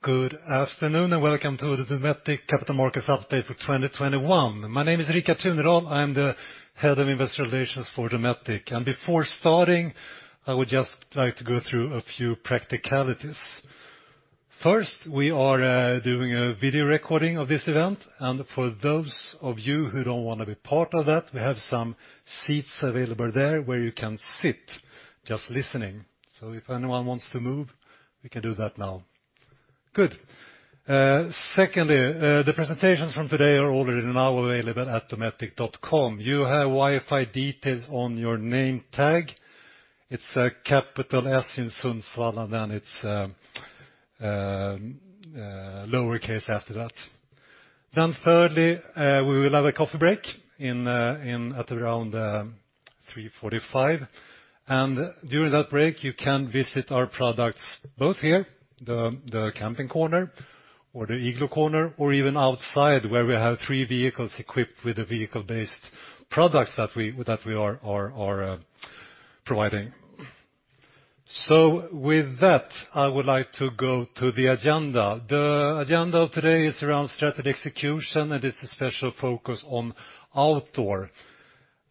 Good afternoon, and welcome to the Dometic Capital Markets Update for 2021. My name is Rikard Tunedal. I am the Head of Investor Relations for Dometic. Before starting, I would just like to go through a few practicalities. First, we are doing a video recording of this event, and for those of you who don't wanna be part of that, we have some seats available there where you can sit just listening. If anyone wants to move, we can do that now. Good. Secondly, the presentations from today are already now available at dometic.com. You have Wi-Fi details on your name tag. It's a capital S in Sundsvall, and then it's lowercase after that. Thirdly, we will have a coffee break at around 3:45 P.M. During that break, you can visit our products both here, the camping corner or the Igloo corner, or even outside where we have three vehicles equipped with the vehicle-based products that we are providing. With that, I would like to go to the agenda. The agenda of today is around strategy execution, and it's a special focus on Outdoor.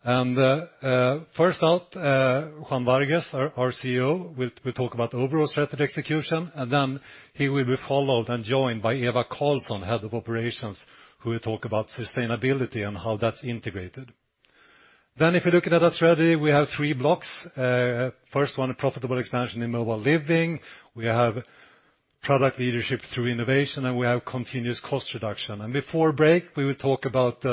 First out, Juan Vargues, our CEO, will talk about overall strategy execution, and then he will be followed and joined by Eva Karlsson, Head of Operations, who will talk about sustainability and how that's integrated. If you're looking at our strategy, we have three blocks. First one, a profitable expansion in mobile living. We have product leadership through innovation, and we have continuous cost reduction. Before break, we will talk about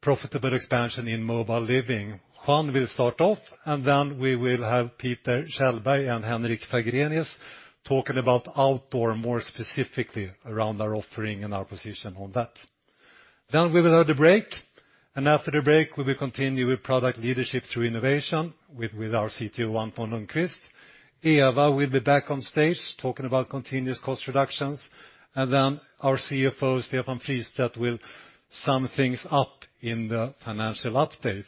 profitable expansion in mobile living. Juan will start off, and then we will have Peter Kjellberg and Henrik Fagrenius talking about outdoor, more specifically around our offering and our position on that. Then we will have the break, and after the break, we will continue with product leadership through innovation with our CTO, Anton Lundqvist. Eva will be back on stage talking about continuous cost reductions, and then our CFO, Stefan Fristedt, will sum things up in the financial update.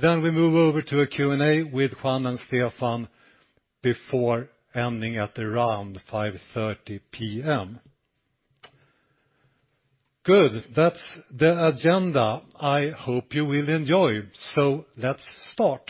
Then we move over to a Q&A with Juan and Stefan before ending at around 5:30 P.M. Good. That's the agenda I hope you will enjoy. Let's start.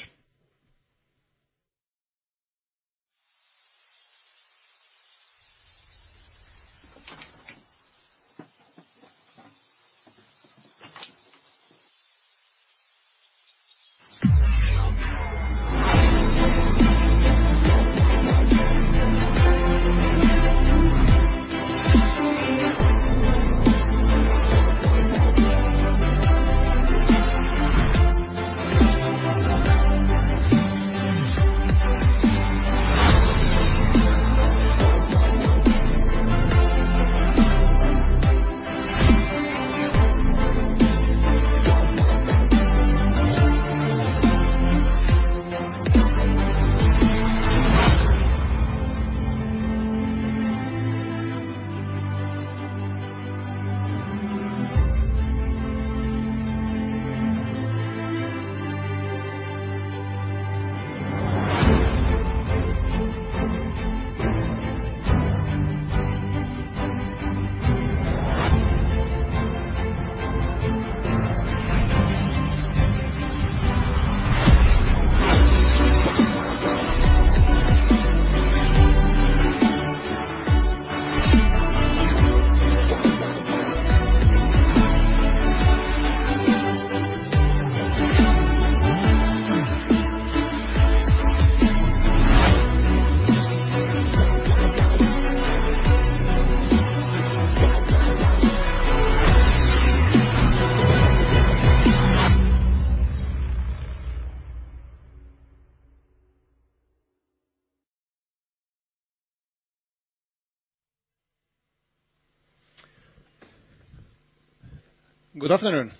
Good afternoon.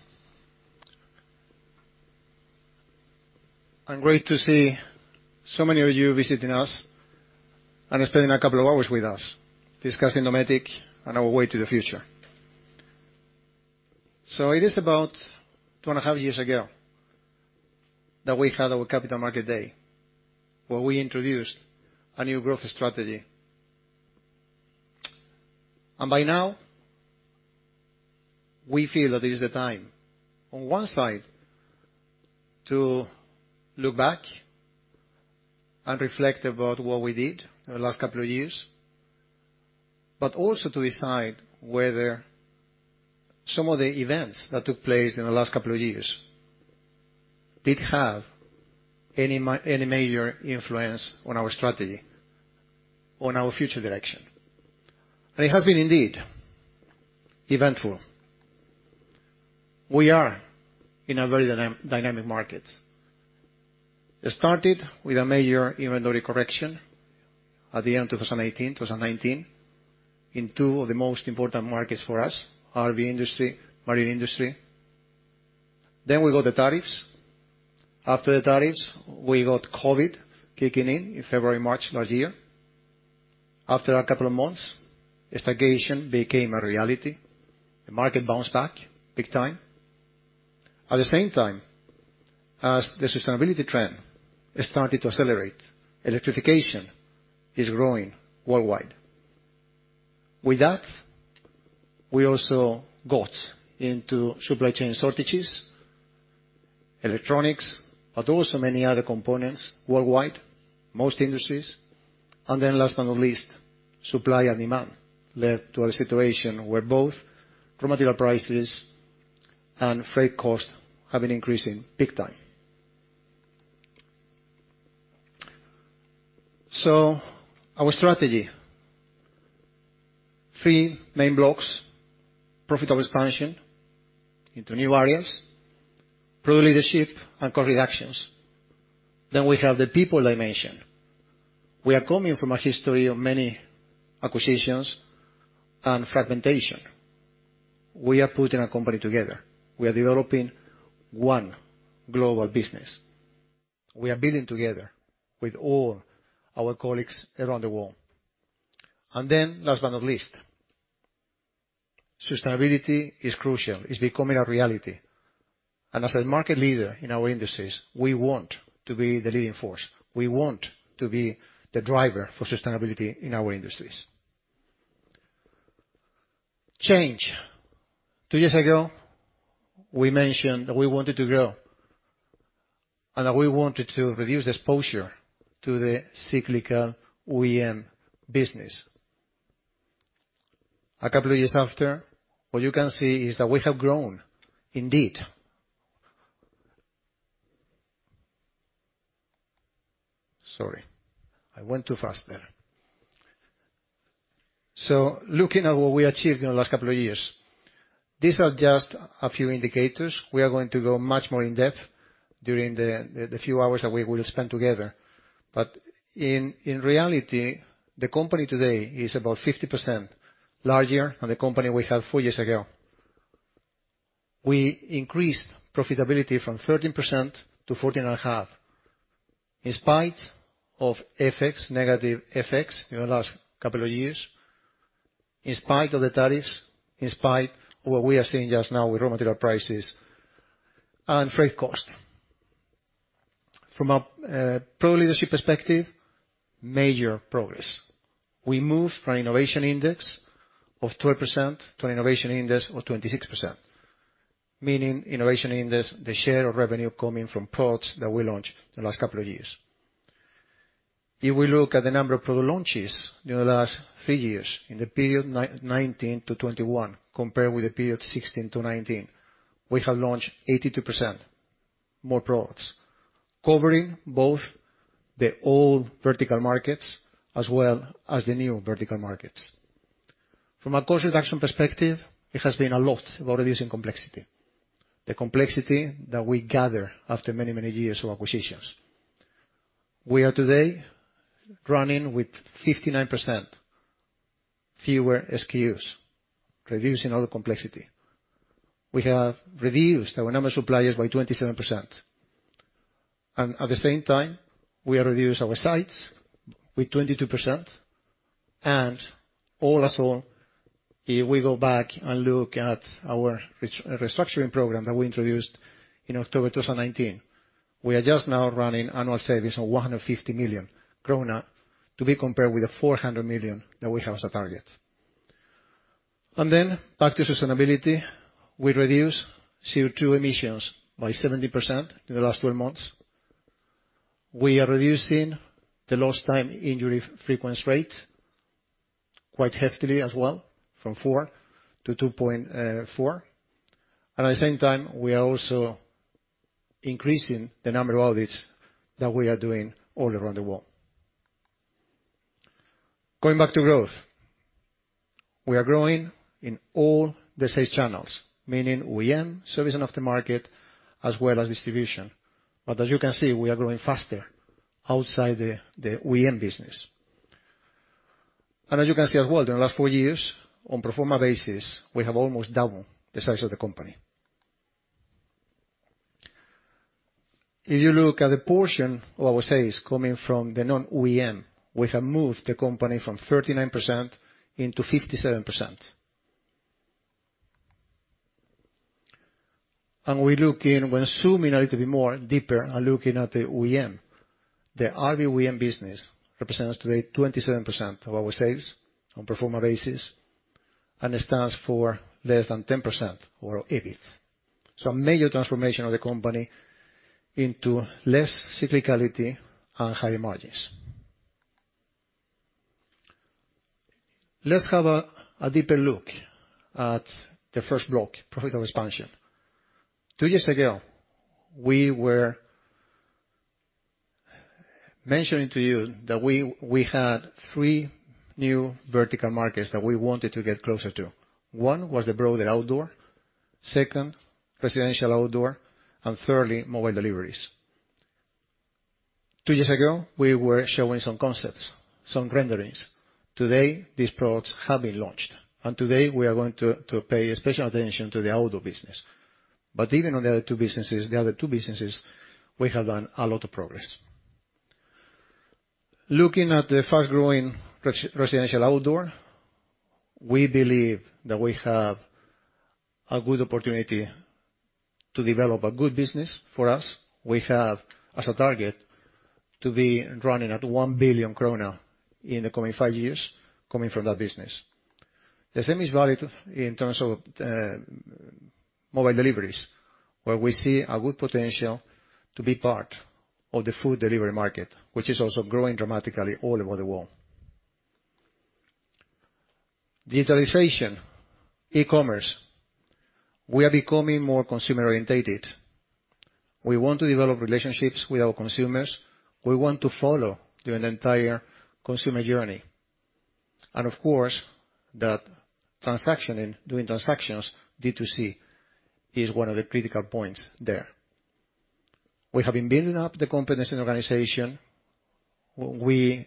Great to see so many of you visiting us and spending a couple of hours with us discussing Dometic and our way to the future. It is about 2.5 years ago that we had our Capital Market Day, where we introduced a new growth strategy. By now, we feel that it is the time, on one side, to look back and reflect about what we did in the last couple of years, but also to decide whether some of the events that took place in the last couple of years did have any major influence on our strategy, on our future direction. It has been indeed eventful. We are in a very dynamic market. It started with a major inventory correction at the end of 2018, 2019 in two of the most important markets for us, RV industry, marine industry. We got the tariffs. After the tariffs, we got COVID kicking in February, March last year. After a couple of months, a stagnation became a reality. The market bounced back big time. At the same time, as the sustainability trend started to accelerate, electrification is growing worldwide. With that, we also got into supply chain shortages, electronics, but also many other components worldwide, most industries. Last but not least, supply and demand led to a situation where both raw material prices and freight costs have been increasing big time. Our strategy, three main blocks, profitable expansion into new areas, product leadership and cost reductions. We have the people dimension. We are coming from a history of many acquisitions and fragmentation. We are putting a company together. We are developing one global business. We are building together with all our colleagues around the world. Last but not least, sustainability is crucial. It's becoming a reality. As a market leader in our industries, we want to be the leading force. We want to be the driver for sustainability in our industries. Change. Two years ago, we mentioned that we wanted to grow and that we wanted to reduce exposure to the cyclical OEM business. A couple of years after, what you can see is that we have grown indeed. Sorry, I went too fast there. Looking at what we achieved in the last couple of years, these are just a few indicators. We are going to go much more in-depth during the few hours that we will spend together. In reality, the company today is about 50% larger than the company we had four years ago. We increased profitability from 13% to 14.5% in spite of negative effects in the last couple of years, in spite of the tariffs, in spite of what we are seeing just now with raw material prices and freight cost. From a product leadership perspective, major progress. We moved from innovation index of 12% to an innovation index of 26%, meaning innovation index, the share of revenue coming from products that we launched in the last couple of years. If we look at the number of product launches during the last three years, in the period 2019-2021 compared with the period 2016-2019, we have launched 82% more products covering both the old vertical markets as well as the new vertical markets. From a cost reduction perspective, it has been a lot about reducing complexity, the complexity that we gather after many, many years of acquisitions. We are today running with 59% fewer SKUs, reducing all the complexity. We have reduced our number of suppliers by 27%. At the same time, we have reduced our sites with 22%. If we go back and look at our restructuring program that we introduced in October 2019, we are just now running annual savings of 150 million krona to be compared with the 400 million SEK that we have as a target. Then back to sustainability, we reduced CO2 emissions by 70% in the last 12 months. We are reducing the lost time injury frequency rate quite heftily as well from four to 2.4. At the same time, we are also increasing the number of audits that we are doing all around the world. Going back to growth, we are growing in all the sales channels, meaning OEM, service and after market, as well as distribution. As you can see, we are growing faster outside the OEM business. As you can see as well, during the last four years on pro forma basis, we have almost doubled the size of the company. If you look at the portion of our sales coming from the non-OEM, we have moved the company from 39% into 57%. We're looking, we're zooming a little bit more deeper and looking at the OEM. The RV OEM business represents today 27% of our sales on pro forma basis, and it stands for less than 10% of our EBIT. A major transformation of the company into less cyclicality and higher margins. Let's have a deeper look at the first block, profitable expansion. Two years ago, we were mentioning to you that we had three new vertical markets that we wanted to get closer to. One was the broader outdoor, second, residential outdoor, and thirdly, mobile deliveries. Two years ago, we were showing some concepts, some renderings. Today, these products have been launched, and today we are going to pay special attention to the outdoor business. Even on the other two businesses, we have done a lot of progress. Looking at the fast-growing residential outdoor, we believe that we have a good opportunity to develop a good business for us. We have, as a target, to be running at 1 billion krona in the coming five years coming from that business. The same is valid in terms of mobile deliveries, where we see a good potential to be part of the food delivery market, which is also growing dramatically all over the world. Digitalization, e-commerce, we are becoming more consumer-oriented. We want to develop relationships with our consumers. We want to follow through an entire consumer journey. Of course, that transaction and doing transactions D2C is one of the critical points there. We have been building up the competence in organization. We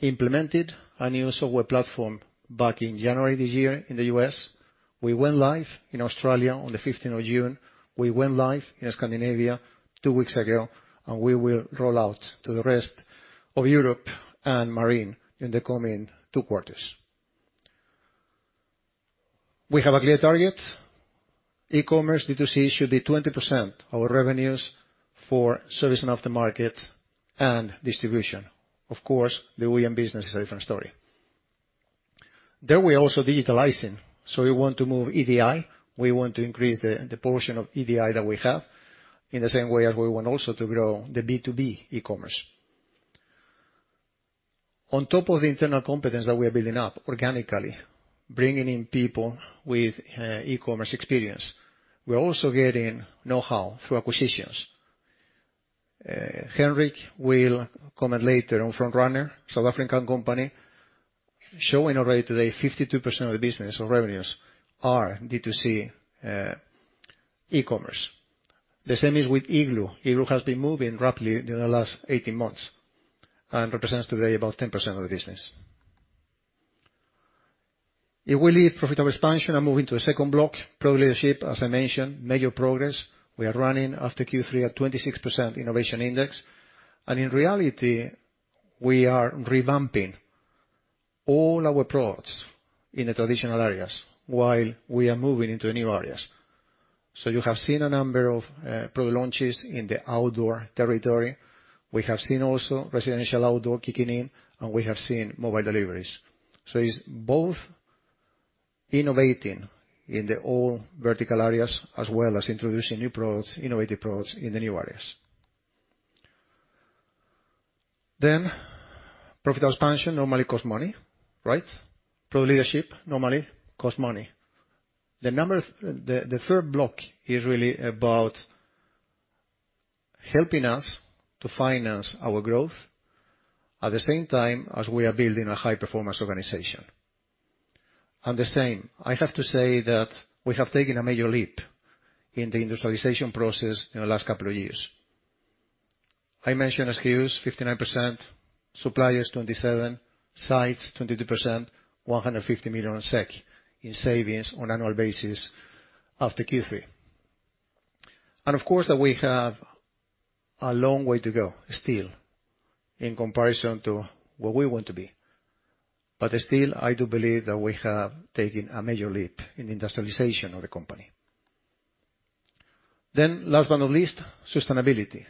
implemented a new software platform back in January this year in the U.S. We went live in Australia on the fifteenth of June. We went live in Scandinavia two weeks ago, and we will roll out to the rest of Europe and marine in the coming two quarters. We have a clear target. E-commerce, D2C, should be 20% our revenues for service and after market and distribution. Of course, the OEM business is a different story. There, we're also digitalizing. We want to move EDI. We want to increase the portion of EDI that we have in the same way as we want also to grow the B2B e-commerce. On top of the internal competence that we are building up organically, bringing in people with e-commerce experience, we're also getting know-how through acquisitions. Henrik will comment later on Front Runner, South African company, showing already today 52% of the business or revenues are D2C, e-commerce. The same is with Igloo. Igloo has been moving rapidly during the last 18 months and represents today about 10% of the business. If we leave profitable expansion and move into the second block, product leadership, as I mentioned, major progress. We are running after Q3 at 26% innovation index. In reality, we are revamping all our products in the traditional areas while we are moving into new areas. You have seen a number of product launches in the outdoor territory. We have seen also residential outdoor kicking in, and we have seen mobile deliveries. It's both innovating in the old vertical areas as well as introducing new products, innovative products in the new areas. Profitable expansion normally costs money, right? Product leadership normally costs money. The third block is really about helping us to finance our growth at the same time as we are building a high-performance organization. The same, I have to say that we have taken a major leap in the industrialization process in the last couple of years. I mentioned SKUs, 59%, suppliers, 27, sites, 22%, 150 million SEK in savings on annual basis after Q3. Of course, that we have a long way to go still in comparison to where we want to be. Still, I do believe that we have taken a major leap in industrialization of the company. Last but not least, sustainability.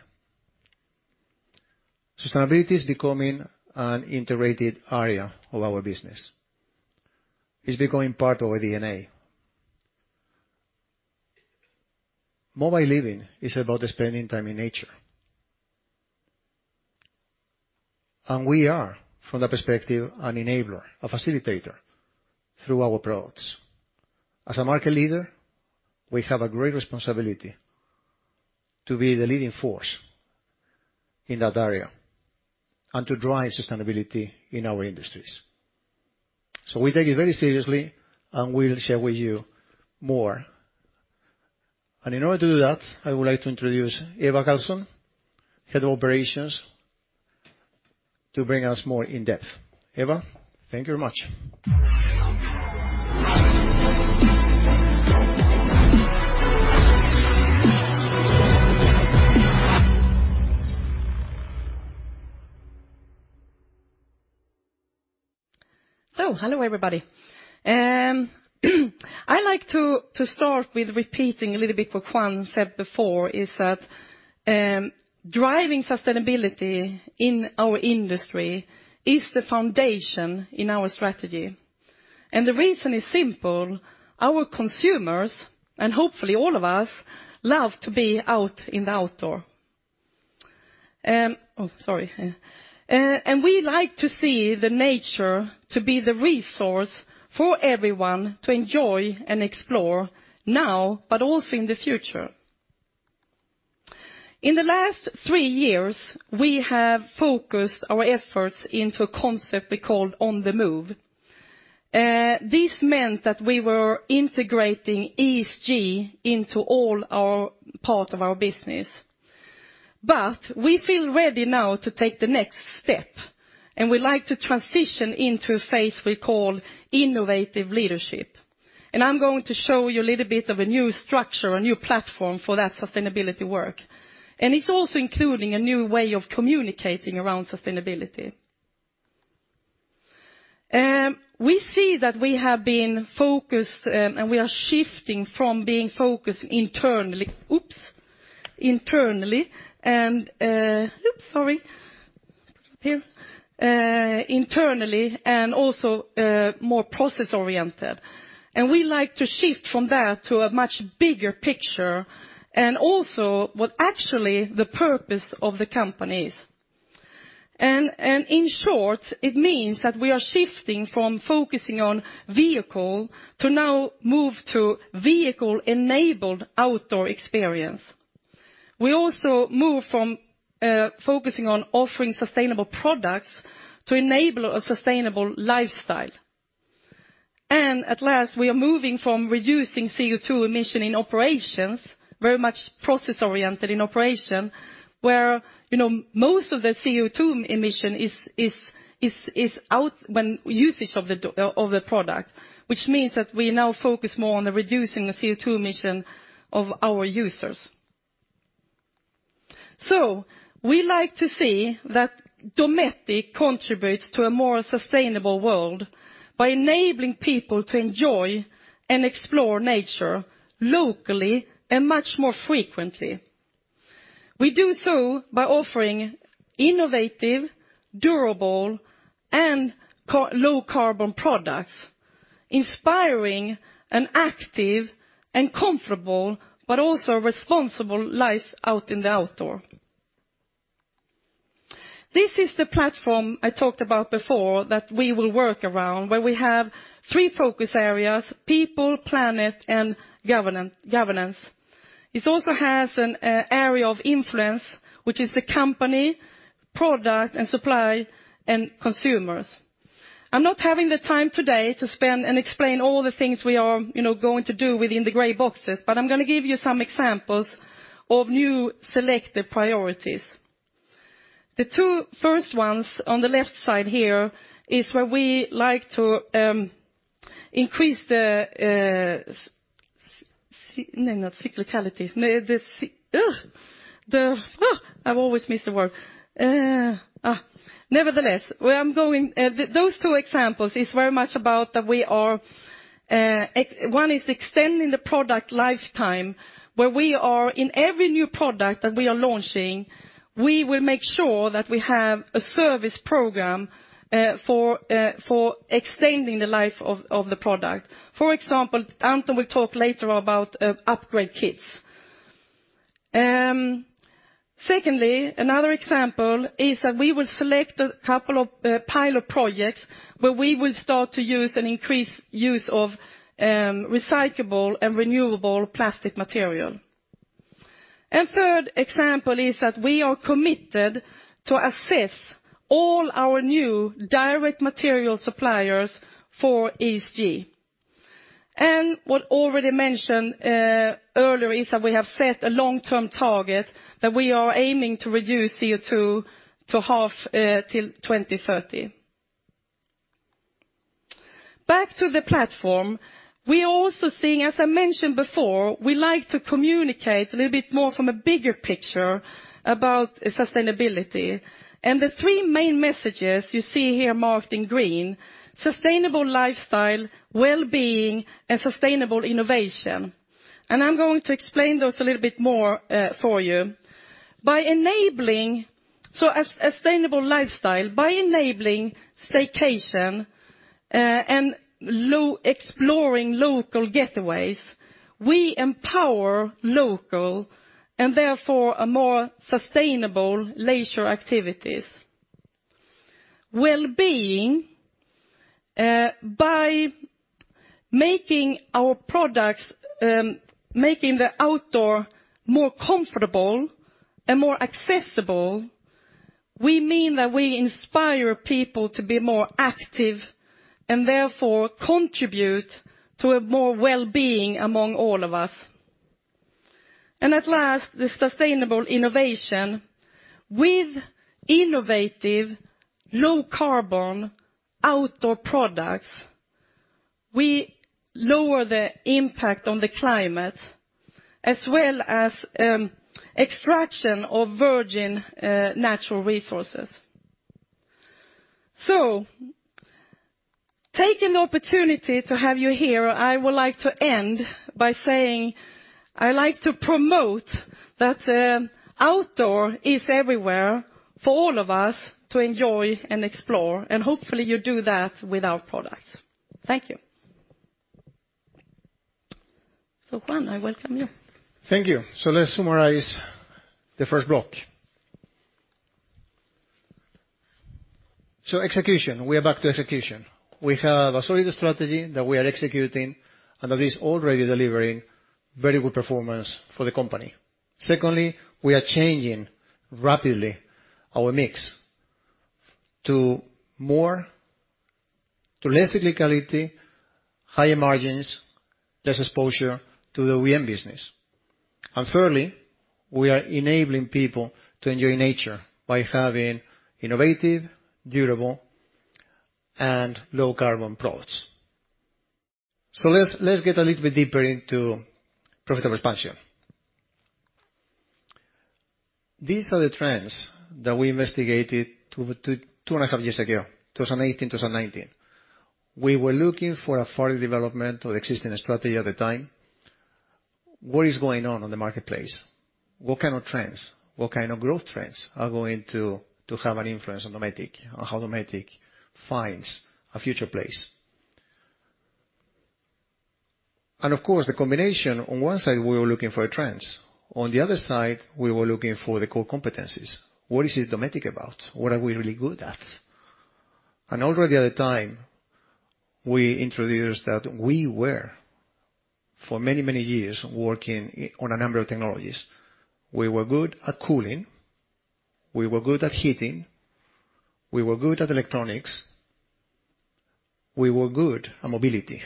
Sustainability is becoming an integrated area of our business. It's becoming part of our DNA. Mobile living is about spending time in nature. We are, from that perspective, an enabler, a facilitator through our products. As a market leader, we have a great responsibility to be the leading force in that area and to drive sustainability in our industries. We take it very seriously, and we'll share with you more. In order to do that, I would like to introduce Eva Karlsson, Head of Operations, to bring us more in depth. Eva, thank you very much. Hello, everybody. I like to start with repeating a little bit what Juan said before, is that driving sustainability in our industry is the foundation of our strategy. The reason is simple. Our consumers, and hopefully all of us, love to be out in the outdoors, and we like to see nature to be the resource for everyone to enjoy and explore now but also in the future. In the last three years, we have focused our efforts into a concept we called On The Move. This meant that we were integrating ESG into all parts of our business. We feel ready now to take the next step, and we'd like to transition into a phase we call innovative leadership. I'm going to show you a little bit of a new structure, a new platform for that sustainability work. It's also including a new way of communicating around sustainability. We see that we have been focused and we are shifting from being focused internally and also more process-oriented. We like to shift from that to a much bigger picture and also what actually the purpose of the company is. In short, it means that we are shifting from focusing on vehicle to now move to vehicle-enabled outdoor experience. We also move from focusing on offering sustainable products to enable a sustainable lifestyle. At last, we are moving from reducing CO2 emission in operations, very much process-oriented in operation, where, you know, most of the CO2 emission is out when usage of the product, which means that we now focus more on the reducing the CO2 emission of our users. We like to see that Dometic contributes to a more sustainable world by enabling people to enjoy and explore nature locally and much more frequently. We do so by offering innovative, durable, and low carbon products, inspiring an active and comfortable but also responsible life out in the outdoor. This is the platform I talked about before that we will work around, where we have three focus areas, people, planet, and governance. This also has an area of influence, which is the company, product and supply, and consumers. I'm not having the time today to spend and explain all the things we are, you know, going to do within the gray boxes, but I'm gonna give you some examples of new selected priorities. The two first ones on the left side here is where we like to. I've always missed the word. Nevertheless, where I'm going, those two examples is very much about that we are. One is extending the product lifetime, where we are in every new product that we are launching, we will make sure that we have a service program for extending the life of the product. For example, Anton will talk later about upgrade kits. Secondly, another example is that we will select a couple of pilot projects where we will start to use an increased use of recyclable and renewable plastic material. Third example is that we are committed to assess all our new direct material suppliers for ESG. As already mentioned earlier, we have set a long-term target that we are aiming to reduce CO2 to half till 2030. Back to the platform. We are also seeing, as I mentioned before, we like to communicate a little bit more from a bigger picture about sustainability. The three main messages you see here marked in green, sustainable lifestyle, wellbeing, and sustainable innovation. I'm going to explain those a little bit more for you. By enabling... A sustainable lifestyle, by enabling staycation and exploring local getaways, we empower local and therefore a more sustainable leisure activities. Wellbeing, by making our products, making the outdoor more comfortable and more accessible, we mean that we inspire people to be more active and therefore contribute to a more wellbeing among all of us. At last, the sustainable innovation. With innovative low carbon outdoor products, we lower the impact on the climate as well as extraction of virgin natural resources. Taking the opportunity to have you here, I would like to end by saying I like to promote that outdoor is everywhere for all of us to enjoy and explore, and hopefully you do that with our products. Thank you. Juan, I welcome you. Thank you. Let's summarize the first block. Execution, we are back to execution. We have a solid strategy that we are executing and that is already delivering very good performance for the company. Secondly, we are changing rapidly our mix towards less cyclicality, higher margins, less exposure to the OEM business. Thirdly, we are enabling people to enjoy nature by having innovative, durable, and low carbon products. Let's get a little bit deeper into profitable expansion. These are the trends that we investigated two to two and a half years ago, 2018, 2019. We were looking for a further development of existing strategy at the time. What is going on in the marketplace? What kind of trends, what kind of growth trends are going to have an influence on Dometic, on how Dometic finds a future place? Of course, the combination. On one side, we were looking for trends. On the other side, we were looking for the core competencies. What is Dometic about? What are we really good at? Already at the time, we introduced that we were for many, many years working on a number of technologies. We were good at cooling, we were good at heating, we were good at electronics, we were good at mobility,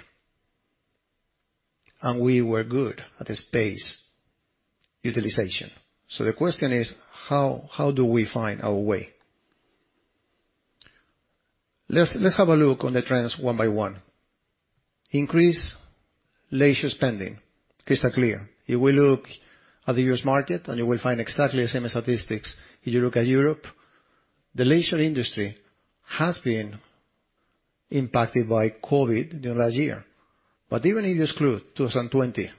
and we were good at space utilization. The question is how do we find our way? Let's have a look on the trends one by one. Increased leisure spending. Crystal clear. You will look at the U.S. market, and you will find exactly the same statistics if you look at Europe. The leisure industry has been impacted by COVID during last year. Even if you exclude 2020,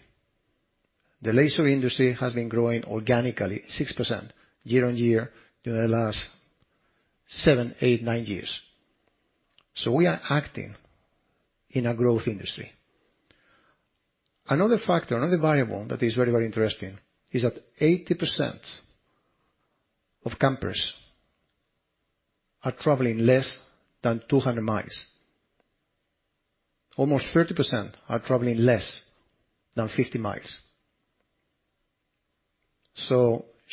the leisure industry has been growing organically 6% year-on-year during the last seven, eight, nine years. We are acting in a growth industry. Another factor, another variable that is very, very interesting is that 80% of campers are traveling less than 200 miles. Almost 30% are traveling less than 50 miles.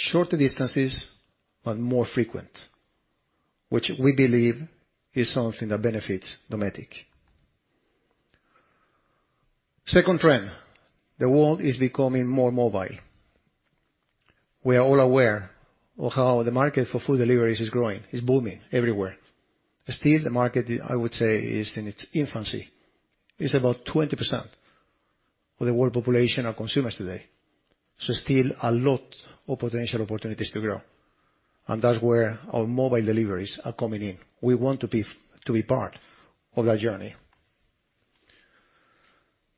Shorter distances, but more frequent, which we believe is something that benefits Dometic. Second trend, the world is becoming more mobile. We are all aware of how the market for food deliveries is growing. It's booming everywhere. Still, the market, I would say, is in its infancy. It's about 20% of the world population are consumers today. Still a lot of potential opportunities to grow, and that's where our mobile deliveries are coming in. We want to be part of that journey.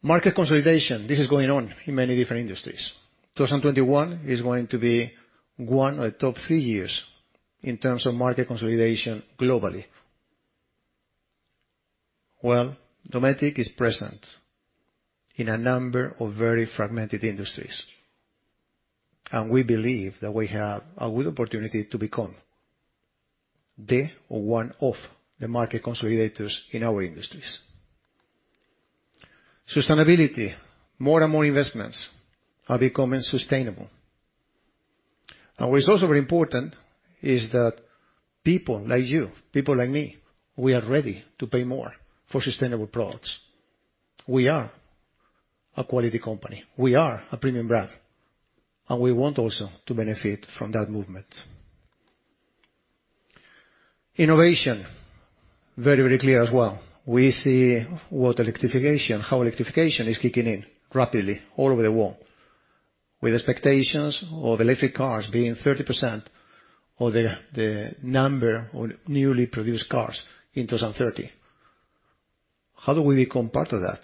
Market consolidation. This is going on in many different industries. 2021 is going to be one of the top three years in terms of market consolidation globally. Well, Dometic is present in a number of very fragmented industries, and we believe that we have a good opportunity to become the or one of the market consolidators in our industries. Sustainability. More and more investments are becoming sustainable. What's also very important is that people like you, people like me, we are ready to pay more for sustainable products. We are a quality company. We are a premium brand, and we want also to benefit from that movement. Innovation. Very, very clear as well. We see what electrification, how electrification is kicking in rapidly all over the world. With expectations of electric cars being 30% of the number of newly produced cars in 2030. How do we become part of that?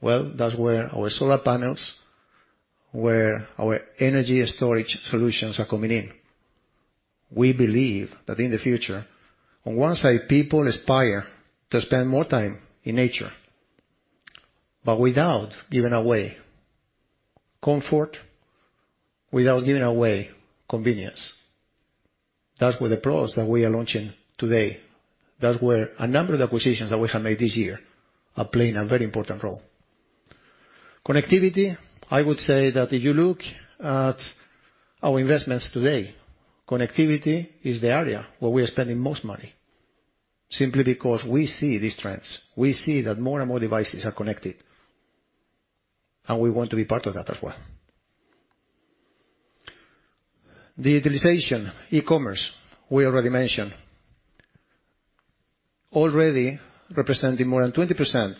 Well, that's where our solar panels, where our energy storage solutions are coming in. We believe that in the future, on one side people aspire to spend more time in nature, but without giving away comfort, without giving away convenience. That's where the products that we are launching today and a number of the acquisitions that we have made this year are playing a very important role. Connectivity. I would say that if you look at our investments today, connectivity is the area where we are spending most money simply because we see these trends. We see that more and more devices are connected, and we want to be part of that as well. Digitalization, e-commerce, we already mentioned. Already representing more than 20%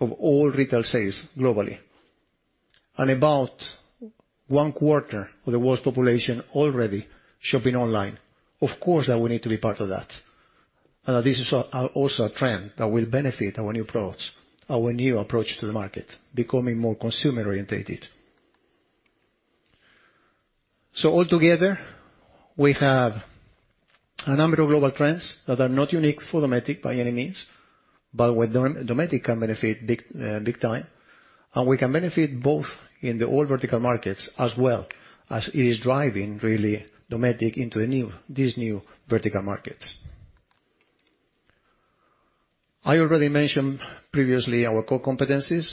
of all retail sales globally. About one quarter of the world's population already shopping online. Of course, that we need to be part of that. This is also a trend that will benefit our new products, our new approach to the market, becoming more consumer-oriented. Altogether, we have a number of global trends that are not unique for Dometic by any means, but where Dometic can benefit big time. We can benefit both in the old vertical markets as well as it is driving really Dometic into these new vertical markets. I already mentioned previously our core competencies.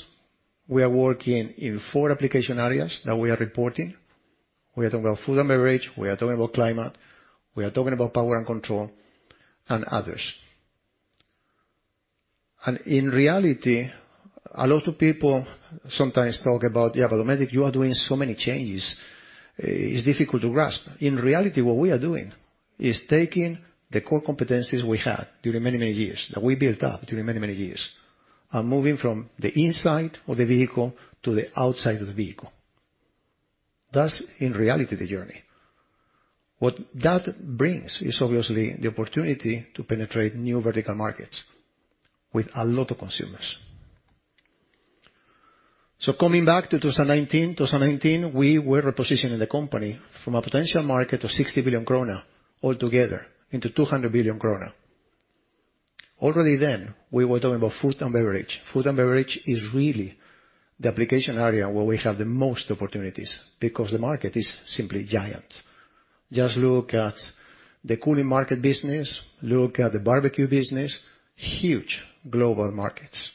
We are working in four application areas that we are reporting. We are talking about food and beverage, we are talking about climate, we are talking about power and control, and others. In reality, a lot of people sometimes talk about, "Yeah, but Elic, you are doing so many changes. It's difficult to grasp." In reality, what we are doing is taking the core competencies we have during many, many years, that we built up during many, many years, and moving from the inside of the vehicle to the outside of the vehicle. That's in reality the journey. What that brings is obviously the opportunity to penetrate new vertical markets with a lot of consumers. Coming back to 2019. 2019, we were repositioning the company from a potential market of 60 billion krona altogether into 200 billion krona. Already then, we were talking about food and beverage. Food and beverage is really the application area where we have the most opportunities because the market is simply giant. Just look at the cooling market business, look at the barbecue business. Huge global markets.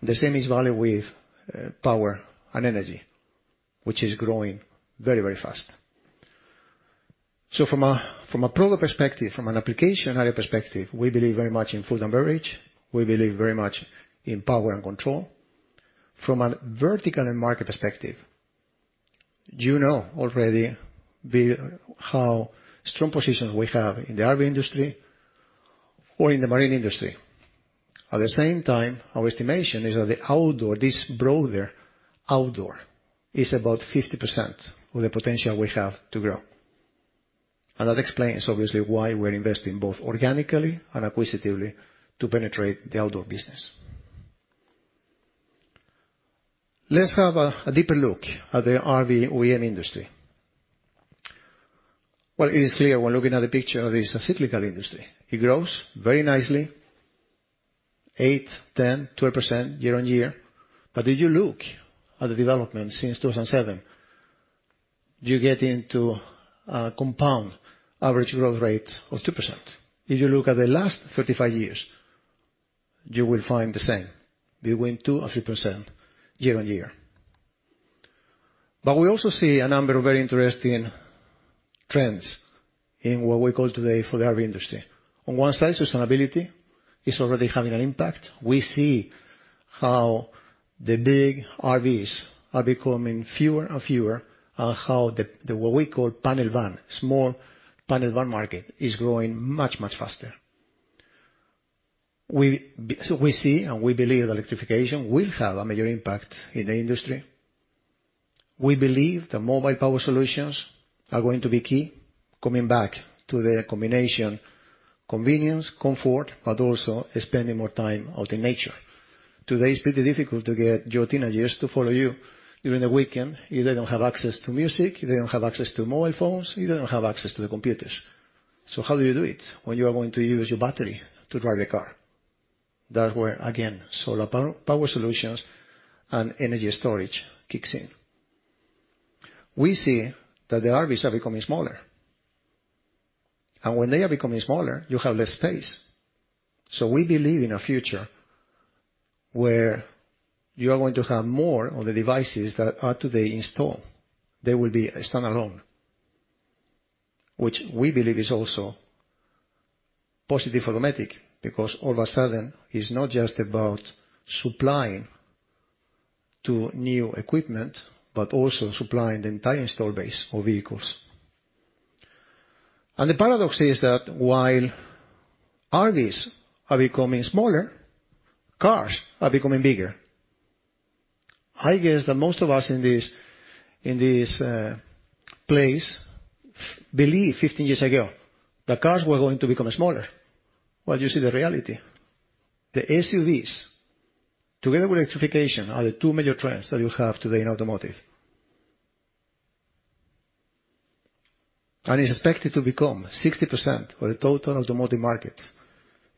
The same is valid with power and energy, which is growing very, very fast. From a product perspective, from an application area perspective, we believe very much in food and beverage, we believe very much in power and control. From a vertical and market perspective, you know already how strong positions we have in the RV industry or in the marine industry. At the same time, our estimation is that the outdoor, this broader outdoor, is about 50% of the potential we have to grow. That explains obviously why we're investing both organically and acquisitively to penetrate the outdoor business. Let's have a deeper look at the RV OEM industry. Well, it is clear when looking at the picture that it's a cyclical industry. It grows very nicely, 8%, 10%, 12% year-on-year. If you look at the development since 2007, you get into a compound average growth rate of 2%. If you look at the last 35 years, you will find the same, between 2%-3% year-on-year. We also see a number of very interesting trends in what we call today for the RV industry. On one side, sustainability is already having an impact. We see how the big RVs are becoming fewer and fewer, and how the what we call panel van, small panel van market, is growing much, much faster. We see and we believe electrification will have a major impact in the industry. We believe that mobile power solutions are going to be key coming back to the combination, convenience, comfort, but also spending more time out in nature. Today, it's pretty difficult to get your teenagers to follow you during the weekend if they don't have access to music, if they don't have access to mobile phones, if they don't have access to the computers. How do you do it when you are going to use your battery to drive the car? That's where, again, solar power solutions and energy storage kicks in. We see that the RVs are becoming smaller. When they are becoming smaller, you have less space. We believe in a future where you are going to have more of the devices that are today installed. They will be standalone, which we believe is also positive automatically, because all of a sudden, it's not just about supplying to new equipment, but also supplying the entire installed base of vehicles. The paradox is that while RVs are becoming smaller, cars are becoming bigger. I guess that most of us in this place believe 15 years ago that cars were going to become smaller. Well, you see the reality. The SUVs, together with electrification, are the two major trends that you have today in automotive. It's expected to become 60% of the total automotive market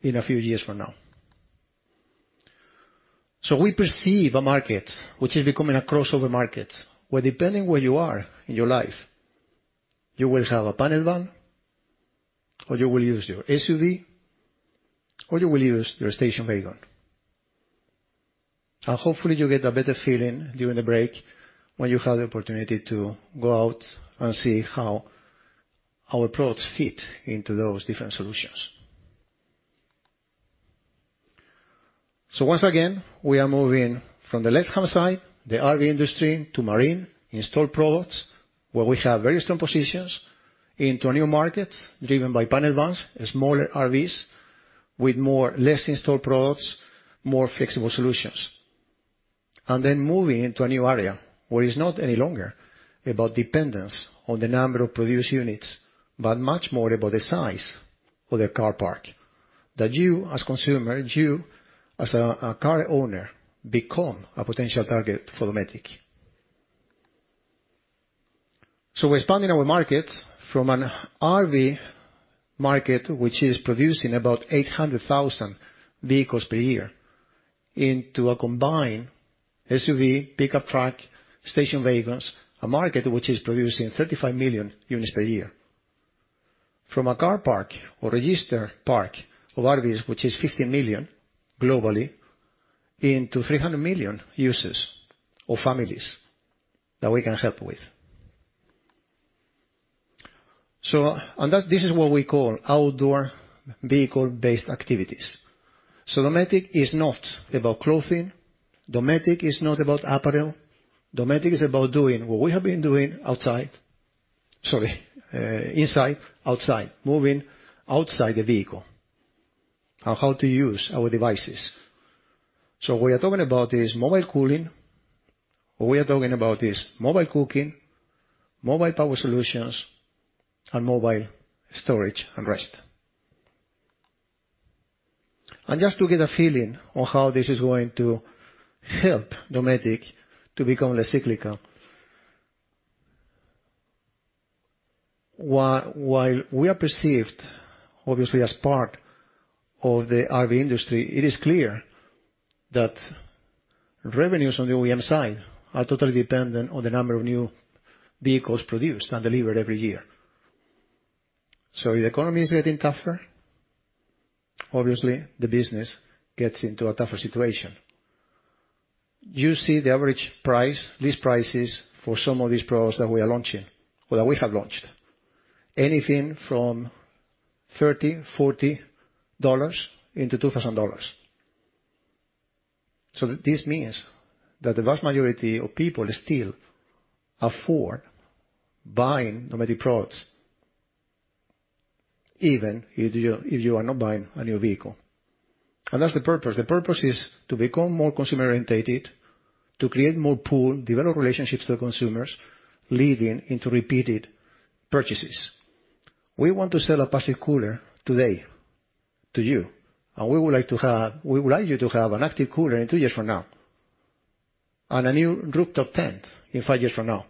in a few years from now. We perceive a market which is becoming a crossover market, where depending where you are in your life, you will have a panel van, or you will use your SUV, or you will use your station wagon. Hopefully, you get a better feeling during the break when you have the opportunity to go out and see how our products fit into those different solutions. Once again, we are moving from the left-hand side, the RV industry, to marine installed products, where we have very strong positions into a new market driven by panel vans and smaller RVs with more, less installed products, more flexible solutions. Then moving into a new area where it's not any longer about dependence on the number of produced units, but much more about the size of the car park, that you as consumer, you as a car owner, become a potential target for Elic. We're expanding our market from an RV market, which is producing about 800,000 vehicles per year, into a combined SUV, pickup truck, station wagons, a market which is producing 35 million units per year. From a car park or registered park of RVs, which is 50 million globally, into 300 million users or families that we can help with. This is what we call outdoor vehicle-based activities. Dometic is not about clothing. Dometic is not about apparel. Dometic is about doing what we have been doing inside, outside, moving outside the vehicle on how to use our devices. We are talking about mobile cooling. What we are talking about is mobile cooking, mobile power solutions, and mobile storage and rest. Just to get a feeling on how this is going to help Dometic to become less cyclical. While we are perceived, obviously, as part of the RV industry, it is clear that revenues on the OEM side are totally dependent on the number of new vehicles produced and delivered every year. If the economy is getting tougher, obviously the business gets into a tougher situation. You see the average price, list prices for some of these products that we are launching or that we have launched, anything from $30-$40 to $2,000. This means that the vast majority of people still afford buying Dometic products, even if you are not buying a new vehicle. That's the purpose. The purpose is to become more consumer-oriented, to create more pull, develop relationships to the consumers, leading into repeated purchases. We want to sell a passive cooler today to you, and we would like to have... We would like you to have an active cooler in two years from now and a new rooftop tent in five years from now,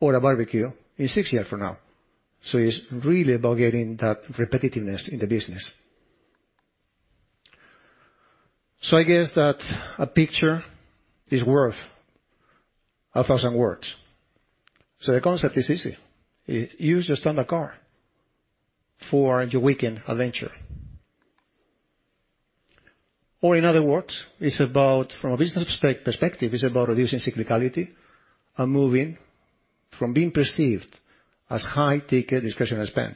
or a barbecue in six years from now. It's really about getting that repetitiveness in the business. I guess that a picture is worth 1,000 words. The concept is easy. Use your standard car for your weekend adventure. In other words, it's about from a business perspective, it's about reducing cyclicality and moving from being perceived as high-ticket discretionary spend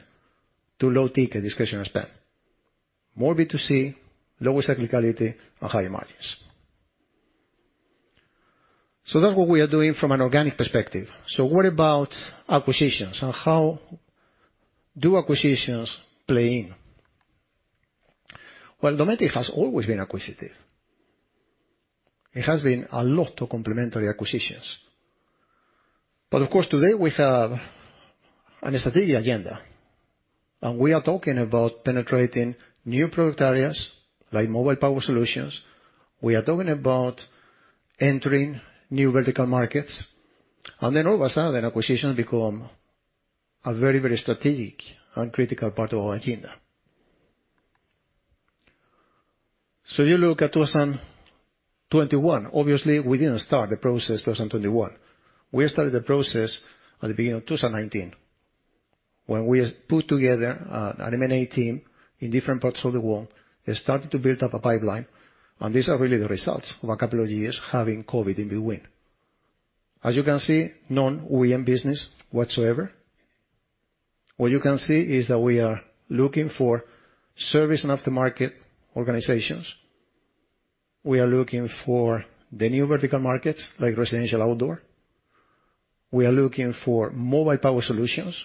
to low-ticket discretionary spend. More B2C, lower cyclicality, and higher margins. That's what we are doing from an organic perspective. What about acquisitions and how do acquisitions play in? Well, Dometic has always been acquisitive. It has been a lot of complementary acquisitions. Of course, today we have a strategic agenda, and we are talking about penetrating new product areas like mobile power solutions. We are talking about entering new vertical markets, and then all of a sudden, acquisitions become a very, very strategic and critical part of our agenda. You look at 2021. Obviously, we didn't start the process 2021. We started the process at the beginning of 2019 when we put together an M&A team in different parts of the world and started to build up a pipeline, and these are really the results of a couple of years having COVID in between. As you can see, non-OEM business whatsoever. What you can see is that we are looking for service and aftermarket organizations. We are looking for the new vertical markets like residential outdoor. We are looking for mobile power solutions,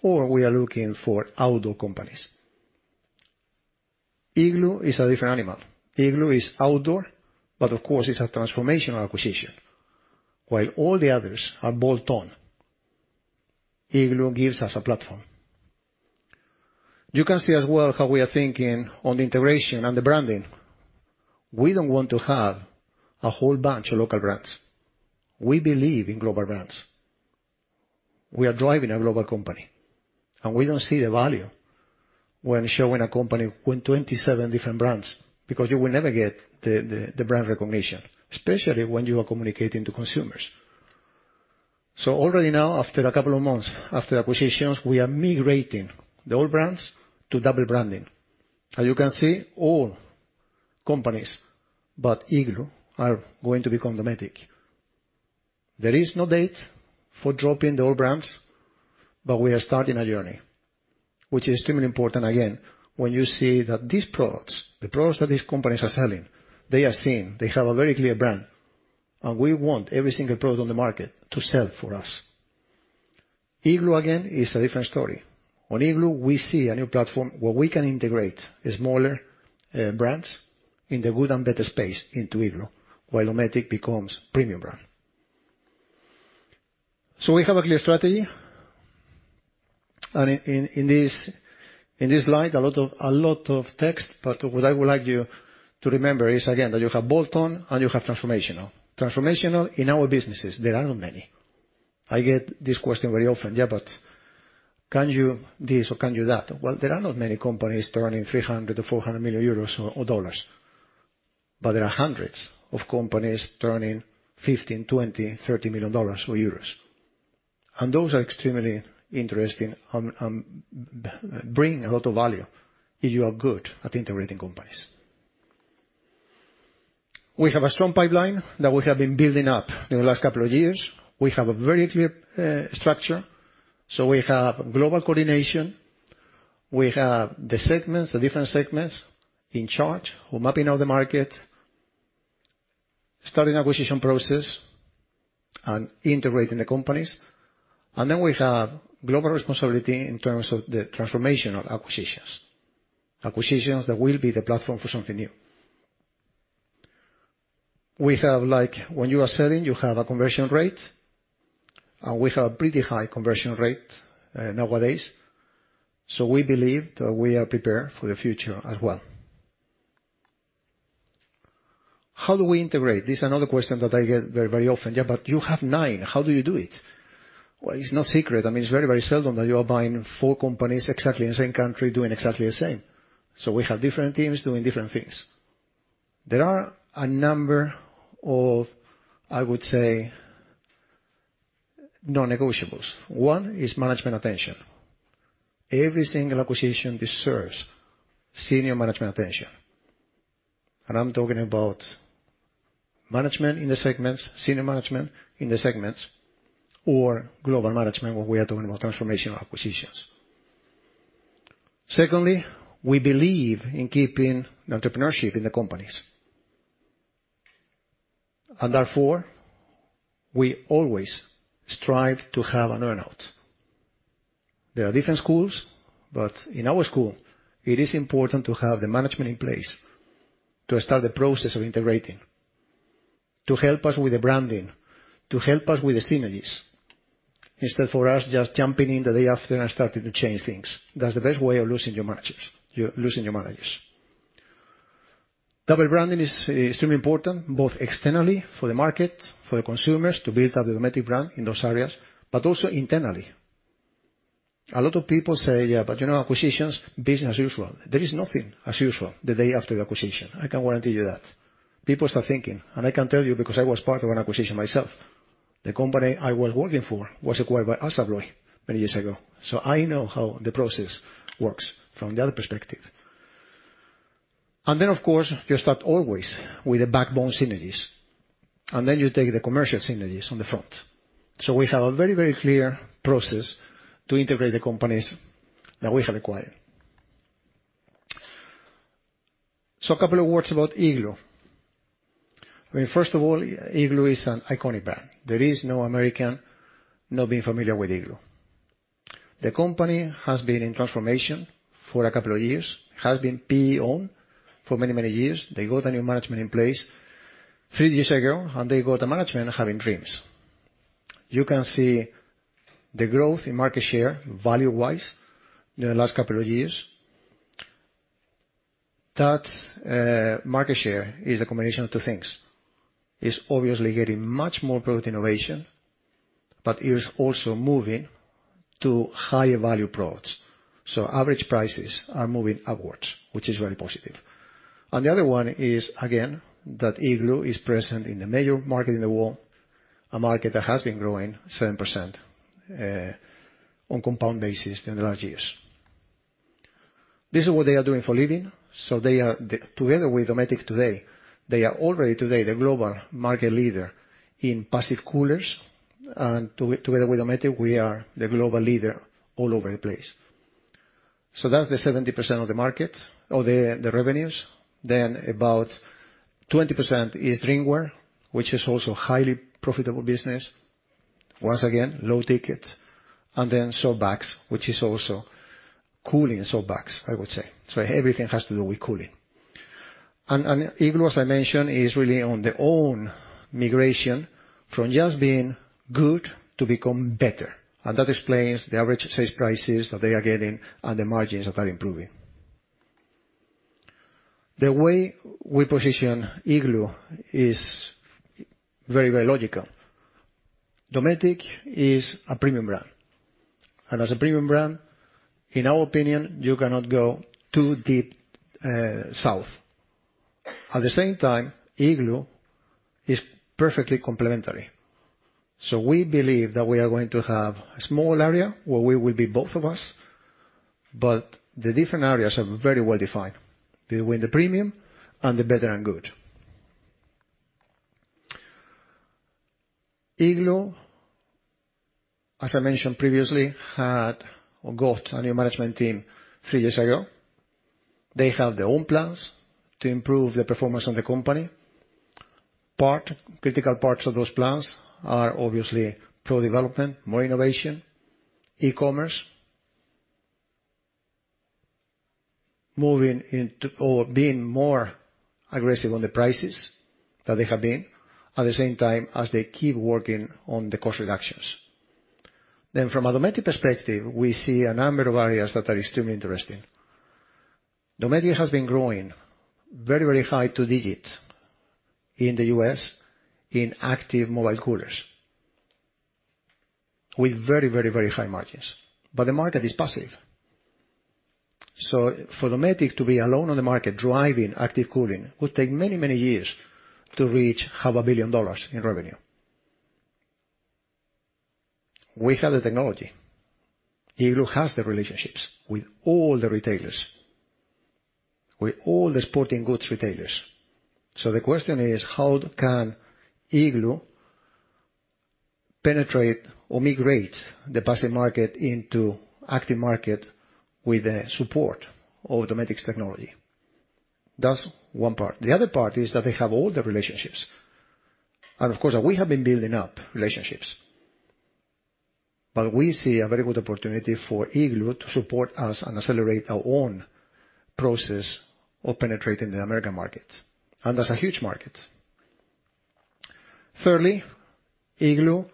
or we are looking for outdoor companies. Igloo is a different animal. Igloo is outdoor, but of course it's a transformational acquisition. While all the others are bolt-on, Igloo gives us a platform. You can see as well how we are thinking on the integration and the branding. We don't want to have a whole bunch of local brands. We believe in global brands. We are driving a global company, and we don't see the value when showing a company with 27 different brands because you will never get the brand recognition, especially when you are communicating to consumers. Already now, after a couple of months after acquisitions, we are migrating the old brands to double branding. As you can see, all companies but Igloo are going to become Dometic. There is no date for dropping the old brands, but we are starting a journey, which is extremely important again, when you see that these products, the products that these companies are selling, they are seen, they have a very clear brand, and we want every single product on the market to sell for us. Igloo, again, is a different story. On Igloo, we see a new platform where we can integrate the smaller brands in the good and better space into Igloo while Dometic becomes premium brand. We have a clear strategy. In this slide, a lot of text, but what I would like you to remember is, again, that you have bolt-on and you have transformational. Transformational in our businesses, there are not many. I get this question very often. Yeah, but can you this or can you that? Well, there are not many companies turning 300 million or $400 million. There are hundreds of companies turning 15, 20, 30 million dollars or euros, and those are extremely interesting and bring a lot of value if you are good at integrating companies. We have a strong pipeline that we have been building up in the last couple of years. We have a very clear structure. We have global coordination. We have the segments, the different segments in charge who mapping out the market, starting acquisition process and integrating the companies. Then we have global responsibility in terms of the transformation of acquisitions that will be the platform for something new. We have like when you are selling, you have a conversion rate, and we have pretty high conversion rate nowadays. We believe that we are prepared for the future as well. How do we integrate? This is another question that I get very, very often. Yeah, but you have nine. How do you do it? Well, it's no secret. I mean, it's very, very seldom that you are buying four companies exactly in the same country, doing exactly the same. We have different teams doing different things. There are a number of, I would say, non-negotiables. One is management attention. Every single acquisition deserves senior management attention. I'm talking about management in the segments, senior management in the segments or global management when we are talking about transformational acquisitions. Secondly, we believe in keeping the entrepreneurship in the companies. Therefore, we always strive to have an earn-out. There are different schools, but in our school, it is important to have the management in place to start the process of integrating, to help us with the branding, to help us with the synergies, instead of us just jumping in the day after and starting to change things. That's the best way of losing your managers. Double branding is extremely important, both externally for the market, for the consumers to build up the Dometic brand in those areas, but also internally. A lot of people say, "Yeah, but you know, acquisitions, business as usual." There is nothing as usual the day after the acquisition. I can guarantee you that. People start thinking, and I can tell you because I was part of an acquisition myself. The company I was working for was acquired by ASSA ABLOY many years ago. I know how the process works from the other perspective. Of course, you start always with the backbone synergies, and then you take the commercial synergies on the front. We have a very, very clear process to integrate the companies that we have acquired. A couple of words about Igloo. I mean, first of all, Igloo is an iconic brand. There is no American not being familiar with Igloo. The company has been in transformation for a couple of years, has been PE-owned for many, many years. They got a new management in place three years ago, and they got a management having dreams. You can see the growth in market share value-wise in the last couple of years. That market share is a combination of two things. It's obviously getting much more product innovation, but it is also moving to higher value products. Average prices are moving upwards, which is very positive. The other one is, again, that Igloo is present in the major market in the world, a market that has been growing 7% on compound basis in the last years. This is what they are doing for a living. Together with Dometic today, they are already today the global market leader in passive coolers. Together with Dometic, we are the global leader all over the place. That's the 70% of the market or the revenues. About 20% is drinkware, which is also highly profitable business. Once again, low ticket, and then softbags, which is also cooling softbags, I would say. Everything has to do with cooling. Igloo, as I mentioned, is really on their own migration from just being good to become better. That explains the average sales prices that they are getting and the margins that are improving. The way we position Igloo is very, very logical. Dometic is a premium brand, and as a premium brand, in our opinion, you cannot go too deep South. At the same time, Igloo is perfectly complementary. We believe that we are going to have a small area where we will be both of us, but the different areas are very well-defined between the premium and the better and good. Igloo, as I mentioned previously, had or got a new management team three years ago. They have their own plans to improve the performance of the company. Critical parts of those plans are obviously product development, more innovation, e-commerce. Moving into or being more aggressive on the prices that they have been at the same time as they keep working on the cost reductions. From a Dometic perspective, we see a number of areas that are extremely interesting. Dometic has been growing very high two digits in the U.S. in active mobile coolers. With very high margins. The market is passive. For Dometic to be alone on the market driving active cooling, would take many years to reach $0.5 billion in revenue. We have the technology. Igloo has the relationships with all the retailers, with all the sporting goods retailers. The question is, how can Igloo penetrate or migrate the passive market into active market with the support of Dometic's technology? That's one part. The other part is that they have all the relationships. Of course, we have been building up relationships, but we see a very good opportunity for Igloo to support us and accelerate our own process of penetrating the American market. That's a huge market. Thirdly, Igloo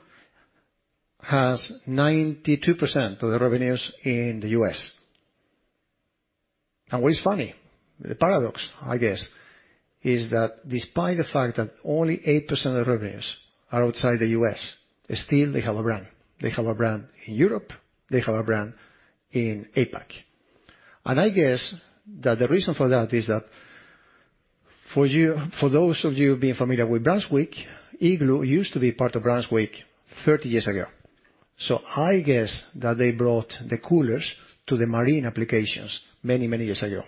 has 92% of the revenues in the U.S. What is funny, the paradox, I guess, is that despite the fact that only 8% of the revenues are outside the U.S., still they have a brand. They have a brand in Europe, they have a brand in APAC. I guess that the reason for that is that for you, for those of you being familiar with Brunswick, Igloo used to be part of Brunswick 30 years ago. I guess that they brought the coolers to the marine applications many, many years ago.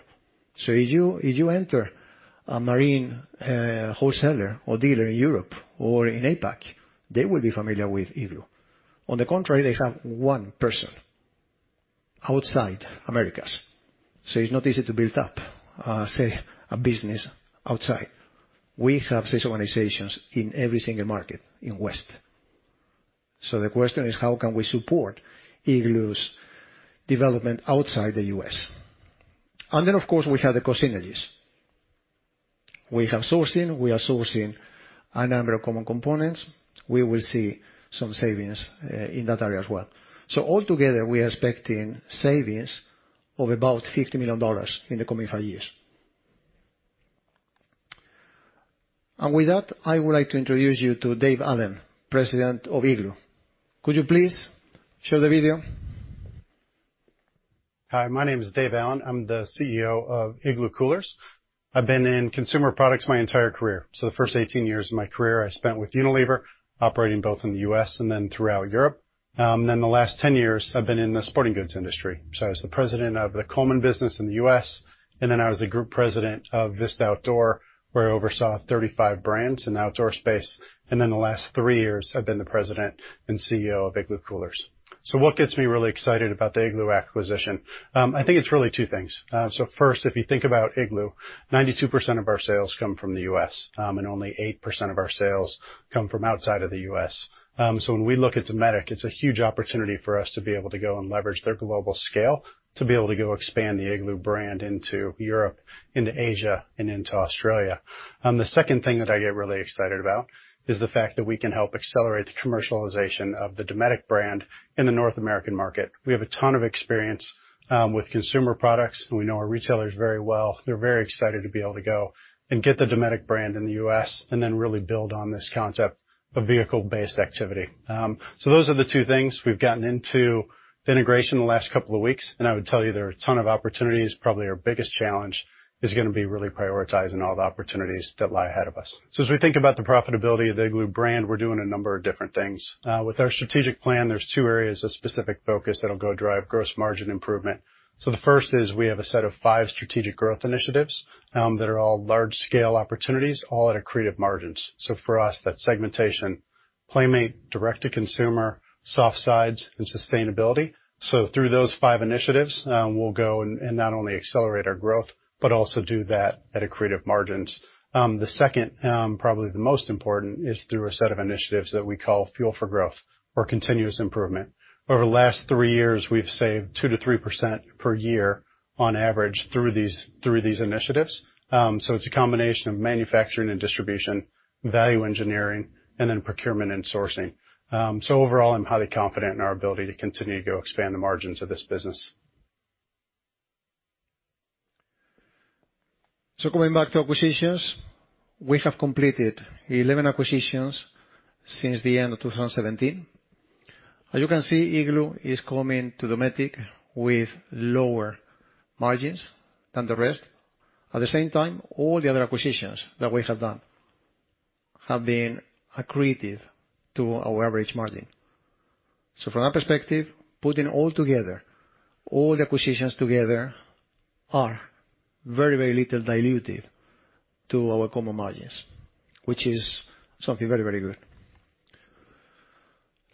If you enter a marine wholesaler or dealer in Europe or in APAC, they will be familiar with Igloo. On the contrary, they have one person outside Americas, so it's not easy to build up a business outside. We have sales organizations in every single market in West. The question is, how can we support Igloo's development outside the U.S.? Of course, we have the cost synergies. We have sourcing. We are sourcing a number of common components. We will see some savings in that area as well. Altogether, we are expecting savings of about $50 million in the coming five years. With that, I would like to introduce you to Dave Allen, President of Igloo. Could you please show the video? Hi, my name is Dave Allen. I'm the CEO of Igloo Coolers. I've been in consumer products my entire career. The first 18 years of my career I spent with Unilever, operating both in the U.S. and then throughout Europe. The last 10 years I've been in the sporting goods industry. I was the president of the Coleman business in the U.S., and then I was the group president of Vista Outdoor, where I oversaw 35 brands in the outdoor space. The last three years I've been the president and CEO of Igloo Coolers. What gets me really excited about the Igloo acquisition? I think it's really two things. First, if you think about Igloo, 92% of our sales come from the U.S., and only 8% of our sales come from outside of the U.S. When we look at Dometic, it's a huge opportunity for us to be able to go and leverage their global scale, to be able to go expand the Igloo brand into Europe, into Asia, and into Australia. The second thing that I get really excited about is the fact that we can help accelerate the commercialization of the Dometic brand in the North American market. We have a ton of experience with consumer products, and we know our retailers very well. They're very excited to be able to go and get the Dometic brand in the U.S. and then really build on this concept of vehicle-based activity. Those are the two things we've gotten into the integration the last couple of weeks, and I would tell you there are a ton of opportunities. Probably our biggest challenge is gonna be really prioritizing all the opportunities that lie ahead of us. As we think about the profitability of the Igloo brand, we're doing a number of different things. With our strategic plan, there are two areas of specific focus that'll go drive gross margin improvement. The first is we have a set of five strategic growth initiatives that are all large-scale opportunities, all at accretive margins. For us, that's segmentation, Playmate, direct-to-consumer, soft sides, and sustainability. Through those five initiatives, we'll go and not only accelerate our growth, but also do that at accretive margins. The second, probably the most important, is through a set of initiatives that we call Fuel for Growth or continuous improvement. Over the last three years, we've saved 2%-3% per year on average through these initiatives. It's a combination of manufacturing and distribution, value engineering, and then procurement and sourcing. Overall, I'm highly confident in our ability to continue to go expand the margins of this business. Coming back to acquisitions, we have completed 11 acquisitions since the end of 2017. As you can see, Igloo is coming to Dometic with lower margins than the rest. At the same time, all the other acquisitions that we have done have been accretive to our average margin. From that perspective, putting all together, all the acquisitions together are very, very little dilutive to our common margins, which is something very, very good.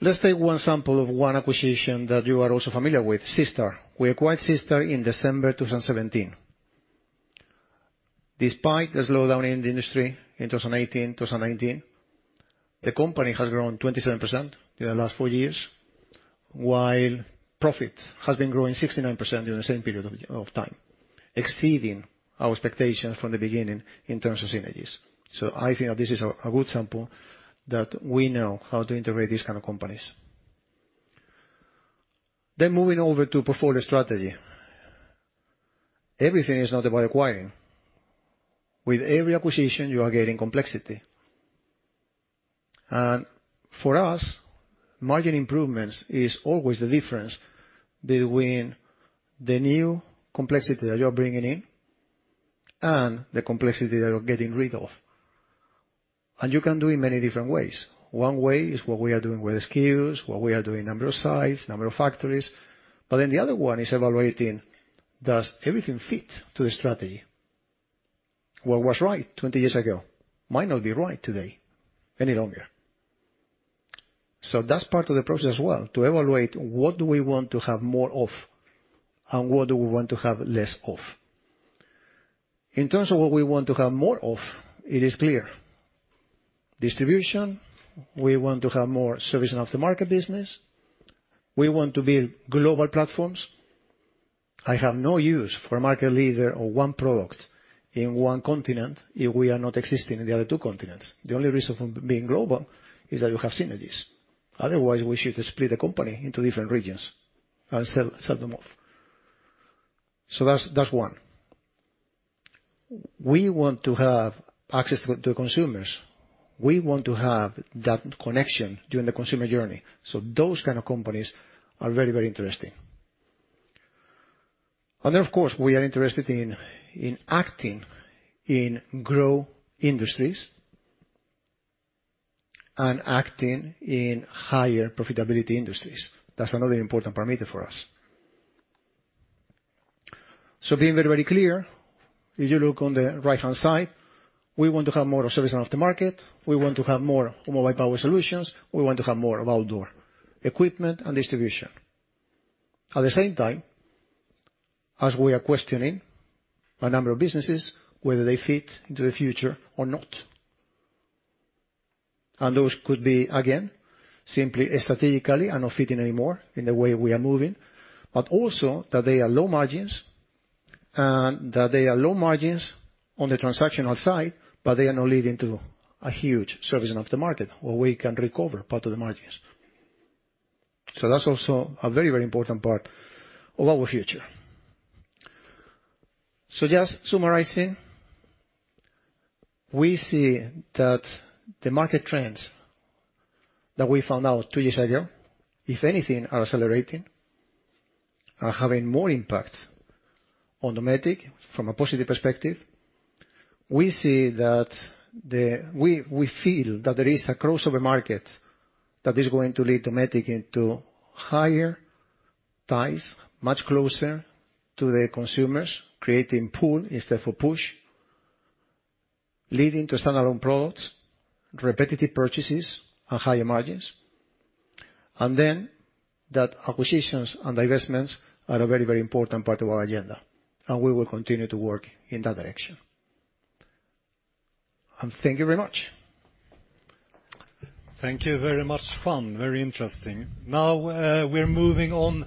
Let's take one sample of one acquisition that you are also familiar with, SeaStar. We acquired SeaStar in December 2017. Despite the slowdown in the industry in 2018, 2019, the company has grown 27% in the last four years, while profit has been growing 69% during the same period of time, exceeding our expectations from the beginning in terms of synergies. I think that this is a good sample that we know how to integrate these kind of companies. Moving over to portfolio strategy. Everything is not about acquiring. With every acquisition, you are getting complexity. For us, margin improvements is always the difference between the new complexity that you're bringing in and the complexity that you're getting rid of. You can do it many different ways. One way is what we are doing with SKUs, what we are doing number of sites, number of factories. The other one is evaluating, does everything fit to the strategy? What was right 20 years ago might not be right today any longer. That's part of the process as well, to evaluate what do we want to have more of and what do we want to have less of. In terms of what we want to have more of, it is clear. Distribution, we want to have more service and aftermarket business. We want to build global platforms. I have no use for a market leader or one product in one continent if we are not existing in the other two continents. The only reason for being global is that you have synergies. Otherwise, we should split the company into different regions and sell them off. That's one. We want to have access to consumers. We want to have that connection during the consumer journey. Those kind of companies are very, very interesting. Of course, we are interested in acting in growing industries and acting in higher profitability industries. That's another important parameter for us. Being very, very clear, if you look on the right-hand side, we want to have more of service and aftermarket. We want to have more of mobile power solutions. We want to have more of outdoor equipment and distribution. At the same time, as we are questioning a number of businesses, whether they fit into the future or not. Those could be, again, simply strategically are not fitting anymore in the way we are moving, but also that they are low margins and that they are low margins on the transactional side, but they are not leading to a huge service and aftermarket where we can recover part of the margins. That's also a very, very important part of our future. Just summarizing, we see that the market trends that we found out two years ago, if anything, are accelerating, are having more impact on Dometic from a positive perspective. We see that. We feel that there is a crossover market that is going to lead Dometic into higher tiers, much closer to the consumers, creating pull instead of push, leading to standalone products, repetitive purchases and higher margins. That acquisitions and divestments are a very, very important part of our agenda, and we will continue to work in that direction. Thank you very much. Thank you very much, Juan. Very interesting. Now, we're moving on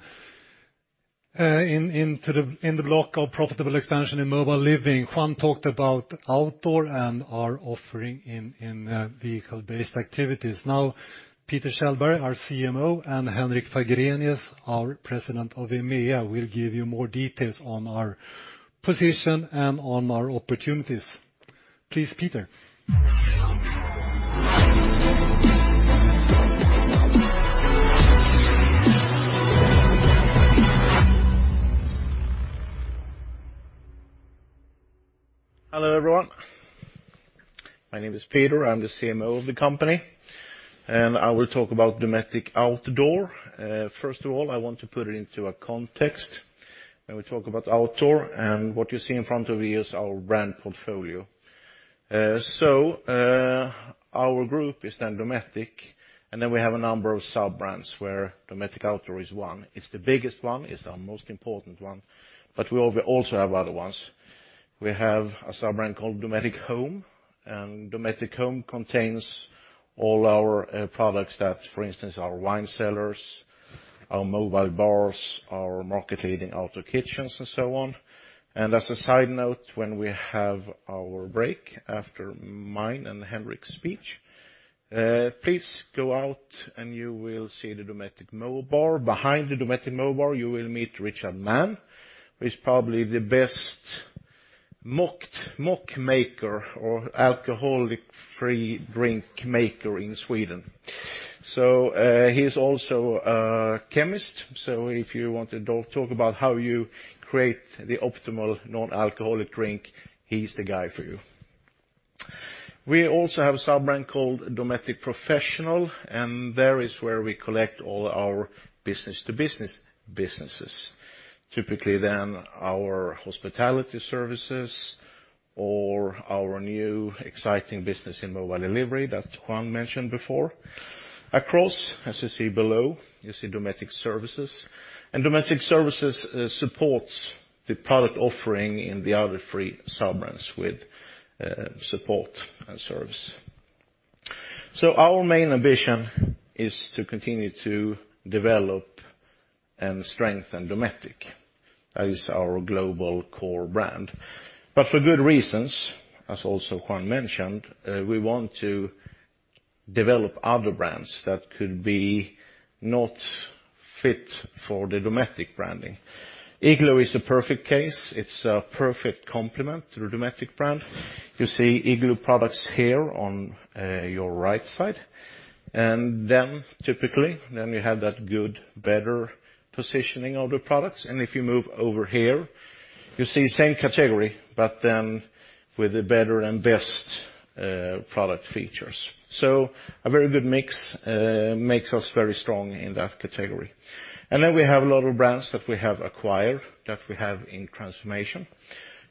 into the block of profitable expansion in Mobile Living. Juan talked about outdoor and our offering in vehicle-based activities. Now, Peter Kjellberg, our CMO, and Henrik Fagrenius, our President of EMEA, will give you more details on our position and on our opportunities. Please, Peter. Hello, everyone. My name is Peter. I'm the CMO of the company, and I will talk about Dometic Outdoor. First of all, I want to put it into a context when we talk about outdoor. What you see in front of you is our brand portfolio. So, our group is then Dometic, and then we have a number of sub-brands where Dometic Outdoor is one. It's the biggest one. It's our most important one, but we also have other ones. We have a sub-brand called Dometic Home, and Dometic Home contains all our products that, for instance, our wine cellars, our mobile bars, our market-leading outdoor kitchens, and so on. As a side note, when we have our break after mine and Henrik's speech, please go out and you will see the Dometic MoBar. Behind the Dometic MoBar, you will meet Richard Man, who is probably the best mocktail maker or alcoholic-free drink maker in Sweden. He's also a chemist, so if you want to talk about how you create the optimal non-alcoholic drink, he's the guy for you. We also have a sub-brand called Dometic Professional, and there is where we collect all our business-to-business businesses, typically our hospitality services or our new exciting business in mobile delivery that Juan mentioned before. Also, as you see below, you see Dometic Services. Dometic Services supports the product offering in the other three sub-brands with support and service. Our main ambition is to continue to develop and strengthen Dometic as our global core brand. For good reasons, as also Juan mentioned, we want to develop other brands that could be not fit for the Dometic branding. Igloo is a perfect case. It's a perfect complement to the Dometic brand. You see Igloo products here on your right side. Typically you have that good, better positioning of the products. If you move over here, you see same category, but then with the better and best product features. A very good mix makes us very strong in that category. We have a lot of brands that we have acquired, that we have in transformation.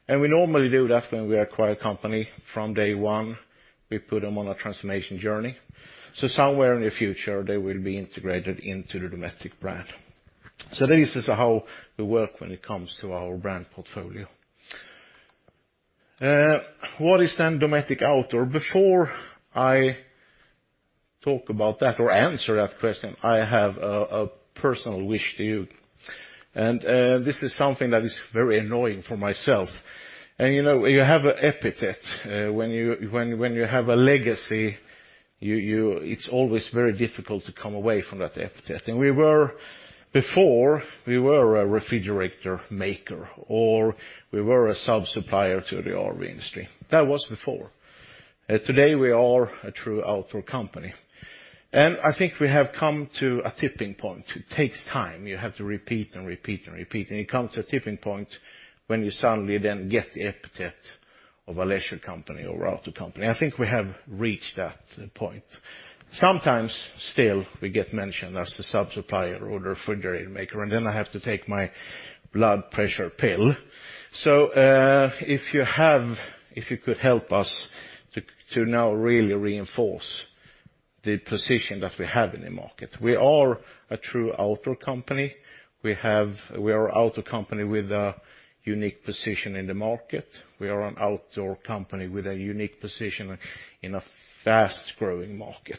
We normally do that when we acquire company from day one, we put them on a transformation journey. Somewhere in the future, they will be integrated into the Dometic brand. This is how we work when it comes to our brand portfolio. What is then Dometic Outdoor? Before I talk about that or answer that question, I have a personal wish to you. This is something that is very annoying for myself. You know, you have an epithet when you have a legacy. It's always very difficult to come away from that epithet. Before, we were a refrigerator maker, or we were a sub-supplier to the RV industry. That was before. Today, we are a true outdoor company. I think we have come to a tipping point. It takes time. You have to repeat and repeat and repeat. It comes to a tipping point when you suddenly then get the epithet of a leisure company or outdoor company. I think we have reached that point. Sometimes still we get mentioned as a sub-supplier or the refrigerator maker, and then I have to take my blood pressure pill. If you could help us to now really reinforce the position that we have in the market. We are a true outdoor company. We are outdoor company with a unique position in the market. We are an outdoor company with a unique position in a fast-growing market.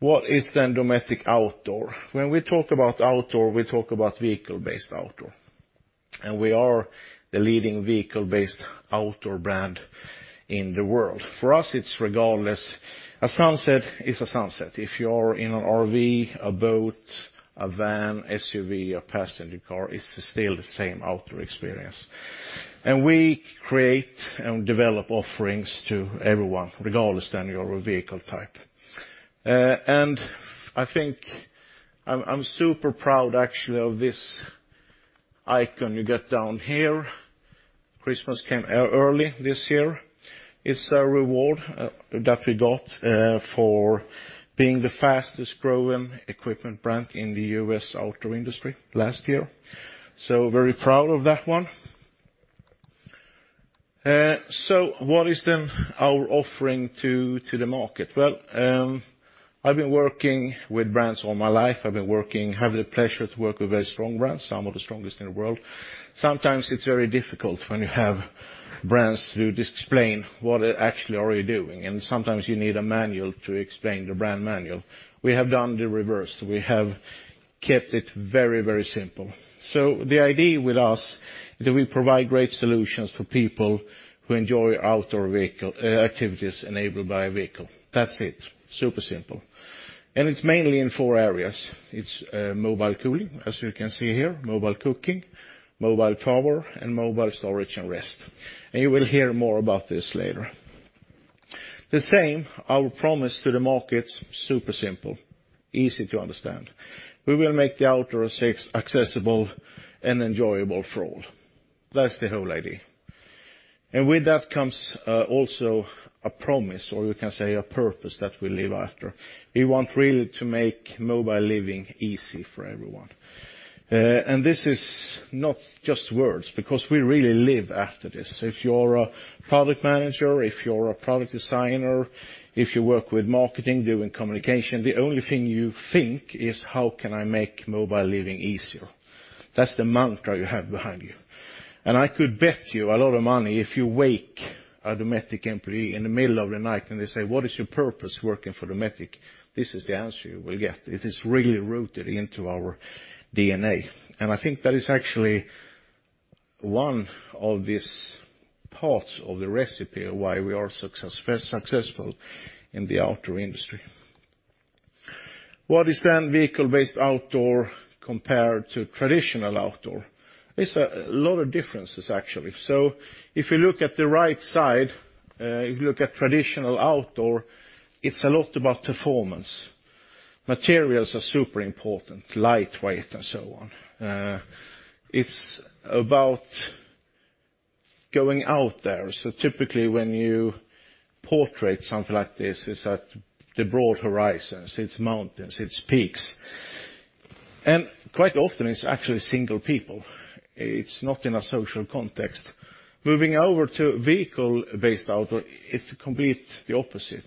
What is then Dometic Outdoor? When we talk about outdoor, we talk about vehicle-based outdoor. We are the leading vehicle-based outdoor brand in the world. For us, it's regardless. A sunset is a sunset. If you're in an RV, a boat, a van, SUV, a passenger car, it's still the same outdoor experience. We create and develop offerings to everyone, regardless of your vehicle type. I think I'm super proud actually of this icon you get down here. Christmas came early this year. It's a reward that we got for being the fastest growing equipment brand in the U.S. outdoor industry last year. Very proud of that one. What is then our offering to the market? Well, I've been working with brands all my life. I have the pleasure to work with very strong brands, some of the strongest in the world. Sometimes it's very difficult when you have brands to just explain what actually are you doing. Sometimes you need a manual to explain the brand manual. We have done the reverse. We have kept it very, very simple. The idea with us is that we provide great solutions for people who enjoy outdoor activities enabled by a vehicle. That's it. Super simple. It's mainly in four areas. It's mobile cooling, as you can see here, mobile cooking, mobile power, and mobile storage and rest. You will hear more about this later. The same, our promise to the market, super simple, easy to understand. We will make the outdoors accessible and enjoyable for all. That's the whole idea. With that comes also a promise, or you can say a purpose that we live after. We want really to make mobile living easy for everyone. This is not just words because we really live after this. If you're a product manager, if you're a product designer, if you work with marketing, doing communication, the only thing you think is, "How can I make mobile living easier?" That's the mantra you have behind you. I could bet you a lot of money, if you wake a Dometic employee in the middle of the night and they say, "What is your purpose working for Dometic?" This is the answer you will get. It is really rooted into our DNA. I think that is actually one of these parts of the recipe why we are successful in the outdoor industry. What is then vehicle-based outdoor compared to traditional outdoor? It's a lot of differences, actually. If you look at the right side, if you look at traditional outdoor, it's a lot about performance. Materials are super important, lightweight and so on. It's about going out there. Typically, when you portray something like this, it's at the broad horizons, it's mountains, it's peaks. Quite often, it's actually single people. It's not in a social context. Moving over to vehicle-based outdoor, it's completely the opposite.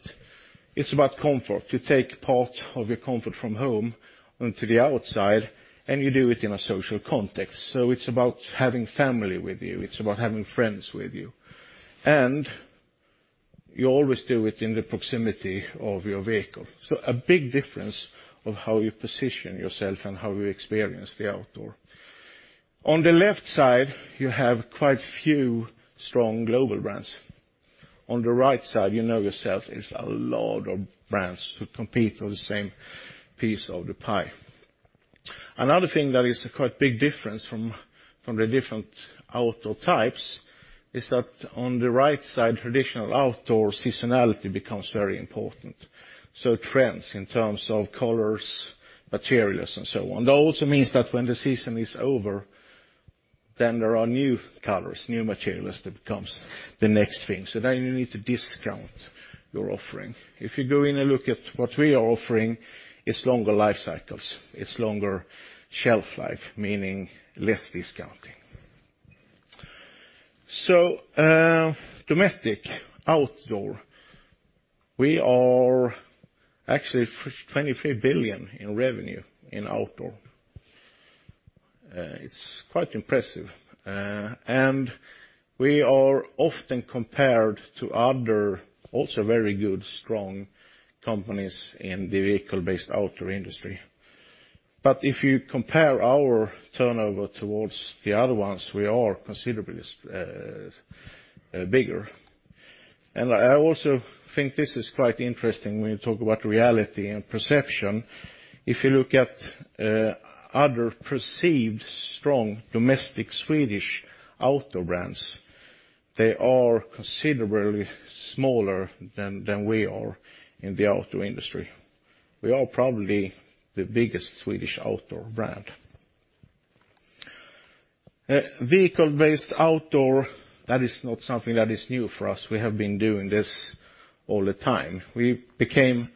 It's about comfort. You take part of your comfort from home into the outside, and you do it in a social context. It's about having family with you. It's about having friends with you. You always do it in the proximity of your vehicle. A big difference of how you position yourself and how you experience the outdoors. On the left side, you have quite a few strong global brands. On the right side, you know, it's a lot of brands who compete on the same piece of the pie. Another thing that is a quite big difference from the different outdoor types is that on the right side, traditional outdoor seasonality becomes very important. Trends in terms of colors, materials, and so on. That also means that when the season is over, then there are new colors, new materials that becomes the next thing. Then you need to discount your offering. If you go in and look at what we are offering, it's longer life cycles, it's longer shelf life, meaning less discounting. Dometic Outdoor, we are actually 23 billion in revenue in outdoor. It's quite impressive. And we are often compared to other also very good, strong companies in the vehicle-based outdoor industry. But if you compare our turnover towards the other ones, we are considerably bigger. I also think this is quite interesting when you talk about reality and perception. If you look at other perceived strong domestic Swedish outdoor brands, they are considerably smaller than we are in the outdoor industry. We are probably the biggest Swedish outdoor brand. Vehicle-based outdoor, that is not something that is new for us. We have been doing this all the time. We became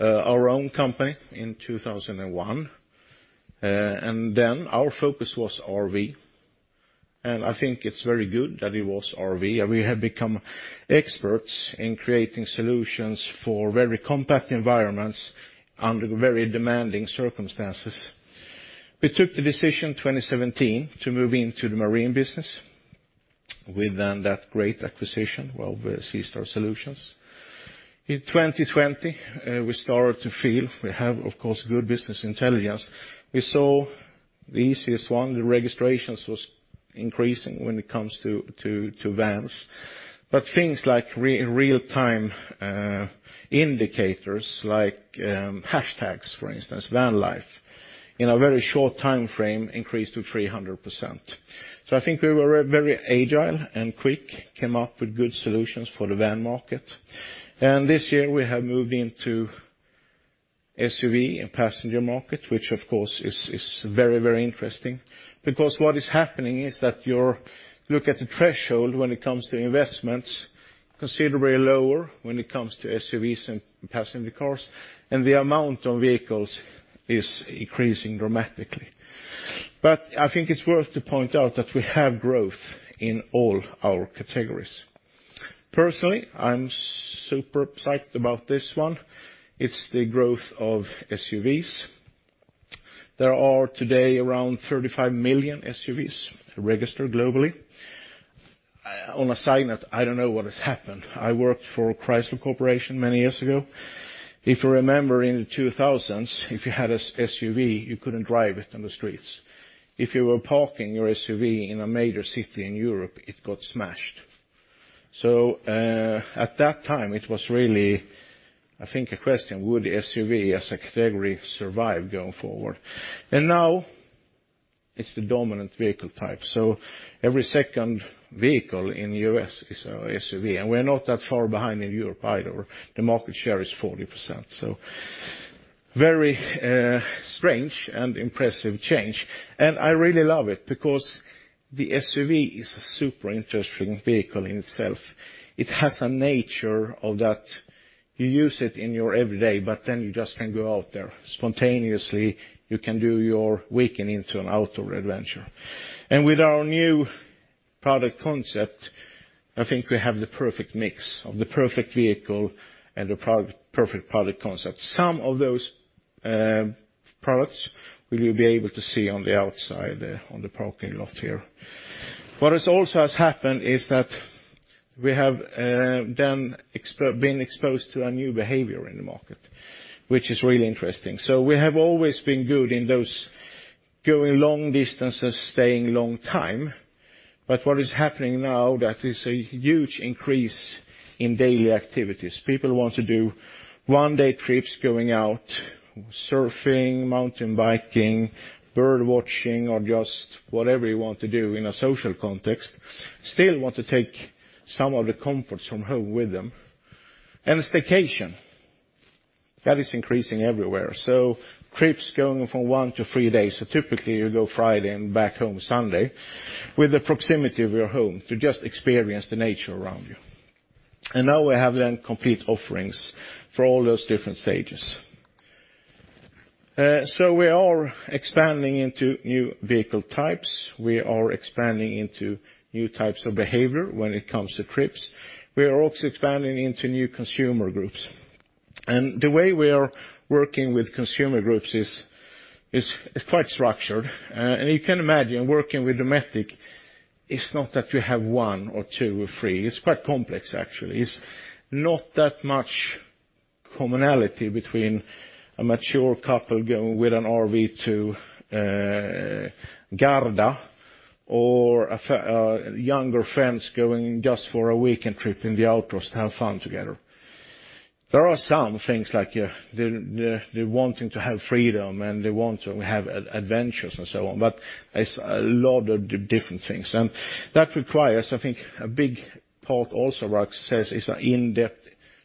our own company in 2001, and then our focus was RV. I think it's very good that it was RV. We have become experts in creating solutions for very compact environments under very demanding circumstances. We took the decision 2017 to move into the marine business with then that great acquisition, well, with SeaStar Solutions. In 2020, we started to feel we have, of course, good business intelligence. We saw the easiest one, the registrations was increasing when it comes to vans. Things like real-time indicators like hashtags, for instance, van life, in a very short time frame increased to 300%. I think we were very agile and quick, came up with good solutions for the van market. This year, we have moved into SUV and passenger market, which of course is very, very interesting because what is happening is that you're looking at the threshold when it comes to investments, considerably lower when it comes to SUVs and passenger cars, and the amount of vehicles is increasing dramatically. I think it's worth to point out that we have growth in all our categories. Personally, I'm super psyched about this one. It's the growth of SUVs. There are today around 35 million SUVs registered globally. On a side note, I don't know what has happened. I worked for Chrysler Corporation many years ago. If you remember in the 2000s, if you had a SUV, you couldn't drive it on the streets. If you were parking your SUV in a major city in Europe, it got smashed. At that time, it was really, I think, a question, would the SUV as a category survive going forward? Now it's the dominant vehicle type. Every second vehicle in U.S. is a SUV, and we're not that far behind in Europe either. The market share is 40%. Very strange and impressive change. I really love it because the SUV is a super interesting vehicle in itself. It has a nature of that you use it in your every day, but then you just can go out there spontaneously. You can do your weekend into an outdoor adventure. With our new product concept, I think we have the perfect mix of the perfect vehicle and the perfect product concept. Some of those products will you be able to see on the outside, on the parking lot here. What has also happened is that we have been exposed to a new behavior in the market, which is really interesting. We have always been good in those going long distances, staying long time. What is happening now, that is a huge increase in daily activities. People want to do one-day trips, going out, surfing, mountain biking, bird watching, or just whatever you want to do in a social context, still want to take some of the comforts from home with them. Staycation, that is increasing everywhere. Trips going from 1-3 days. Typically, you go Friday and back home Sunday with the proximity of your home to just experience the nature around you. Now we have then complete offerings for all those different stages. We are expanding into new vehicle types. We are expanding into new types of behavior when it comes to trips. We are also expanding into new consumer groups. The way we are working with consumer groups is quite structured. You can imagine working with Dometic, it's not that you have 1, 2, or 3. It's quite complex, actually. It's not that much commonality between a mature couple going with an RV to Garda or younger friends going just for a weekend trip in the outdoors to have fun together. There are some things like they wanting to have freedom and they want to have adventures and so on. It's a lot of different things. That requires, I think a big part also where access is an in-depth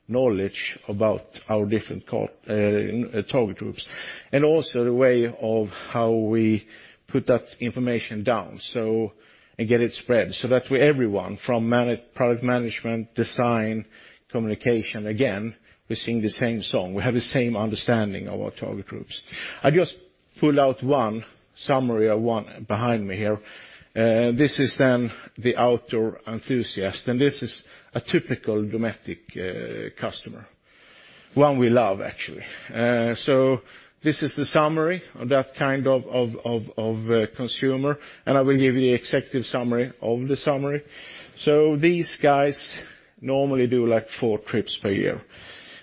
knowledge about our different target groups. Also the way of how we put that information down, and get it spread so that everyone from product management, design, communication, again, we're singing the same song. We have the same understanding of our target groups. I just pull out one summary of one behind me here. This is then the outdoor enthusiast, and this is a typical Dometic customer, one we love, actually. This is the summary of that kind of consumer, and I will give you the executive summary of the summary. These guys normally do like four trips per year,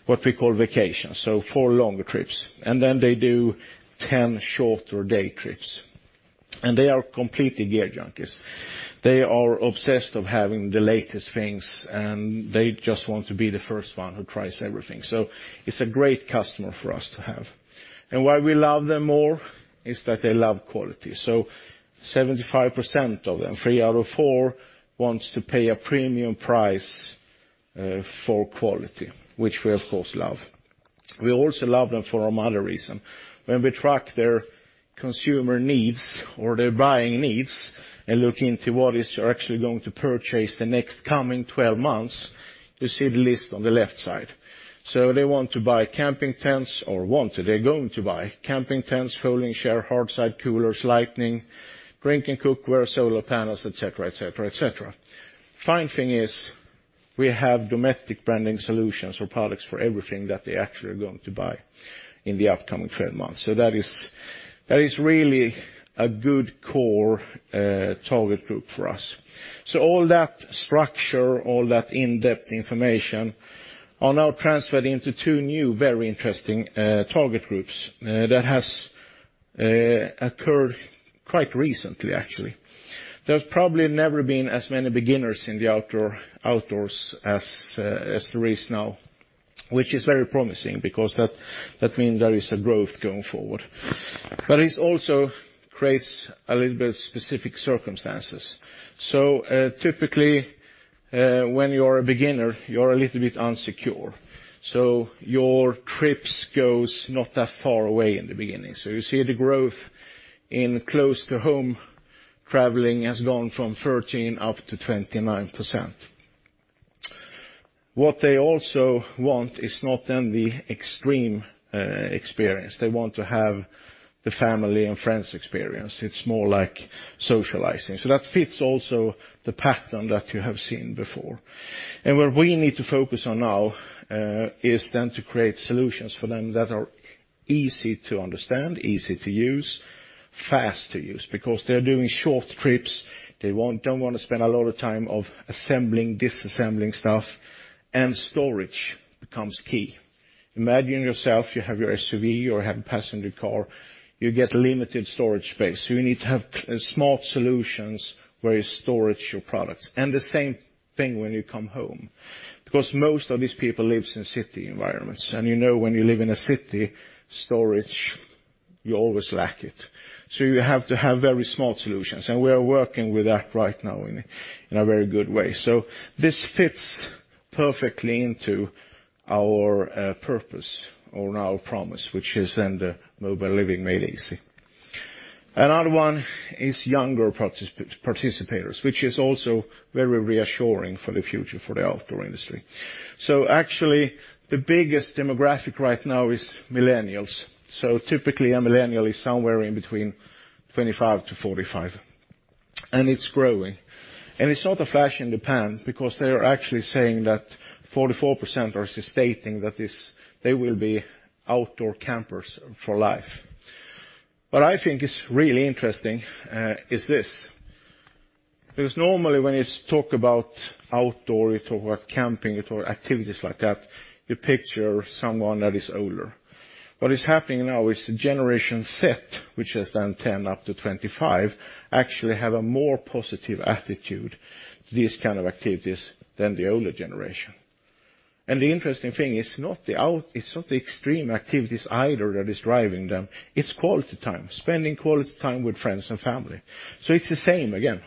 what we call vacations, so four longer trips. Then they do 10 shorter day trips. They are completely gear junkies. They are obsessed of having the latest things, and they just want to be the first one who tries everything. It's a great customer for us to have. Why we love them more is that they love quality. 75% of them, three out of four, wants to pay a premium price for quality, which we of course love. We also love them for one other reason. When we track their consumer needs or their buying needs and look into what is actually going to purchase the next coming 12 months, you see the list on the left side. They want to buy camping tents, folding chair, hard side coolers, lighting, drinkware and cookware, solar panels, et cetera, et cetera, et cetera. One thing is we have Dometic branding solutions or products for everything that they actually are going to buy in the upcoming 12 months. That is really a good core target group for us. All that structure, all that in-depth information are now transferred into two new very interesting target groups that has occurred quite recently, actually. There's probably never been as many beginners in the outdoors as there is now, which is very promising because that means there is a growth going forward. It also creates a little bit specific circumstances. Typically, when you're a beginner, you're a little bit insecure. Your trips go not that far away in the beginning. You see the growth in close to home traveling has gone from 13%-29%. What they also want is not the extreme experience. They want to have the family and friends experience. It's more like socializing. That fits also the pattern that you have seen before. What we need to focus on now is then to create solutions for them that are easy to understand, easy to use, fast to use, because they're doing short trips. They don't wanna spend a lot of time on assembling, disassembling stuff, and storage becomes key. Imagine yourself, you have your SUV or have a passenger car, you get limited storage space. You need to have smart solutions where you store your products. The same thing when you come home, because most of these people lives in city environments. You know, when you live in a city, storage, you always lack it. You have to have very smart solutions. We are working with that right now in a very good way. This fits perfectly into our purpose or now promise, which is then the mobile living made easy. Another one is younger participants, which is also very reassuring for the future for the outdoor industry. Actually, the biggest demographic right now is millennials. Typically, a millennial is somewhere in between 25-45, and it's growing. It's not a flash in the pan because they're actually saying that 44% are stating that they will be outdoor campers for life. What I think is really interesting is this. Because normally, when it's talk about outdoor, you talk about camping, you talk activities like that, you picture someone that is older. What is happening now is the Generation Z, which is then 10 up to 25, actually have a more positive attitude to these kind of activities than the older generation. The interesting thing, it's not the extreme activities either that is driving them, it's quality time, spending quality time with friends and family. It's the same again.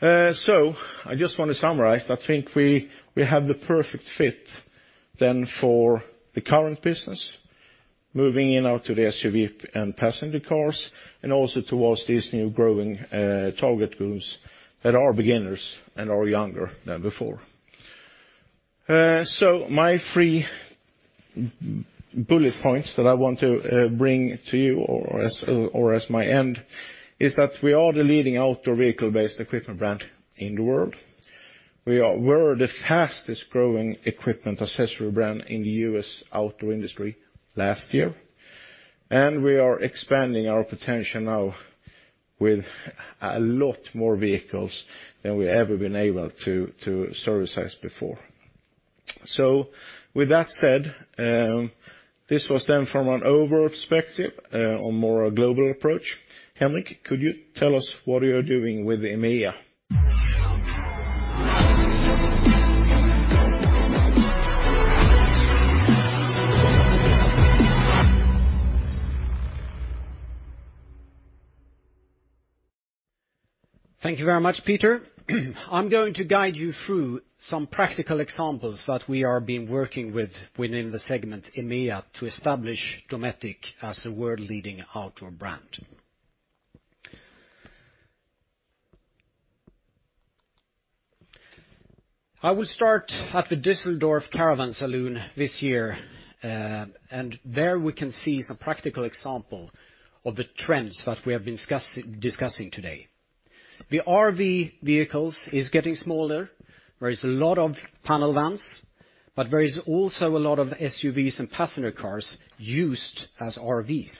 I just want to summarize. I think we have the perfect fit then for the current business, moving into the SUV and passenger cars, and also towards these new growing target groups that are beginners and are younger than before. My three main bullet points that I want to bring to you as my end is that we are the leading outdoor vehicle-based equipment brand in the world. We're the fastest growing equipment accessory brand in the U.S. outdoor industry last year. We are expanding our potential now with a lot more vehicles than we've ever been able to service than before. With that said, this was then from an overall perspective on a more global approach. Henrik, could you tell us what you're doing with EMEA? Thank you very much, Peter. I'm going to guide you through some practical examples that we have been working with within the segment EMEA to establish Dometic as a world leading outdoor brand. I will start at the Düsseldorf Caravan Salon this year. There we can see some practical example of the trends that we have been discussing today. The RV vehicles is getting smaller. There is a lot of panel vans, but there is also a lot of SUVs and passenger cars used as RVs.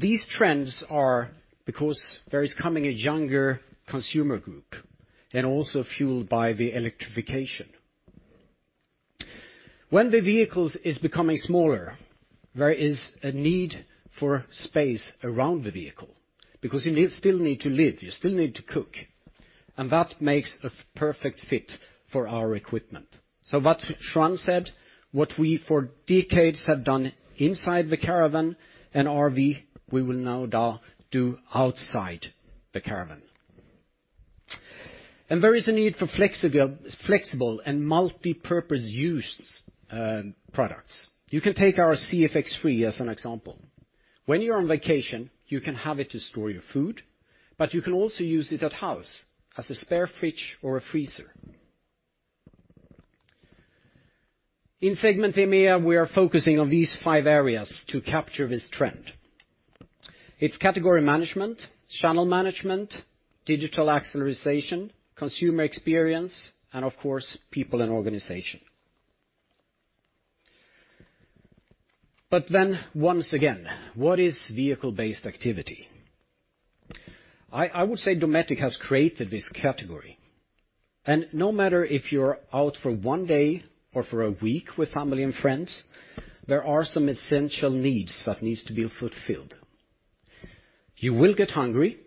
These trends are because there is coming a younger consumer group and also fueled by the electrification. When the vehicles is getting smaller, there is a need for space around the vehicle because you still need to live, you still need to cook, and that makes a perfect fit for our equipment. What Fran said, what we for decades have done inside the caravan and RV, we will now do outside the caravan. There is a need for flexible and multipurpose use products. You can take our CFX3 as an example. When you're on vacation, you can have it to store your food, but you can also use it at home as a spare fridge or a freezer. In segment EMEA, we are focusing on these five areas to capture this trend. It's category management, channel management, digital acceleration, consumer experience, and of course, people and organization. Once again, what is vehicle-based activity? I would say Dometic has created this category. No matter if you're out for one day or for a week with family and friends, there are some essential needs that needs to be fulfilled. You will get hungry.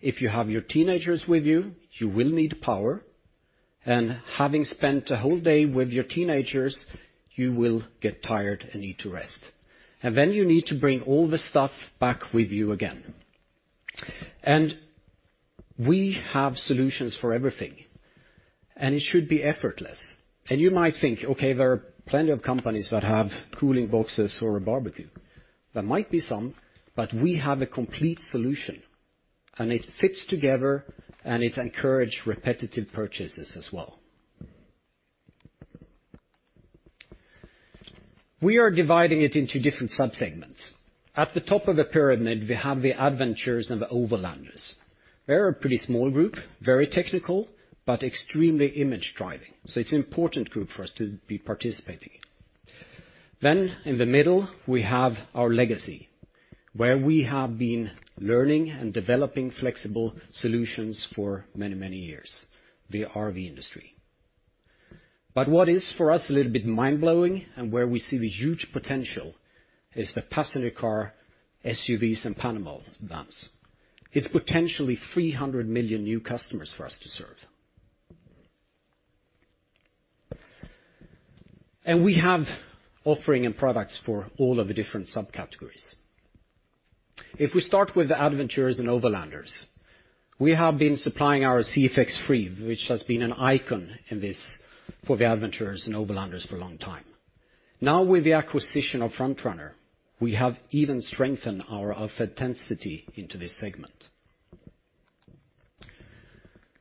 If you have your teenagers with you will need power. Having spent a whole day with your teenagers, you will get tired and need to rest. Then you need to bring all the stuff back with you again. We have solutions for everything, and it should be effortless. You might think, okay, there are plenty of companies that have cooling boxes or a barbecue. There might be some, but we have a complete solution, and it fits together, and it encourage repetitive purchases as well. We are dividing it into different sub-segments. At the top of the pyramid, we have the adventurers and the overlanders. They're a pretty small group, very technical, but extremely image-driving. It's an important group for us to be participating. In the middle, we have our legacy, where we have been learning and developing flexible solutions for many, many years, the RV industry. What is for us a little bit mind-blowing and where we see the huge potential is the passenger car, SUVs, and panel vans. It's potentially 300 million new customers for us to serve. We have offering and products for all of the different sub-categories. If we start with the adventurers and overlanders, we have been supplying our CFX3, which has been an icon in this for the adventurers and overlanders for a long time. Now, with the acquisition of Front Runner, we have even strengthened our offer intensity into this segment.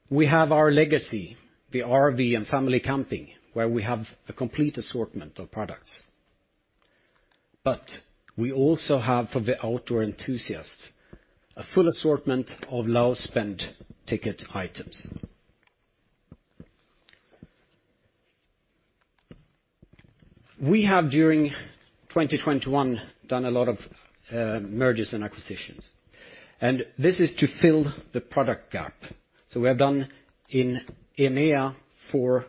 We have our legacy, the RV and family camping, where we have a complete assortment of products. We also have for the outdoor enthusiasts a full assortment of low spend ticket items. We have during 2021 done a lot of mergers and acquisitions, and this is to fill the product gap. We have done in EMEA four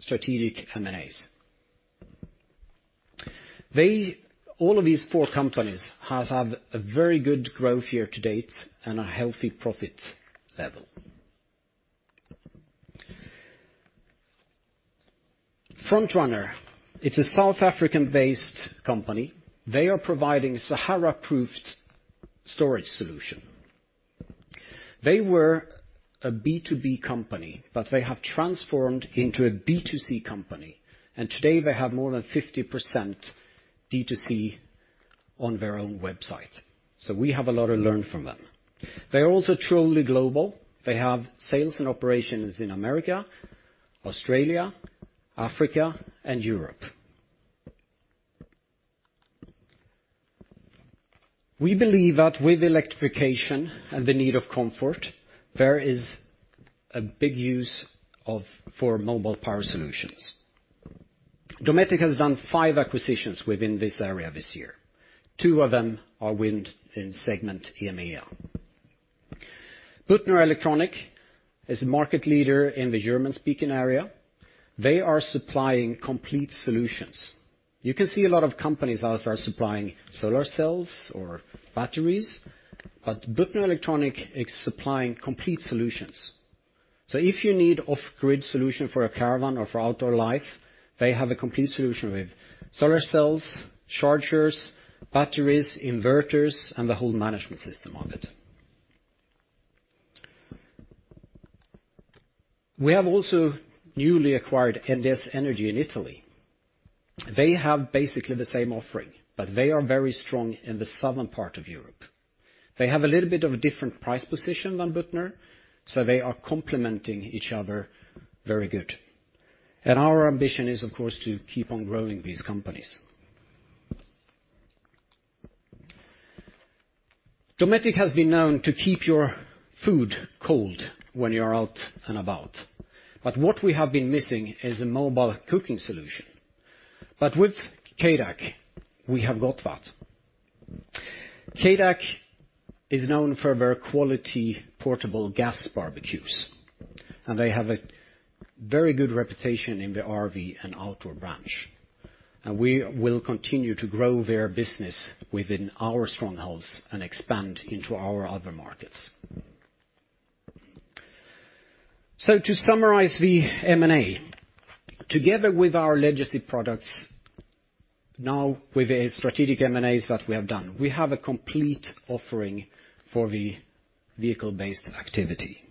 strategic M&As. All of these four companies have a very good growth year to date and a healthy profit level. Front Runner, it's a South African-based company. They are providing Sahara-proofed storage solution. They were a B2B company, but they have transformed into a B2C company, and today they have more than 50% D2C on their own website. We have a lot to learn from them. They are also truly global. They have sales and operations in America, Australia, Africa, and Europe. We believe that with electrification and the need of comfort, there is a big use for mobile power solutions. Dometic has done five acquisitions within this area this year. Two of them are within segment EMEA. Büttner Elektronik is a market leader in the German-speaking area. They are supplying complete solutions. You can see a lot of companies out there are supplying solar cells or batteries, but Büttner Elektronik is supplying complete solutions. If you need off-grid solution for a caravan or for outdoor life, they have a complete solution with solar cells, chargers, batteries, inverters, and the whole management system of it. We have also newly acquired NDS Energy in Italy. They have basically the same offering, but they are very strong in the southern part of Europe. They have a little bit of a different price position than Büttner, so they are complementing each other very good. Our ambition is, of course, to keep on growing these companies. Dometic has been known to keep your food cold when you are out and about, but what we have been missing is a mobile cooking solution. With CADAC, we have got that. CADAC is known for their quality portable gas barbecues, and they have a very good reputation in the RV and outdoor branch. We will continue to grow their business within our strongholds and expand into our other markets. To summarize the M&A, together with our legacy products, now with the strategic M&As that we have done, we have a complete offering for the vehicle-based activity.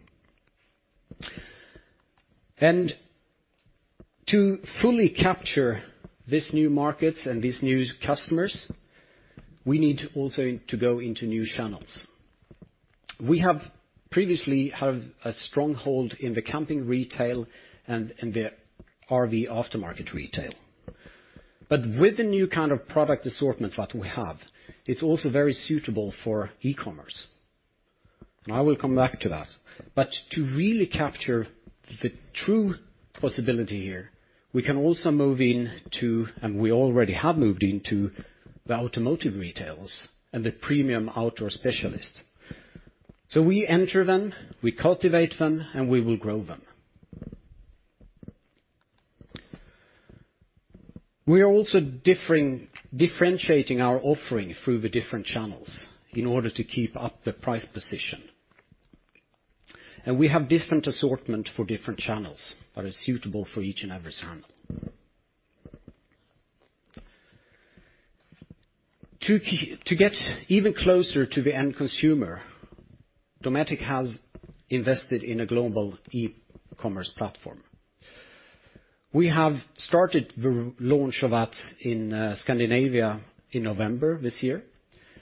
To fully capture these new markets and these new customers, we need to also to go into new channels. We have previously a stronghold in the camping retail and the RV aftermarket retail. With the new kind of product assortment that we have, it's also very suitable for e-commerce. I will come back to that. To really capture the true possibility here, we can also move into, and we already have moved into, the automotive retails and the premium outdoor specialists. We enter them, we cultivate them, and we will grow them. We are also differentiating our offering through the different channels in order to keep up the price position. We have different assortment for different channels that are suitable for each and every channel. To get even closer to the end consumer, Dometic has invested in a global e-commerce platform. We have started the launch of that in Scandinavia in November this year,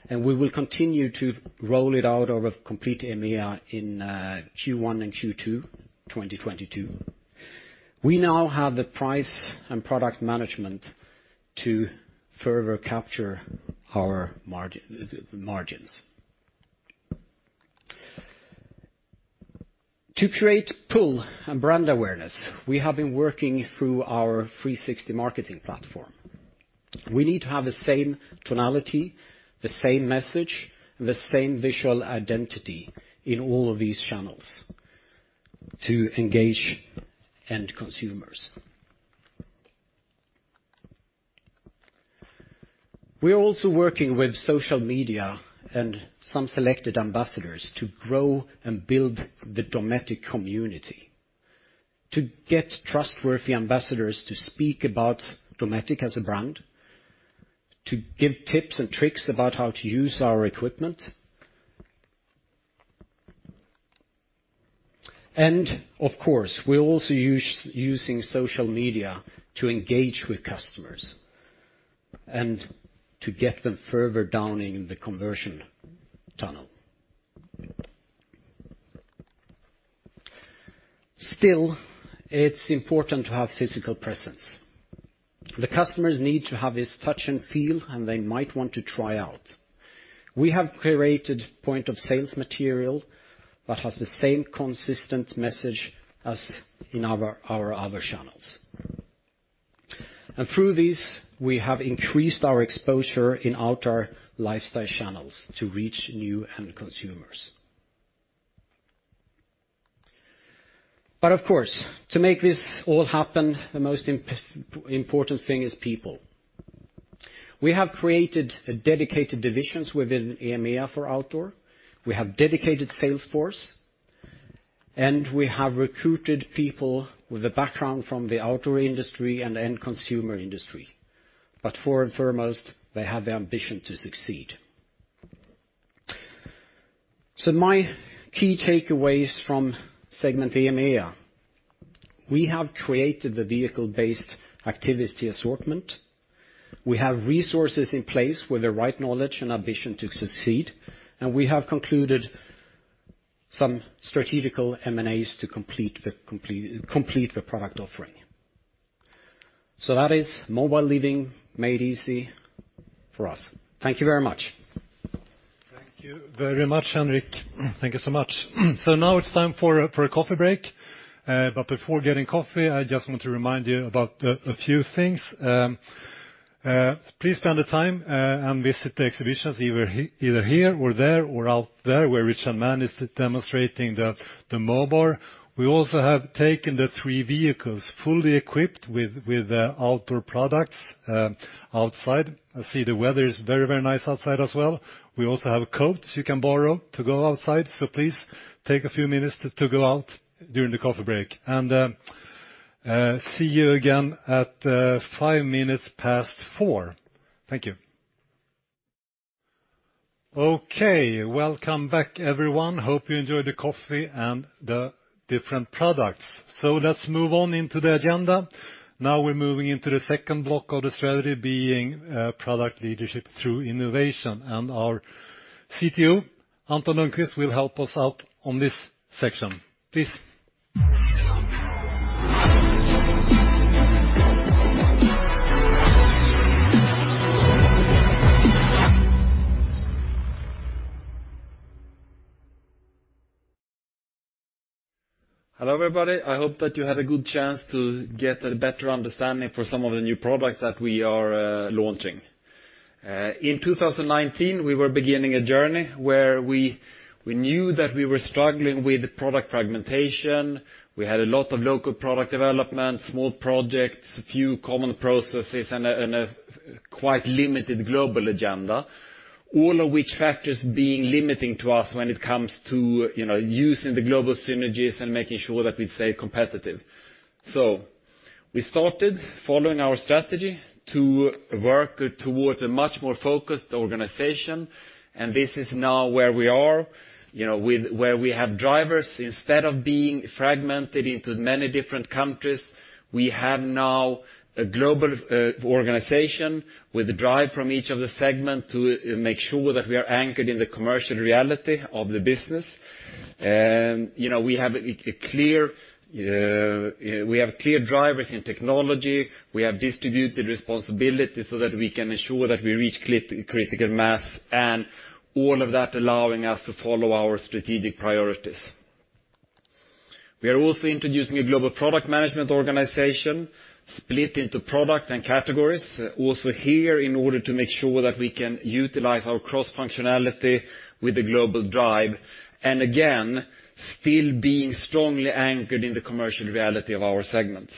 and we will continue to roll it out over complete EMEA in Q1 and Q2, 2022. We now have the price and product management to further capture our margins. To create pull and brand awareness, we have been working through our 360 marketing platform. We need to have the same tonality, the same message, the same visual identity in all of these channels to engage end consumers. We are also working with social media and some selected ambassadors to grow and build the Dometic community, to get trustworthy ambassadors to speak about Dometic as a brand, to give tips and tricks about how to use our equipment. Of course, we're also using social media to engage with customers and to get them further down in the conversion tunnel. It's important to have physical presence. The customers need to have this touch and feel, and they might want to try out. We have created point of sales material that has the same consistent message as in our other channels. Through this, we have increased our exposure in outdoor lifestyle channels to reach new end consumers. Of course, to make this all happen, the most important thing is people. We have created dedicated divisions within EMEA for outdoor. We have dedicated sales force, and we have recruited people with a background from the outdoor industry and end consumer industry. First and foremost, they have the ambition to succeed. My key takeaways from segment EMEA, we have created the vehicle-based activity assortment. We have resources in place with the right knowledge and ambition to succeed, and we have concluded some strategic M&As to complete the product offering. That is mobile living made easy for us. Thank you very much. Thank you very much, Henrik. Thank you so much. Now it's time for a coffee break. But before getting coffee, I just want to remind you about a few things. Please spend the time and visit the exhibitions either here or there, or out there where Richard Mann is demonstrating the mobile. We also have taken the three vehicles fully equipped with outdoor products outside. I see the weather is very nice outside as well. We also have coats you can borrow to go outside, so please take a few minutes to go out during the coffee break. See you again at five minutes past four. Thank you. Okay. Welcome back, everyone. Hope you enjoyed the coffee and the different products. Let's move on into the agenda. Now we're moving into the second block of the strategy being product leadership through innovation, and our CTO, Anton Lundqvist, will help us out on this section. Please. Hello, everybody. I hope that you had a good chance to get a better understanding of some of the new products that we are launching. In 2019, we were beginning a journey where we knew that we were struggling with product fragmentation, we had a lot of local product development, small projects, a few common processes, and a quite limited global agenda. All of which factors being limiting to us when it comes to, you know, using the global synergies and making sure that we stay competitive. We started following our strategy to work towards a much more focused organization, and this is now where we are, you know, with drivers. Instead of being fragmented into many different countries, we have now a global organization with a drive from each of the segment to make sure that we are anchored in the commercial reality of the business. You know, we have clear drivers in technology. We have distributed responsibility so that we can ensure that we reach critical mass, and all of that allowing us to follow our strategic priorities. We are also introducing a global product management organization split into product and categories, also here in order to make sure that we can utilize our cross-functionality with a global drive, and again, still being strongly anchored in the commercial reality of our segments,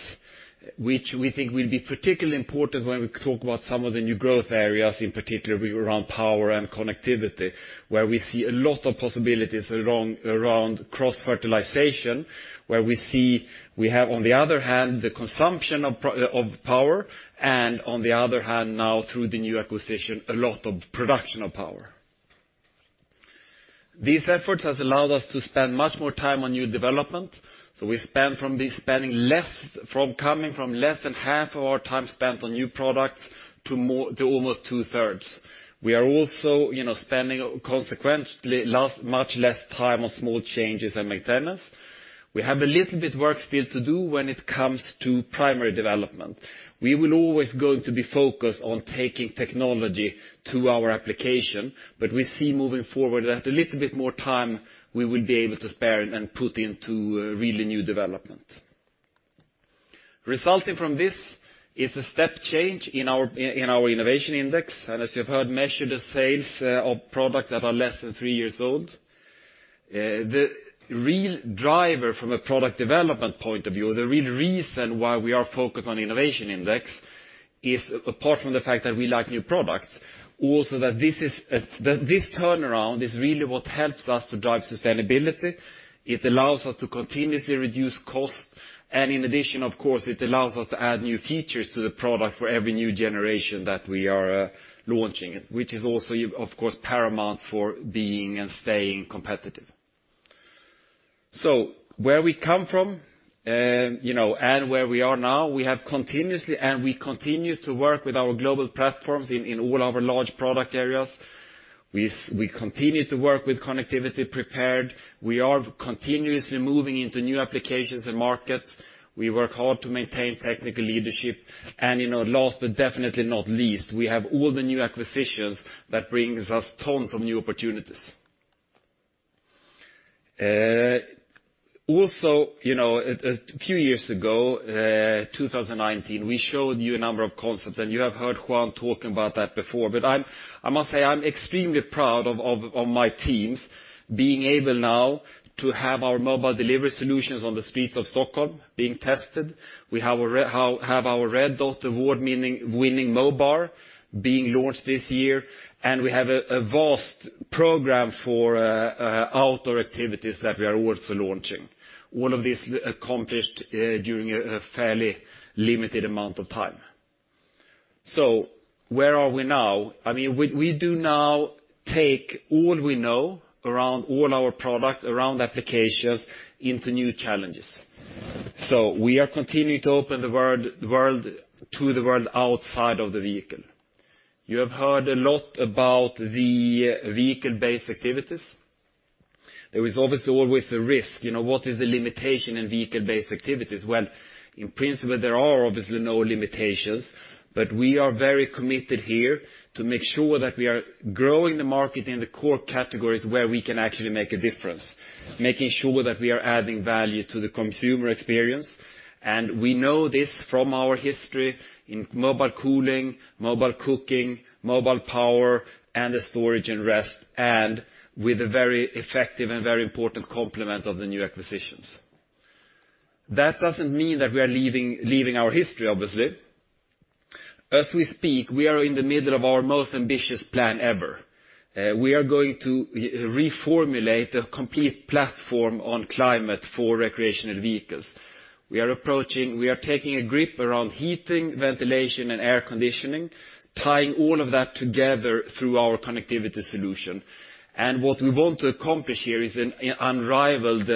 which we think will be particularly important when we talk about some of the new growth areas, in particular around power and connectivity, where we see a lot of possibilities around cross-fertilization, where we see, we have on the other hand, the consumption of power, and on the other hand now through the new acquisition, a lot of production of power. These efforts has allowed us to spend much more time on new development. We are coming from less than half of our time spent on new products to almost two-thirds. We are also, you know, spending considerably less time on small changes and maintenance. We have a little bit of work still to do when it comes to primary development. We are always going to be focused on taking technology to our application, but we see moving forward that a little bit more time we will be able to spare and put into really new development. Resulting from this is a step change in our innovation index, and as you have heard, it measures the sales of products that are less than three years old. The real driver from a product development point of view, the real reason why we are focused on innovation index is apart from the fact that we like new products, also that this turnaround is really what helps us to drive sustainability. It allows us to continuously reduce costs. In addition, of course, it allows us to add new features to the product for every new generation that we are launching, which is also of course paramount for being and staying competitive. Where we come from, you know, and where we are now, we have continuously and we continue to work with our global platforms in all our large product areas. We continue to work with connectivity prepared. We are continuously moving into new applications and markets. We work hard to maintain technical leadership. And, you know, last but definitely not least, we have all the new acquisitions that brings us tons of new opportunities. Also, you know, a few years ago, 2019, we showed you a number of concepts, and you have heard Juan talking about that before. I must say I'm extremely proud of my teams being able now to have our mobile delivery solutions on the streets of Stockholm being tested. We have our Red Dot award-winning MoBar being launched this year, and we have a vast program for outdoor activities that we are also launching. All of this accomplished during a fairly limited amount of time. Where are we now? I mean, we do now take all we know around all our product, around applications into new challenges. We are continuing to open the world to the world outside of the vehicle. You have heard a lot about the vehicle-based activities. There is obviously always a risk. You know, what is the limitation in vehicle-based activities? Well, in principle, there are obviously no limitations, but we are very committed here to make sure that we are growing the market in the core categories where we can actually make a difference, making sure that we are adding value to the consumer experience. We know this from our history in mobile cooling, mobile cooking, mobile power, and the storage and rest, and with a very effective and very important complement of the new acquisitions. That doesn't mean that we are leaving our history, obviously. As we speak, we are in the middle of our most ambitious plan ever. We are going to reformulate a complete platform on climate for recreational vehicles. We are taking a grip around heating, ventilation, and air conditioning, tying all of that together through our connectivity solution. What we want to accomplish here is an unrivaled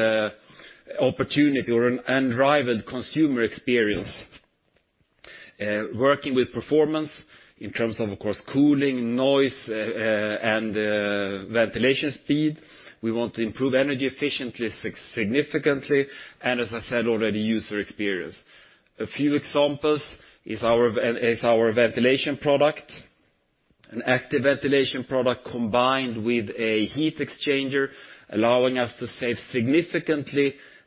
opportunity or an unrivaled consumer experience, working with performance in terms of course, cooling, noise, and ventilation speed. We want to improve energy efficiency significantly, and as I said already, user experience. A few examples is our ventilation product. An active ventilation product combined with a heat exchanger, allowing us to save a significant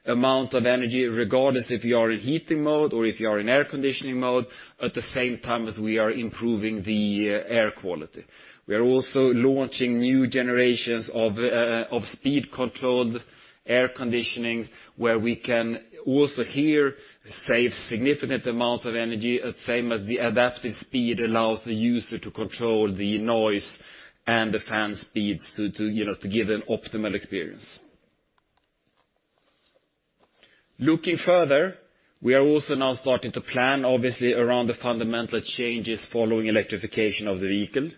amount of energy regardless if you are in heating mode or if you are in air conditioning mode, at the same time as we are improving the air quality. We are also launching new generations of speed-controlled air conditioners, where we can also here save a significant amount of energy, at the same time as the adaptive speed allows the user to control the noise and the fan speeds to give an optimal experience. Looking further, we are also now starting to plan obviously around the fundamental changes following electrification of the vehicle.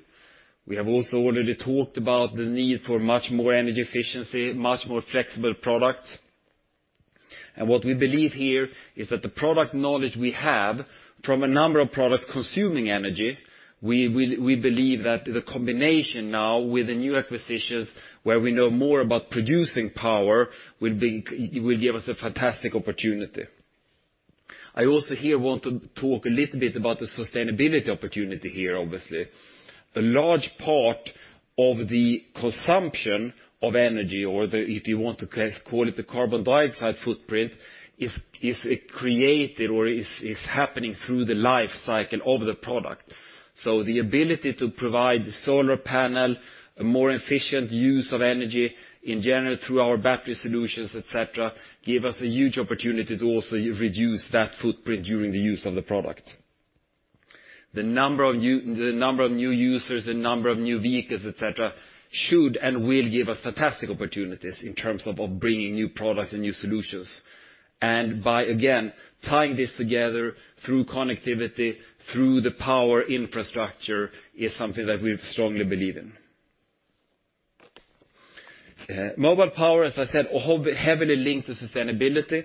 We have also already talked about the need for much more energy efficiency, much more flexible products. What we believe here is that the product knowledge we have from a number of products consuming energy, we believe that the combination now with the new acquisitions where we know more about producing power will give us a fantastic opportunity. I also here want to talk a little bit about the sustainability opportunity here, obviously. A large part of the consumption of energy or the, if you want to call it the carbon dioxide footprint, is created or is happening through the life cycle of the product. The ability to provide solar panel, a more efficient use of energy in general through our battery solutions, et cetera, give us a huge opportunity to also reduce that footprint during the use of the product. The number of new users, the number of new vehicles, et cetera, should and will give us fantastic opportunities in terms of bringing new products and new solutions. By, again, tying this together through connectivity, through the power infrastructure is something that we strongly believe in. Mobile power, as I said, heavily linked to sustainability.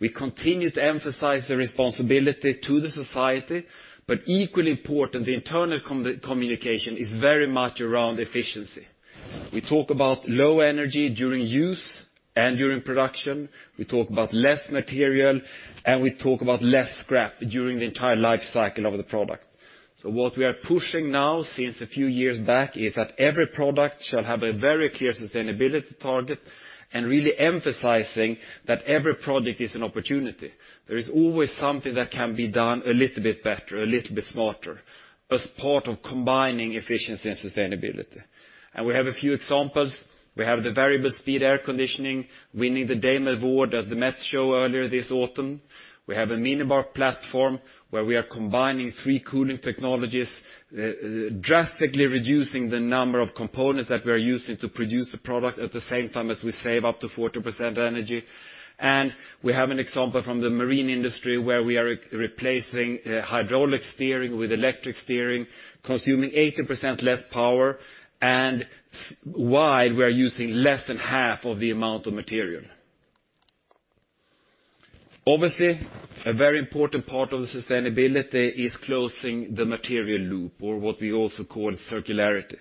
We continue to emphasize the responsibility to the society, but equally important, the internal communication is very much around efficiency. We talk about low energy during use and during production, we talk about less material, and we talk about less scrap during the entire life cycle of the product. What we are pushing now since a few years back is that every product shall have a very clear sustainability target and really emphasizing that every product is an opportunity. There is always something that can be done a little bit better, a little bit smarter as part of combining efficiency and sustainability. We have a few examples. We have the variable speed air conditioning, winning the DAME award at the METS show earlier this autumn. We have a Minibar platform where we are combining three cooling technologies, drastically reducing the number of components that we are using to produce a product at the same time as we save up to 40% energy. We have an example from the marine industry where we are replacing hydraulic steering with electric steering, consuming 80% less power, and while we are using less than half of the amount of material. Obviously, a very important part of the sustainability is closing the material loop or what we also call circularity.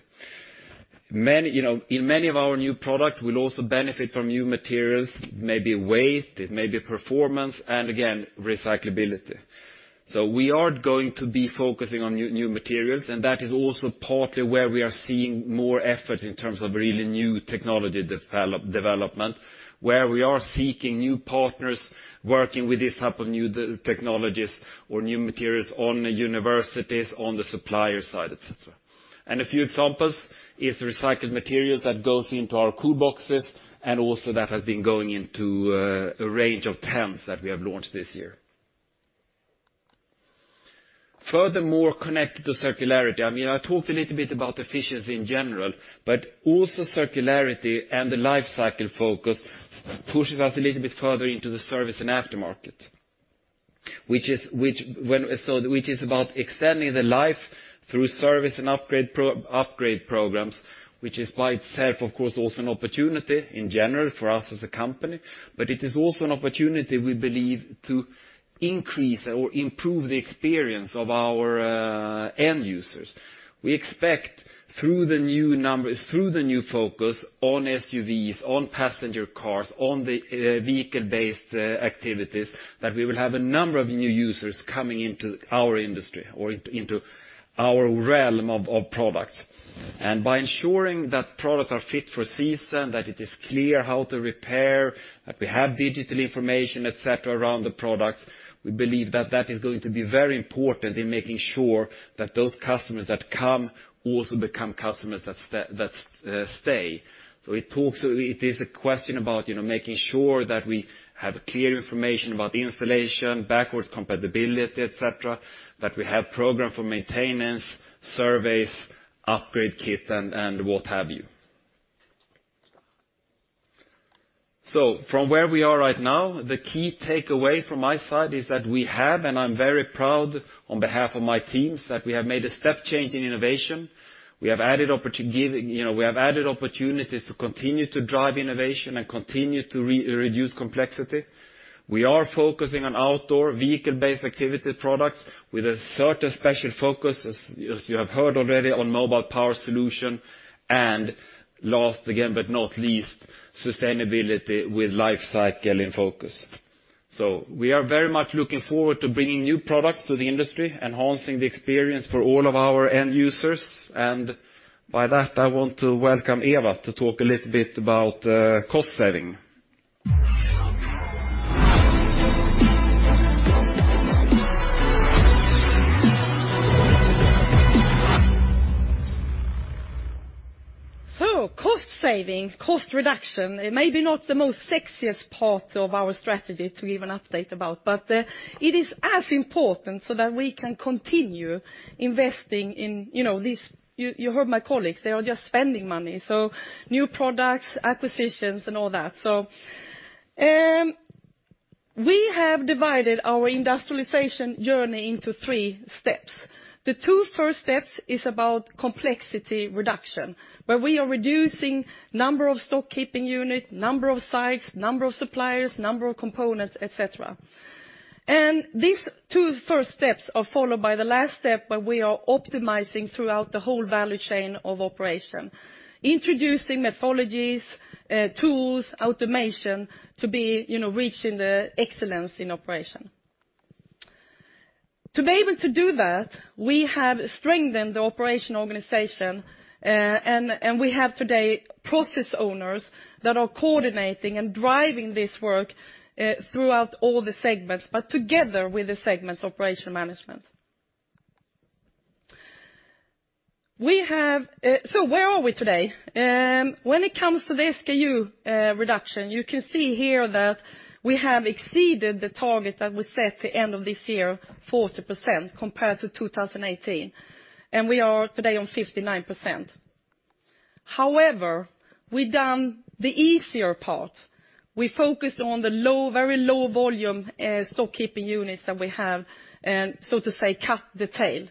In many of our new products will also benefit from new materials, maybe weight, it may be performance, and again, recyclability. We are going to be focusing on new materials, and that is also partly where we are seeing more efforts in terms of really new technology development, where we are seeking new partners working with this type of new technologies or new materials on the universities, on the supplier side, et cetera. A few examples is the recycled materials that goes into our cool boxes and also that has been going into a range of tents that we have launched this year. Furthermore, connected to circularity, I mean, I talked a little bit about efficiency in general, but also circularity and the life cycle focus pushes us a little bit further into the service and aftermarket, which is about extending the life through service and upgrade programs, which is by itself of course also an opportunity in general for us as a company. But it is also an opportunity we believe to increase or improve the experience of our end users. We expect through the new numbers, through the new focus on SUVs, on passenger cars, on the vehicle-based activities, that we will have a number of new users coming into our industry or into our realm of products. By ensuring that products are fit for season, that it is clear how to repair, that we have digital information, et cetera, around the products, we believe that is going to be very important in making sure that those customers that come also become customers that stay. It is a question about, you know, making sure that we have clear information about installation, backwards compatibility, et cetera, that we have program for maintenance, surveys, upgrade kit and what have you. From where we are right now, the key takeaway from my side is that we have, and I'm very proud on behalf of my teams, that we have made a step change in innovation. We have added opportunities to continue to drive innovation and continue to reduce complexity. We are focusing on outdoor vehicle-based activity products with a certain special focus, as you have heard already, on mobile power solution. Last again, but not least, sustainability with life cycle in focus. We are very much looking forward to bringing new products to the industry, enhancing the experience for all of our end users. By that, I want to welcome Eva to talk a little bit about cost saving. Cost saving, cost reduction, it may be not the most sexiest part of our strategy to give an update about, but it is as important so that we can continue investing in, you know, this. You heard my colleagues, they are just spending money, so new products, acquisitions and all that. We have divided our industrialization journey into three steps. The two first steps is about complexity reduction, where we are reducing number of stock keeping unit, number of sites, number of suppliers, number of components, et cetera. These two first steps are followed by the last step, where we are optimizing throughout the whole value chain of operation, introducing methodologies, tools, automation to be, you know, reaching the excellence in operation. To be able to do that, we have strengthened the operation organization, and we have today process owners that are coordinating and driving this work, throughout all the segments, but together with the segment's operation management. We have. Where are we today? When it comes to the SKU reduction, you can see here that we have exceeded the target that was set to end of this year, 40% compared to 2018. We are today on 59%. However, we've done the easier part. We focused on the low, very low volume stock keeping units that we have, so to say, cut the tail.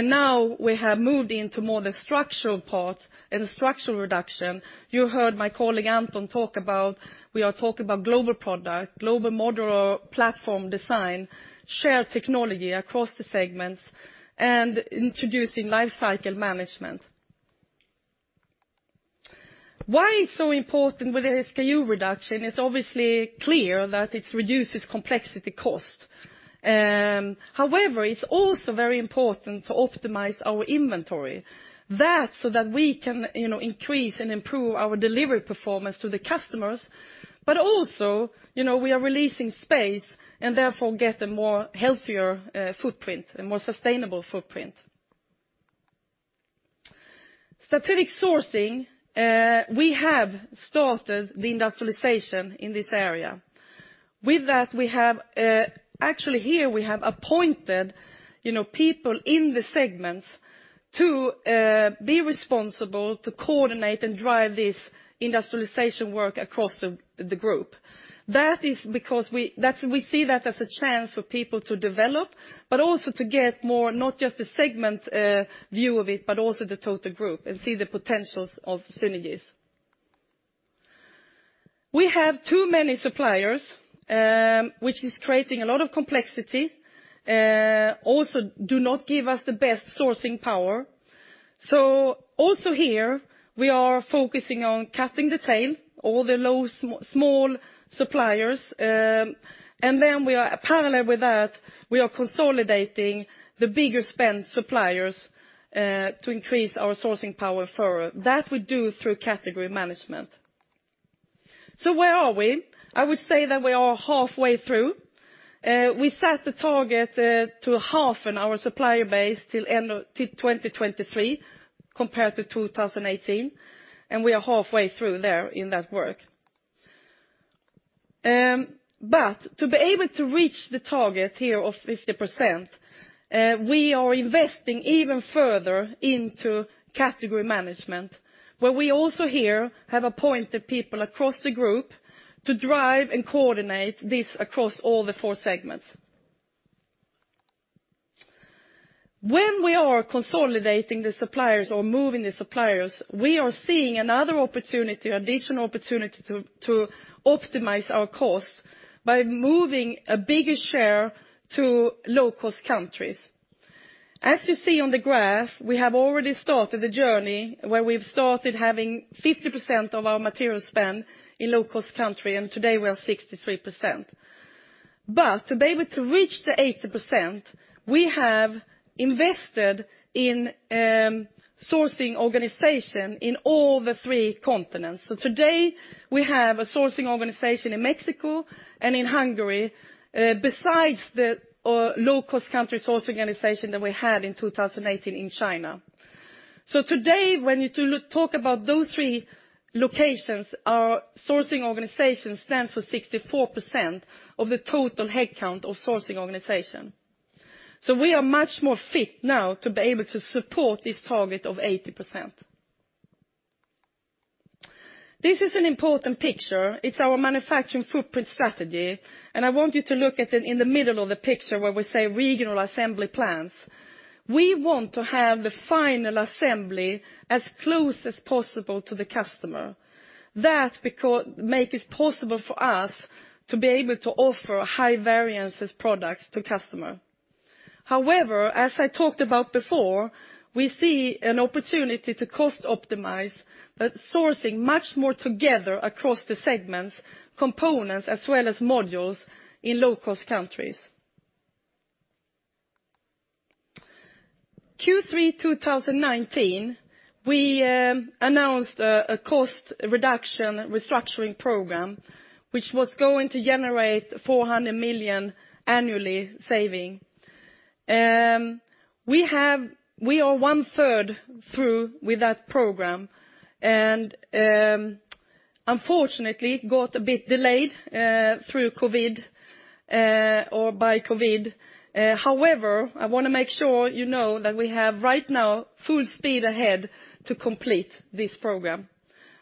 Now we have moved into more the structural part and structural reduction. You heard my colleague Anton talk about we are talking about global product, global modular platform design, shared technology across the segments, and introducing life cycle management. Why it's so important with the SKU reduction? It's obviously clear that it reduces complexity cost. However, it's also very important to optimize our inventory. So that we can, you know, increase and improve our delivery performance to the customers, but also, you know, we are releasing space and therefore get a more healthier footprint, a more sustainable footprint. Strategic sourcing. We have started the industrialization in this area. With that, we have actually appointed, you know, people in the segments to be responsible to coordinate and drive this industrialization work across the group. That is because we see that as a chance for people to develop, but also to get more, not just a segment view of it, but also the total group and see the potentials of synergies. We have too many suppliers, which is creating a lot of complexity, also do not give us the best sourcing power. So also here, we are focusing on cutting the tail, all the low small suppliers. And then we are parallel with that, we are consolidating the bigger spend suppliers, to increase our sourcing power further. That we do through category management. So where are we? I would say that we are halfway through. We set the target to halve our supplier base till end of 2023 compared to 2018, and we are halfway through there in that work. To be able to reach the target here of 50%, we are investing even further into category management, where we also here have appointed people across the group to drive and coordinate this across all the four segments. When we are consolidating the suppliers or moving the suppliers, we are seeing another opportunity, additional opportunity to optimize our costs by moving a bigger share to low-cost countries. As you see on the graph, we have already started the journey where we've started having 50% of our material spend in low-cost country, and today we are 63%. To be able to reach the 80%, we have invested in sourcing organization in all the three continents. Today, we have a sourcing organization in Mexico and in Hungary, besides our low-cost country source organization that we had in 2018 in China. Today, when you talk about those three locations, our sourcing organization stands for 64% of the total head count of sourcing organization. We are much more fit now to be able to support this target of 80%. This is an important picture. It's our manufacturing footprint strategy, and I want you to look at the, in the middle of the picture where we say regional assembly plans. We want to have the final assembly as close as possible to the customer. That because make it possible for us to be able to offer high variances products to customer. However, as I talked about before, we see an opportunity to cost optimize by sourcing much more together across the segments, components as well as modules in low-cost countries. Q3 2019, we announced a cost reduction restructuring program which was going to generate 400 million annual savings. We are one-third through with that program and unfortunately got a bit delayed by COVID. However, I wanna make sure you know that we have right now full speed ahead to complete this program,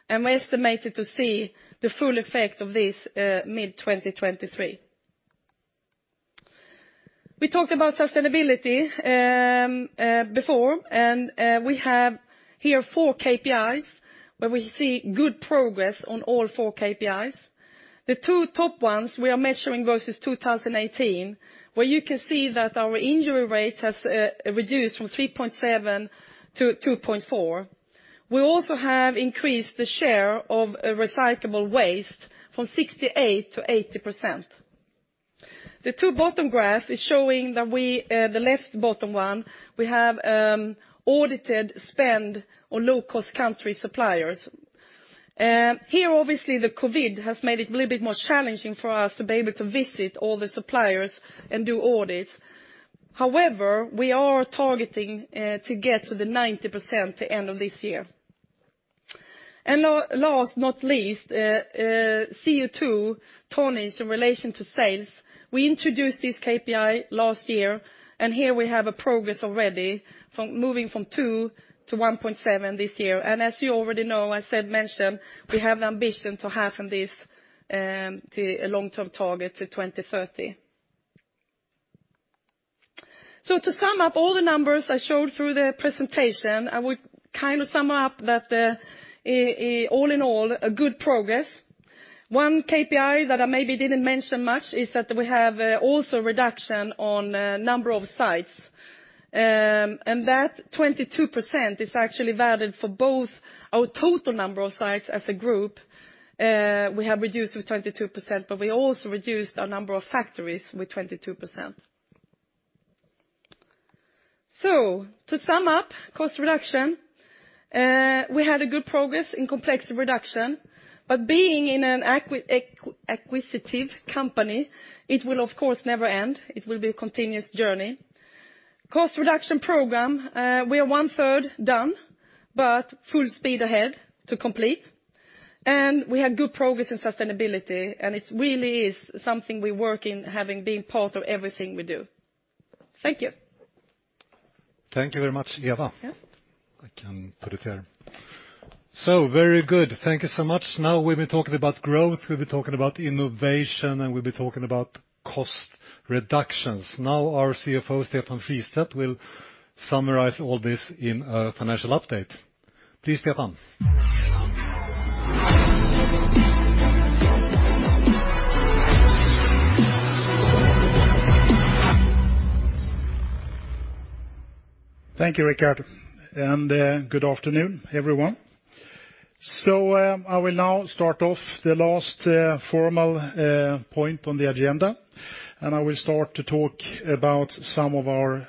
and we estimate to see the full effect of this mid-2023. We talked about sustainability before, and we have here four KPIs where we see good progress on all four KPIs. The two top ones we are measuring versus 2018, where you can see that our injury rate has reduced from 3.7 to 2.4. We also have increased the share of recyclable waste from 68% to 80%. The two bottom graphs is showing that we, the left bottom one, we have audited spend on low-cost country suppliers. Here obviously the COVID has made it a little bit more challenging for us to be able to visit all the suppliers and do audits. However, we are targeting to get to the 90% at the end of this year. Last but not least, CO2 tonnage in relation to sales. We introduced this KPI last year, and here we have a progress already from moving from 2 to 1.7 this year. As you already know, as I'd mentioned, we have an ambition to halve this to a long-term target to 2030. To sum up all the numbers I showed through the presentation, I would kind of sum up that, all in all, a good progress. One KPI that I maybe didn't mention much is that we have also reduction on number of sites. That 22% is actually valid for both our total number of sites as a group. We have reduced with 22%, but we also reduced our number of factories with 22%. To sum up cost reduction, we had a good progress in complexity reduction, but being in an acquisitive company, it will of course never end. It will be a continuous journey. Cost reduction program, we are one-third done, but full speed ahead to complete. We have good progress in sustainability, and it really is something we work in having been part of everything we do. Thank you. Thank you very much, Eva. Yeah. I can put it here. Very good. Thank you so much. Now we've been talking about growth, we've been talking about innovation, and we've been talking about cost reductions. Now our CFO, Stefan Fristedt, will summarize all this in a financial update. Please, Stefan. Thank you, Rikard, and good afternoon, everyone. I will now start off the last formal point on the agenda, and I will start to talk about some of our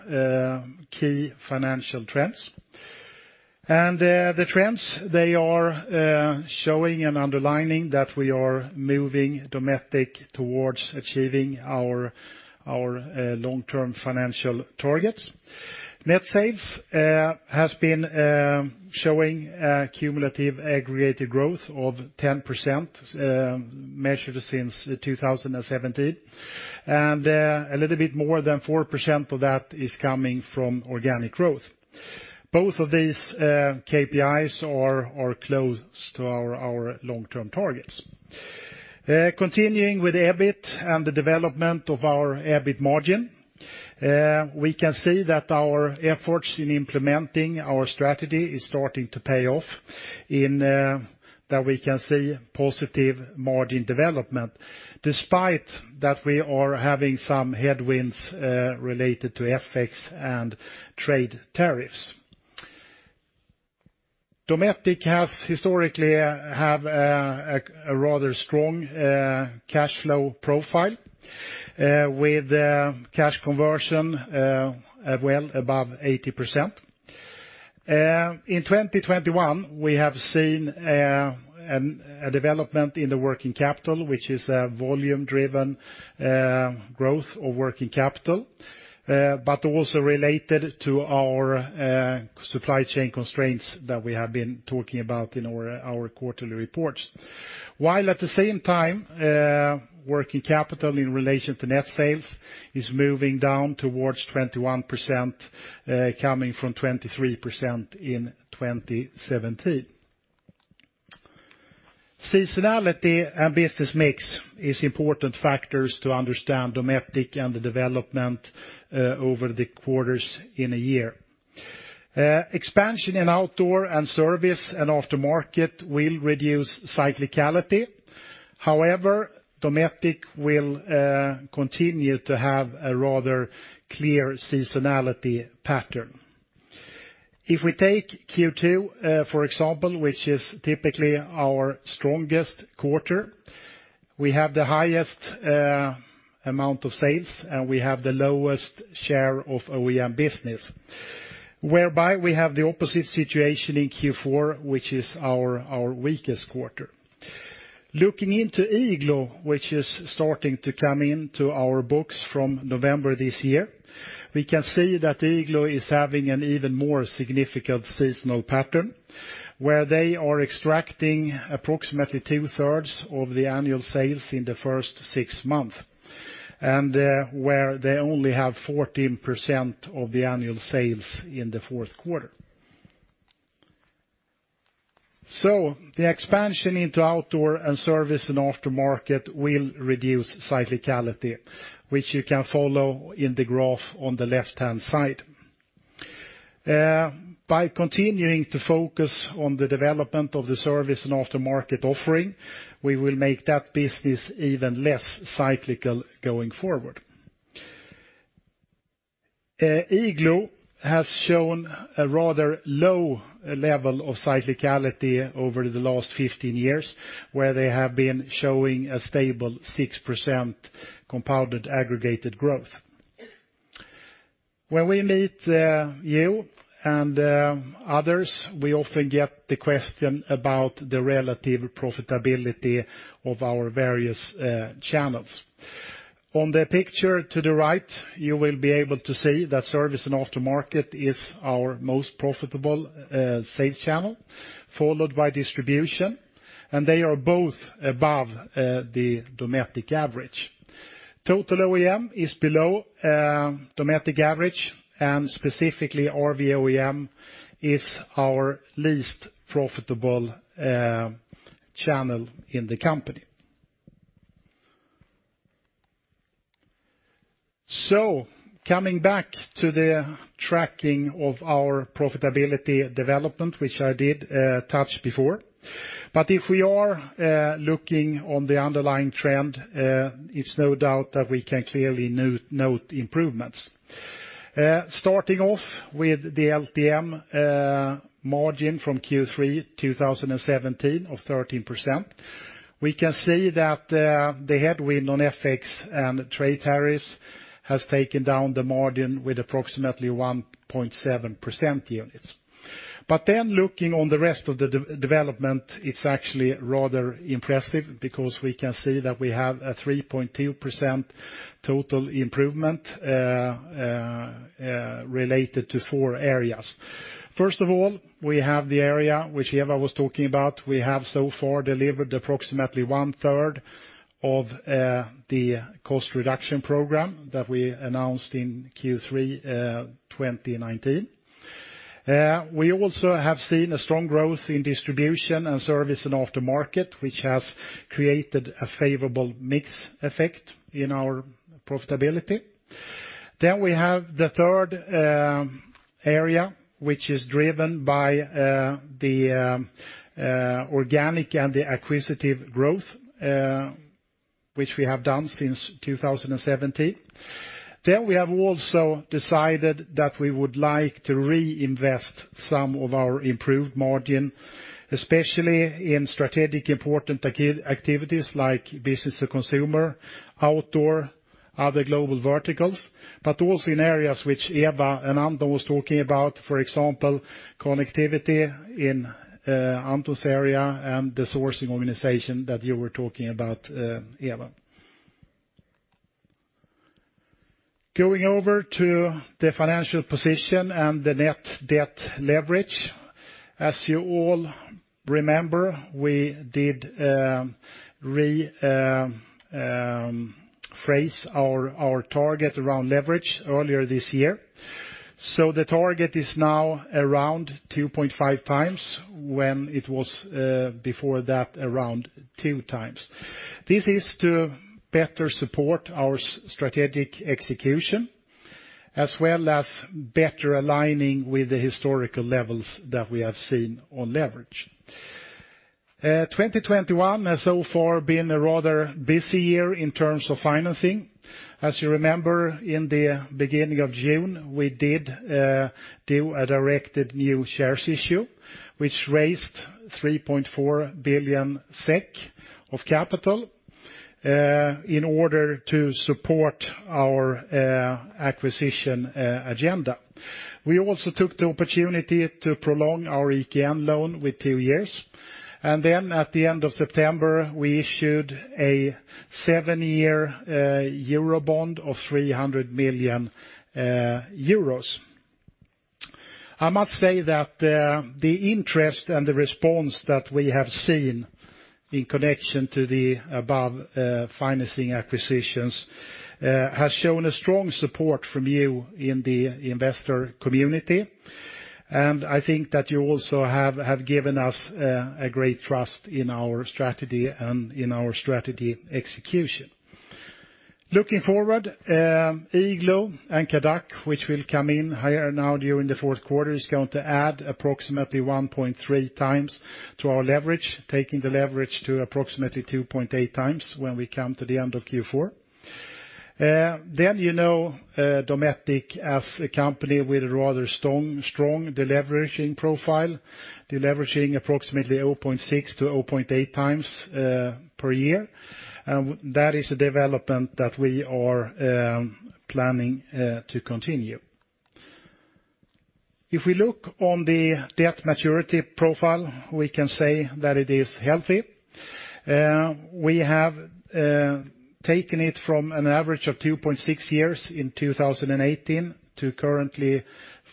key financial trends. The trends, they are showing and underlining that we are moving Dometic towards achieving our long-term financial targets. Net sales has been showing a cumulative aggregated growth of 10%, measured since 2017, and a little bit more than 4% of that is coming from organic growth. Both of these KPIs are close to our long-term targets. Continuing with the EBIT and the development of our EBIT margin, we can see that our efforts in implementing our strategy is starting to pay off in that we can see positive margin development, despite that we are having some headwinds related to FX and trade tariffs. Dometic has historically had a rather strong cash flow profile with cash conversion well above 80%. In 2021, we have seen a development in the working capital, which is a volume-driven growth of working capital, but also related to our supply chain constraints that we have been talking about in our quarterly reports. While at the same time, working capital in relation to net sales is moving down towards 21%, coming from 23% in 2017. Seasonality and business mix is important factors to understand Dometic and the development over the quarters in a year. Expansion in outdoor and service and aftermarket will reduce cyclicality. However, Dometic will continue to have a rather clear seasonality pattern. If we take Q2, for example, which is typically our strongest quarter, we have the highest amount of sales, and we have the lowest share of OEM business, whereby we have the opposite situation in Q4, which is our weakest quarter. Looking into Igloo, which is starting to come into our books from November this year, we can see that Igloo is having an even more significant seasonal pattern, where they are extracting approximately two-thirds of the annual sales in the first six months, and where they only have 14% of the annual sales in the fourth quarter. The expansion into outdoor and service and aftermarket will reduce cyclicality, which you can follow in the graph on the left-hand side. By continuing to focus on the development of the service and aftermarket offering, we will make that business even less cyclical going forward. Igloo has shown a rather low level of cyclicality over the last 15 years, where they have been showing a stable 6% compound annual growth. When we meet, you and others, we often get the question about the relative profitability of our various channels. On the picture to the right, you will be able to see that service and aftermarket is our most profitable sales channel, followed by distribution, and they are both above the Dometic average. Total OEM is below Dometic average, and specifically, RV OEM is our least profitable channel in the company. Coming back to the tracking of our profitability development, which I did touch before. If we are looking on the underlying trend, it's no doubt that we can clearly note improvements. Starting off with the LTM margin from Q3 2017 of 13%, we can see that the headwind on FX and trade tariffs has taken down the margin with approximately 1.7 percentage points. Looking on the rest of the development, it's actually rather impressive because we can see that we have a 3.2% total improvement related to four areas. First of all, we have the area which Eva was talking about. We have so far delivered approximately one-third of the cost reduction program that we announced in Q3 2019. We also have seen a strong growth in distribution and service and aftermarket, which has created a favorable mix effect in our profitability. We have the third area, which is driven by the organic and the acquisitive growth, which we have done since 2017. We have also decided that we would like to reinvest some of our improved margin, especially in strategic important activities like business to consumer, outdoor, other global verticals, but also in areas which Eva and Anton was talking about, for example, connectivity in Anton's area and the sourcing organization that you were talking about, Eva. Going over to the financial position and the net debt leverage, as you all remember, we did rephrase our target around leverage earlier this year. The target is now around 2.5 times when it was before that, around two times. This is to better support our strategic execution, as well as better aligning with the historical levels that we have seen on leverage. 2021 has so far been a rather busy year in terms of financing. As you remember, in the beginning of June, we did do a directed new shares issue, which raised 3.4 billion SEK of capital in order to support our acquisition agenda. We also took the opportunity to prolong our EKN loan with two years. At the end of September, we issued a seven-year EUR bond of 300 million euros. I must say that the interest and the response that we have seen in connection to the above financing acquisitions has shown a strong support from you in the investor community. I think that you also have given us a great trust in our strategy and in our strategy execution. Looking forward, Igloo and CADAC, which will come in here now during the fourth quarter, is going to add approximately 1.3 times to our leverage, taking the leverage to approximately 2.8 times when we come to the end of Q4. Then, you know, Dometic as a company with a rather strong deleveraging profile, deleveraging approximately 0.6-0.8 times per year. That is a development that we are planning to continue. If we look on the debt maturity profile, we can say that it is healthy. We have taken it from an average of 2.6 years in 2018 to currently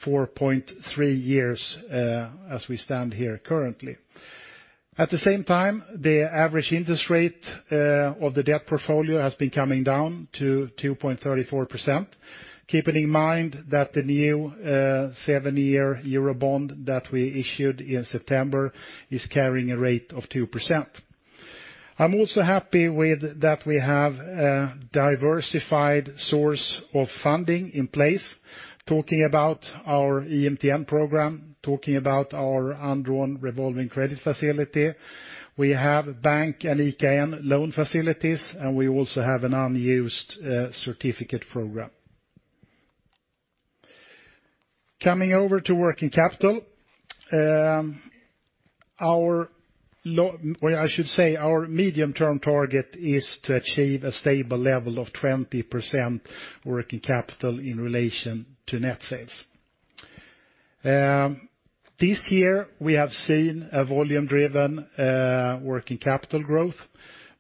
4.3 years, as we stand here currently. At the same time, the average interest rate of the debt portfolio has been coming down to 2.34%. Keeping in mind that the new seven-year euro bond that we issued in September is carrying a rate of 2%. I'm also happy that we have a diversified source of funding in place, talking about our EMTN program, talking about our undrawn revolving credit facility. We have bank and EKN loan facilities, and we also have an unused certificate program. Coming over to working capital, our medium-term target is to achieve a stable level of 20% working capital in relation to net sales. This year, we have seen a volume-driven working capital growth,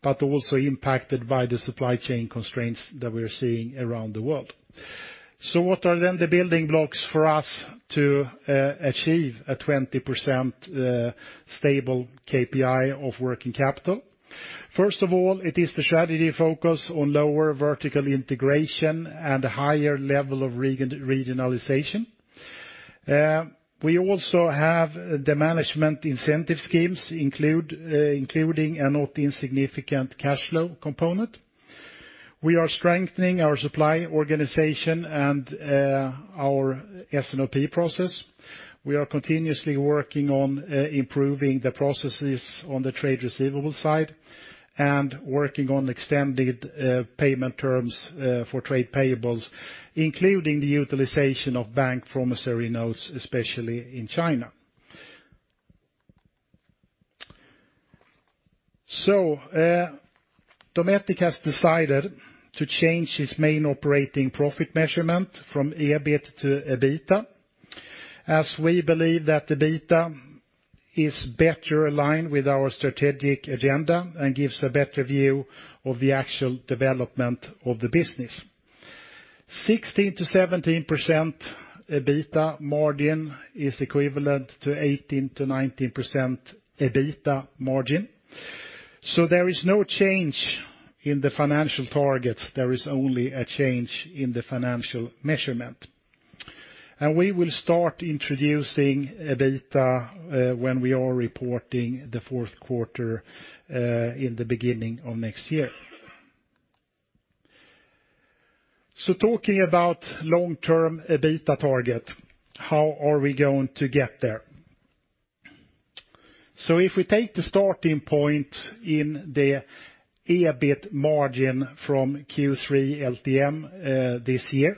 but also impacted by the supply chain constraints that we're seeing around the world. What are then the building blocks for us to achieve a 20% stable KPI of working capital? First of all, it is the strategy focus on lower vertical integration and a higher level of regionalization. We also have the management incentive schemes including a not insignificant cash flow component. We are strengthening our supply organization and our S&OP process. We are continuously working on improving the processes on the trade receivables side and working on extended payment terms for trade payables, including the utilization of bank promissory notes, especially in China. Dometic has decided to change its main operating profit measurement from EBIT to EBITDA, as we believe that EBITDA is better aligned with our strategic agenda and gives a better view of the actual development of the business. 16%-17% EBITDA margin is equivalent to 18%-19% EBITDA margin. There is no change in the financial targets, there is only a change in the financial measurement. We will start introducing EBITDA when we are reporting the fourth quarter in the beginning of next year. Talking about long-term EBITDA target, how are we going to get there? If we take the starting point in the EBIT margin from Q3 LTM this year,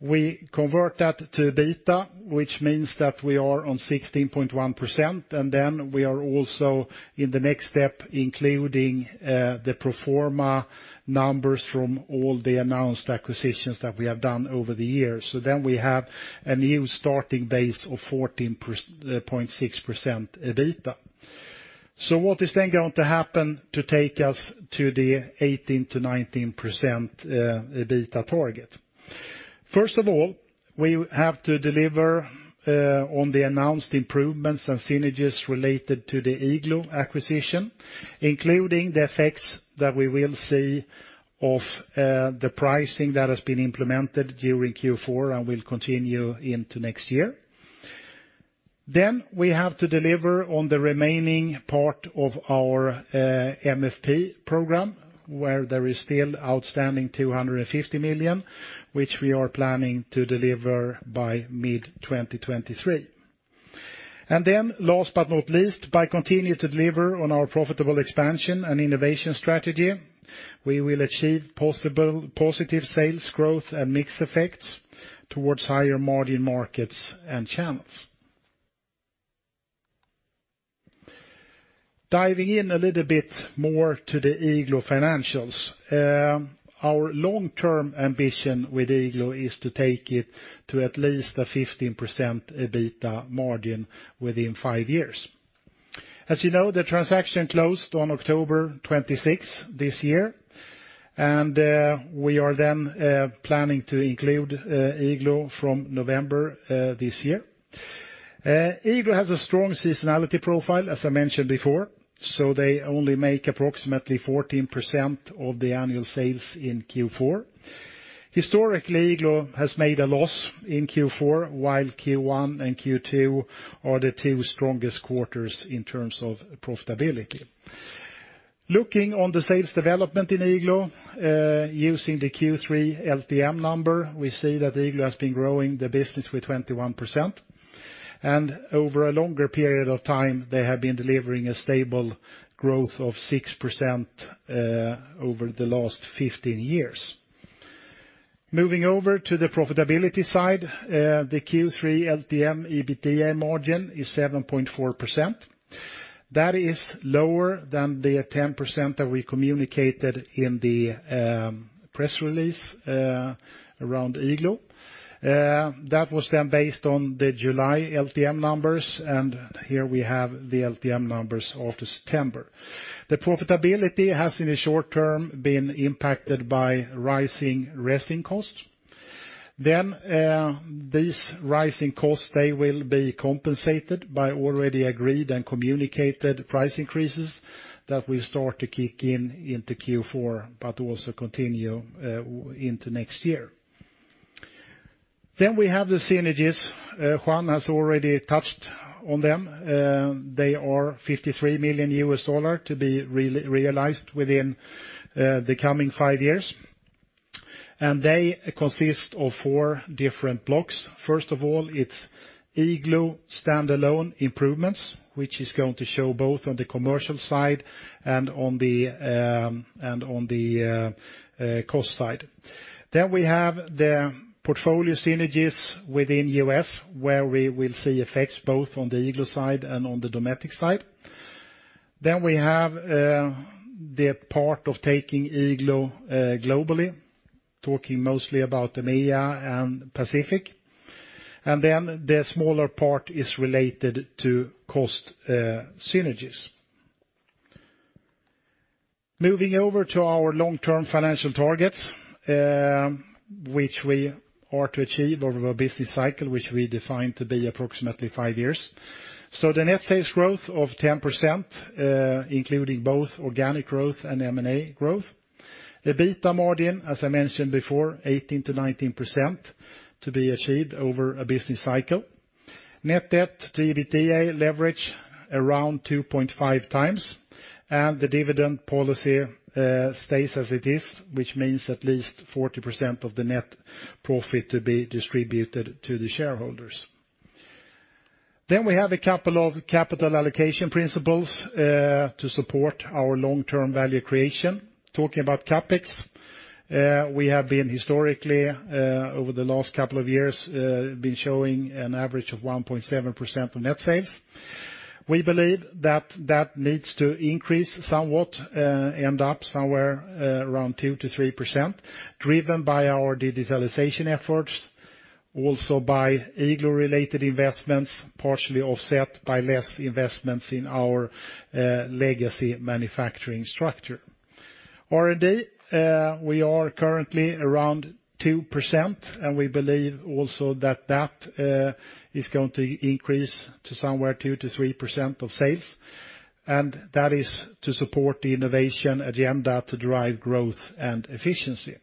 we convert that to EBITDA, which means that we are on 16.1%, and then we are also in the next step including the pro forma numbers from all the announced acquisitions that we have done over the years. We have a new starting base of 14.6% EBITDA. What is then going to happen to take us to the 18%-19% EBITDA target? First of all, we have to deliver on the announced improvements and synergies related to the Igloo acquisition, including the effects that we will see of the pricing that has been implemented during Q4 and will continue into next year. We have to deliver on the remaining part of our MFP program, where there is still outstanding 250 million, which we are planning to deliver by mid-2023. Last but not least, by continuing to deliver on our profitable expansion and innovation strategy, we will achieve positive sales growth and mix effects towards higher margin markets and channels. Diving in a little bit more to the Igloo financials. Our long-term ambition with Igloo is to take it to at least a 15% EBITDA margin within five years. As you know, the transaction closed on October 26 this year, and we are then planning to include Igloo from November this year. Igloo has a strong seasonality profile, as I mentioned before, so they only make approximately 14% of the annual sales in Q4. Historically, Igloo has made a loss in Q4, while Q1 and Q2 are the two strongest quarters in terms of profitability. Looking on the sales development in Igloo, using the Q3 LTM number, we see that Igloo has been growing the business with 21%. Over a longer period of time, they have been delivering a stable growth of 6% over the last 15 years. Moving over to the profitability side, the Q3 LTM EBITDA margin is 7.4%. That is lower than the 10% that we communicated in the press release around Igloo. That was then based on the July LTM numbers, and here we have the LTM numbers of September. The profitability has, in the short term, been impacted by rising resin costs. These rising costs, they will be compensated by already agreed and communicated price increases that will start to kick in into Q4, but also continue into next year. We have the synergies. Juan has already touched on them. They are $53 million to be realized within the coming five years. They consist of four different blocks. First of all, it's Igloo standalone improvements, which is going to show both on the commercial side and on the cost side. We have the portfolio synergies within U.S., where we will see effects both on the Igloo side and on the Dometic side. We have the part of taking Igloo globally, talking mostly about EMEA and Asia Pacific. The smaller part is related to cost synergies. Moving over to our long-term financial targets, which we are to achieve over a business cycle, which we define to be approximately five years. The net sales growth of 10%, including both organic growth and M&A growth. EBITDA margin, as I mentioned before, 18%-19% to be achieved over a business cycle. Net debt to EBITDA leverage around 2.5 times. The dividend policy stays as it is, which means at least 40% of the net profit to be distributed to the shareholders. We have a couple of capital allocation principles to support our long-term value creation. Talking about CapEx, we have been historically, over the last couple of years, showing an average of 1.7% of net sales. We believe that needs to increase somewhat, end up somewhere around 2%-3%, driven by our digitalization efforts, also by Igloo-related investments, partially offset by less investments in our legacy manufacturing structure. R&D, we are currently around 2%, and we believe also that is going to increase to somewhere 2%-3% of sales. That is to support the innovation agenda to drive growth and efficiency.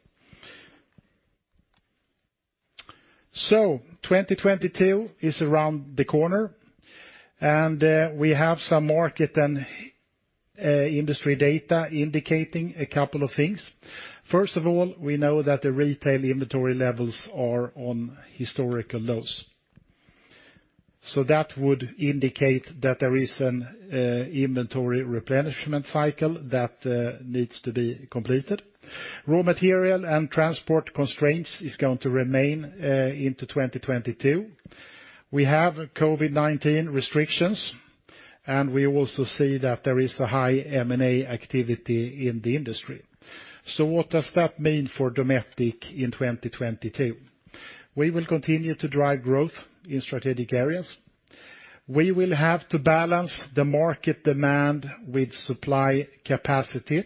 2022 is around the corner, and we have some market and industry data indicating a couple of things. First of all, we know that the retail inventory levels are on historical lows. That would indicate that there is an inventory replenishment cycle that needs to be completed. Raw material and transport constraints is going to remain into 2022. We have COVID-19 restrictions, and we also see that there is a high M&A activity in the industry. What does that mean for Dometic in 2022? We will continue to drive growth in strategic areas. We will have to balance the market demand with supply capacity.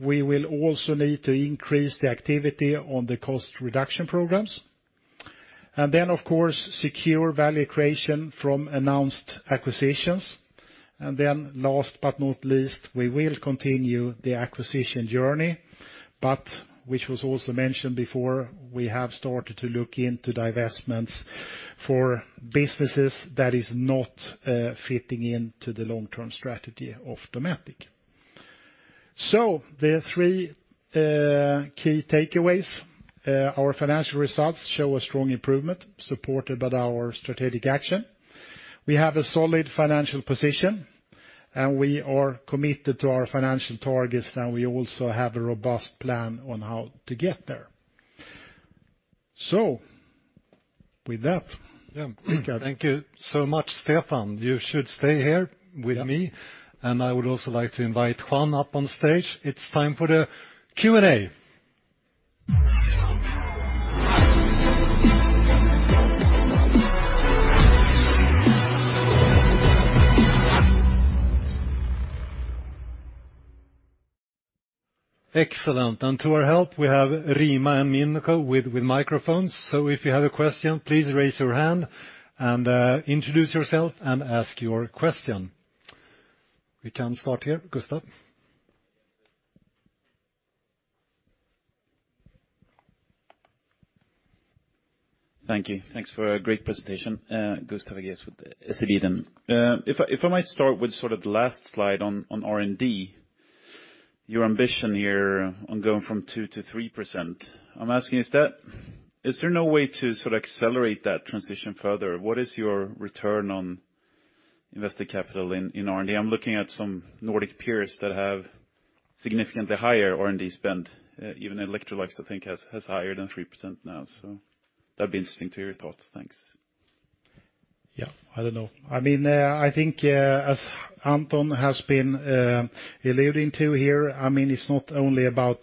We will also need to increase the activity on the cost reduction programs. Of course, secure value creation from announced acquisitions. Last but not least, we will continue the acquisition journey. Which was also mentioned before, we have started to look into divestments for businesses that is not fitting into the long-term strategy of Dometic. The three key takeaways. Our financial results show a strong improvement supported by our strategic action. We have a solid financial position, and we are committed to our financial targets. We also have a robust plan on how to get there. With that, yeah, Rikard. Thank you so much, Stefan. You should stay here with me. I would also like to invite Juan up on stage. It's time for the Q&A. Excellent. To our help, we have Rima and Minco with microphones. So if you have a question, please raise your hand and introduce yourself and ask your question. We can start here, Gustav. Thank you. Thanks for a great presentation. Gustav Hagéus with SEB. If I might start with sort of the last slide on R&D. Your ambition here on going from 2%-3%, I'm asking, is there no way to sort of accelerate that transition further? What is your return on invested capital in R&D? I'm looking at some Nordic peers that have significantly higher R&D spend. Even Electrolux, I think, has higher than 3% now. That'd be interesting to hear your thoughts. Thanks. Yeah, I don't know. I mean, I think, as Anton has been alluding to here, I mean, it's not only about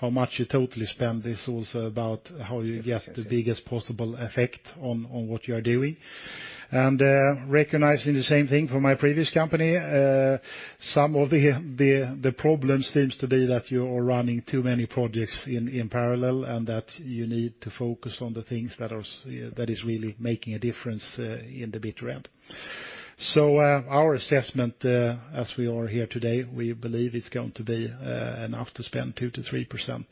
how much you totally spend. It's also about how you get the biggest possible effect on what you're doing. Recognizing the same thing from my previous company, some of the problem seems to be that you're running too many projects in parallel and that you need to focus on the things that is really making a difference in the big round. Our assessment, as we are here today, we believe it's going to be enough to spend 2%-3%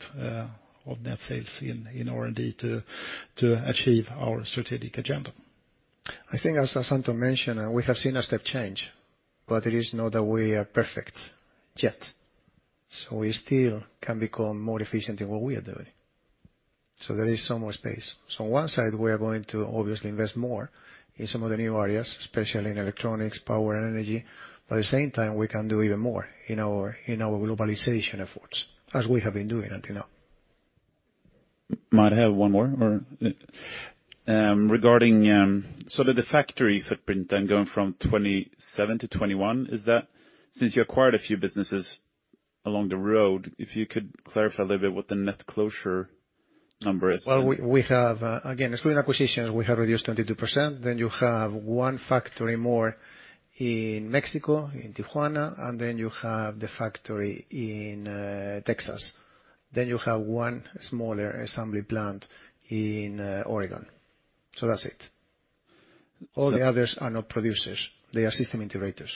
of net sales in R&D to achieve our strategic agenda. I think as Anton mentioned, we have seen a step change, but it is not that we are perfect yet. We still can become more efficient in what we are doing. There is some more space. On one side, we are going to obviously invest more in some of the new areas, especially in electronics, power, and energy. But at the same time, we can do even more in our globalization efforts, as we have been doing until now. Might have one more. Regarding, sort of the factory footprint then going from 27 to 21, is that since you acquired a few businesses along the road, if you could clarify a little bit what the net closure number is? Well, we have again, excluding acquisitions, we have reduced 22%. You have one factory more in Mexico, in Tijuana, and then you have the factory in Texas. You have one smaller assembly plant in Oregon. That's it. All the others are not producers, they are system integrators.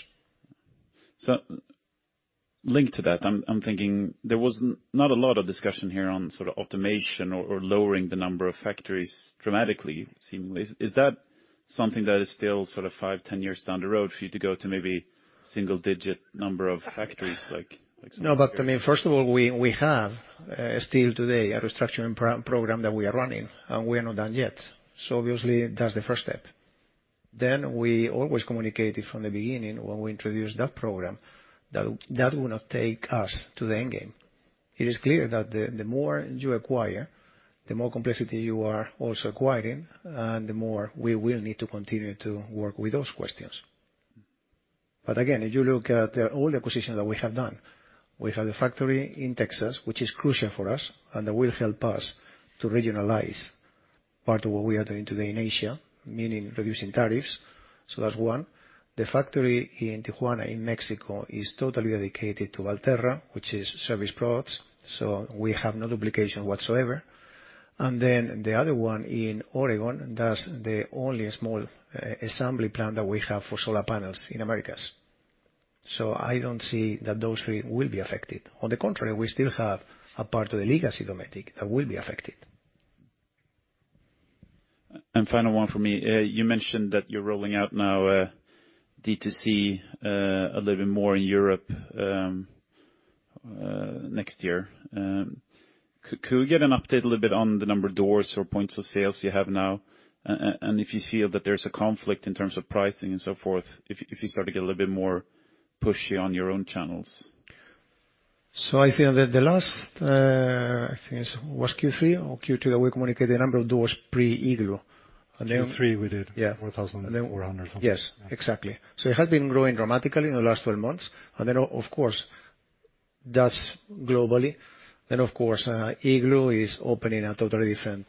Linked to that, I'm thinking there was not a lot of discussion here on sort of automation or lowering the number of factories dramatically seemingly. Is that something that is still sort of 5-10 years down the road for you to go to maybe single digit number of factories like some of your- No, I mean, first of all, we have still today a restructuring program that we are running, and we are not done yet. Obviously that's the first step. We always communicated from the beginning when we introduced that program that that will not take us to the end game. It is clear that the more you acquire, the more complexity you are also acquiring, and the more we will need to continue to work with those questions. Again, if you look at all the acquisitions that we have done, we have the factory in Texas, which is crucial for us, and that will help us to regionalize part of what we are doing today in Asia, meaning reducing tariffs. That's one. The factory in Tijuana in Mexico is totally dedicated to Valterra, which is service products. We have no duplication whatsoever. The other one in Oregon, that's the only small assembly plant that we have for solar panels in Americas. I don't see that those three will be affected. On the contrary, we still have a part of the legacy Dometic that will be affected. Final one for me. You mentioned that you're rolling out now D2C a little bit more in Europe next year. Could we get an update a little bit on the number of doors or points of sales you have now, and if you feel that there's a conflict in terms of pricing and so forth if you start to get a little bit more pushy on your own channels? I think it was Q3 or Q2 that we communicated the number of doors pre-Igloo, and then- Q3 we did. Yeah. 4,400 something. Yes, exactly. It has been growing dramatically in the last 12 months. Of course, that's globally. Igloo is opening a totally different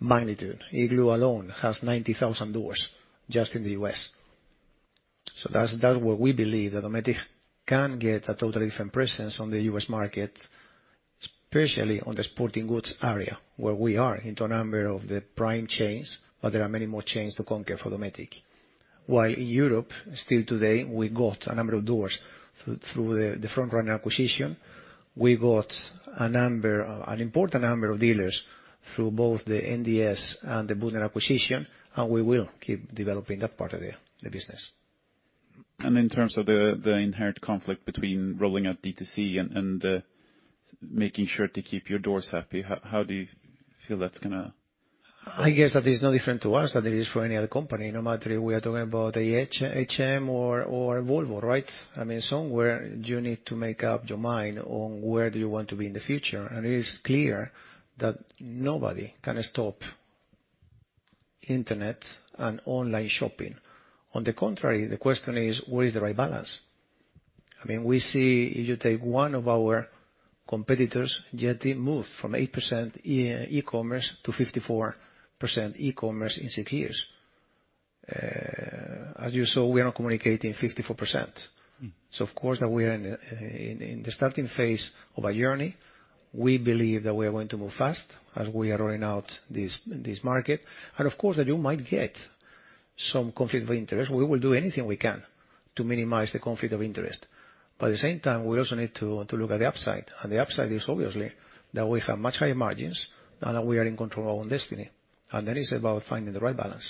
magnitude. Igloo alone has 90,000 doors just in the U.S. That's what we believe, that Dometic can get a totally different presence on the U.S. market, especially on the sporting goods area, where we are into a number of the prime chains, but there are many more chains to conquer for Dometic. While in Europe, still today, we got a number of doors through the Front Runner acquisition. We got an important number of dealers through both the NDS and the Bohle acquisition, and we will keep developing that part of the business. In terms of the inherent conflict between rolling out D2C and making sure to keep your OEMs happy, how do you feel that's gonna- I guess that is no different to us than it is for any other company, no matter we are talking about H&M or Volvo, right? I mean, somewhere you need to make up your mind on where do you want to be in the future. It is clear that nobody can stop internet and online shopping. On the contrary, the question is, where is the right balance? I mean, we see if you take one of our competitors, YETI, moved from 8% e-commerce to 54% e-commerce in six years. As you saw, we are now communicating 54%. Mm. Of course now we are in the starting phase of a journey. We believe that we are going to move fast as we are rolling out this market. Of course, that you might get some conflict of interest. We will do anything we can to minimize the conflict of interest. At the same time, we also need to look at the upside. The upside is obviously that we have much higher margins now that we are in control of our own destiny. That is about finding the right balance.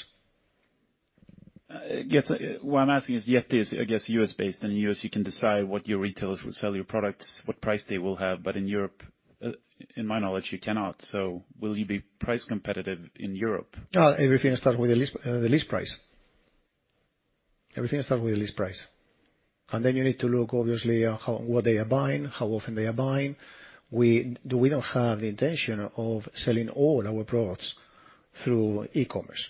Yes, what I'm asking is, YETI is, I guess, U.S.-based. In the U.S., you can decide what your retailers will sell your products, what price they will have. But in Europe, in my knowledge, you cannot. Will you be price competitive in Europe? Everything starts with the list price. You need to look, obviously, what they are buying, how often they are buying. We don't have the intention of selling all our products through e-commerce.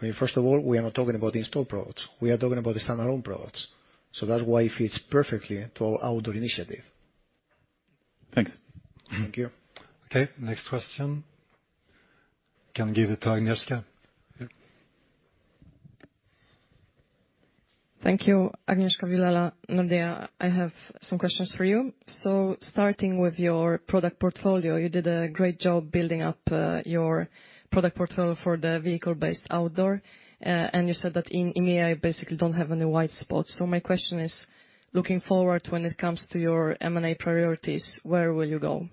I mean, first of all, we are not talking about in-store products. We are talking about the standalone products. That's why it fits perfectly to our outdoor initiative. Thanks. Thank you. Okay, next question. Can give it to Agnieszka. Yeah. Thank you. Agnieszka Vilela, Nordea. I have some questions for you. Starting with your product portfolio, you did a great job building up your product portfolio for the vehicle-based outdoor. You said that in EMEA, you basically don't have any white spots. My question is: Looking forward, when it comes to your M&A priorities, where will you go?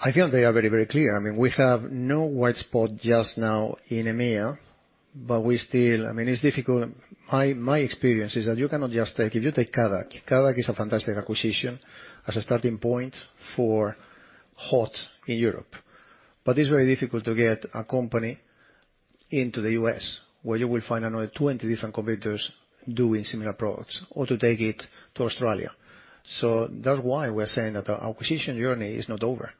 I think they are very, very clear. I mean, we have no white spot just now in EMEA, but we still, I mean, it's difficult. My experience is that if you take CADAC is a fantastic acquisition as a starting point for hot in Europe. It's very difficult to get a company into the U.S., where you will find another 20 different competitors doing similar products or to take it to Australia. That's why we are saying that our acquisition journey is not over.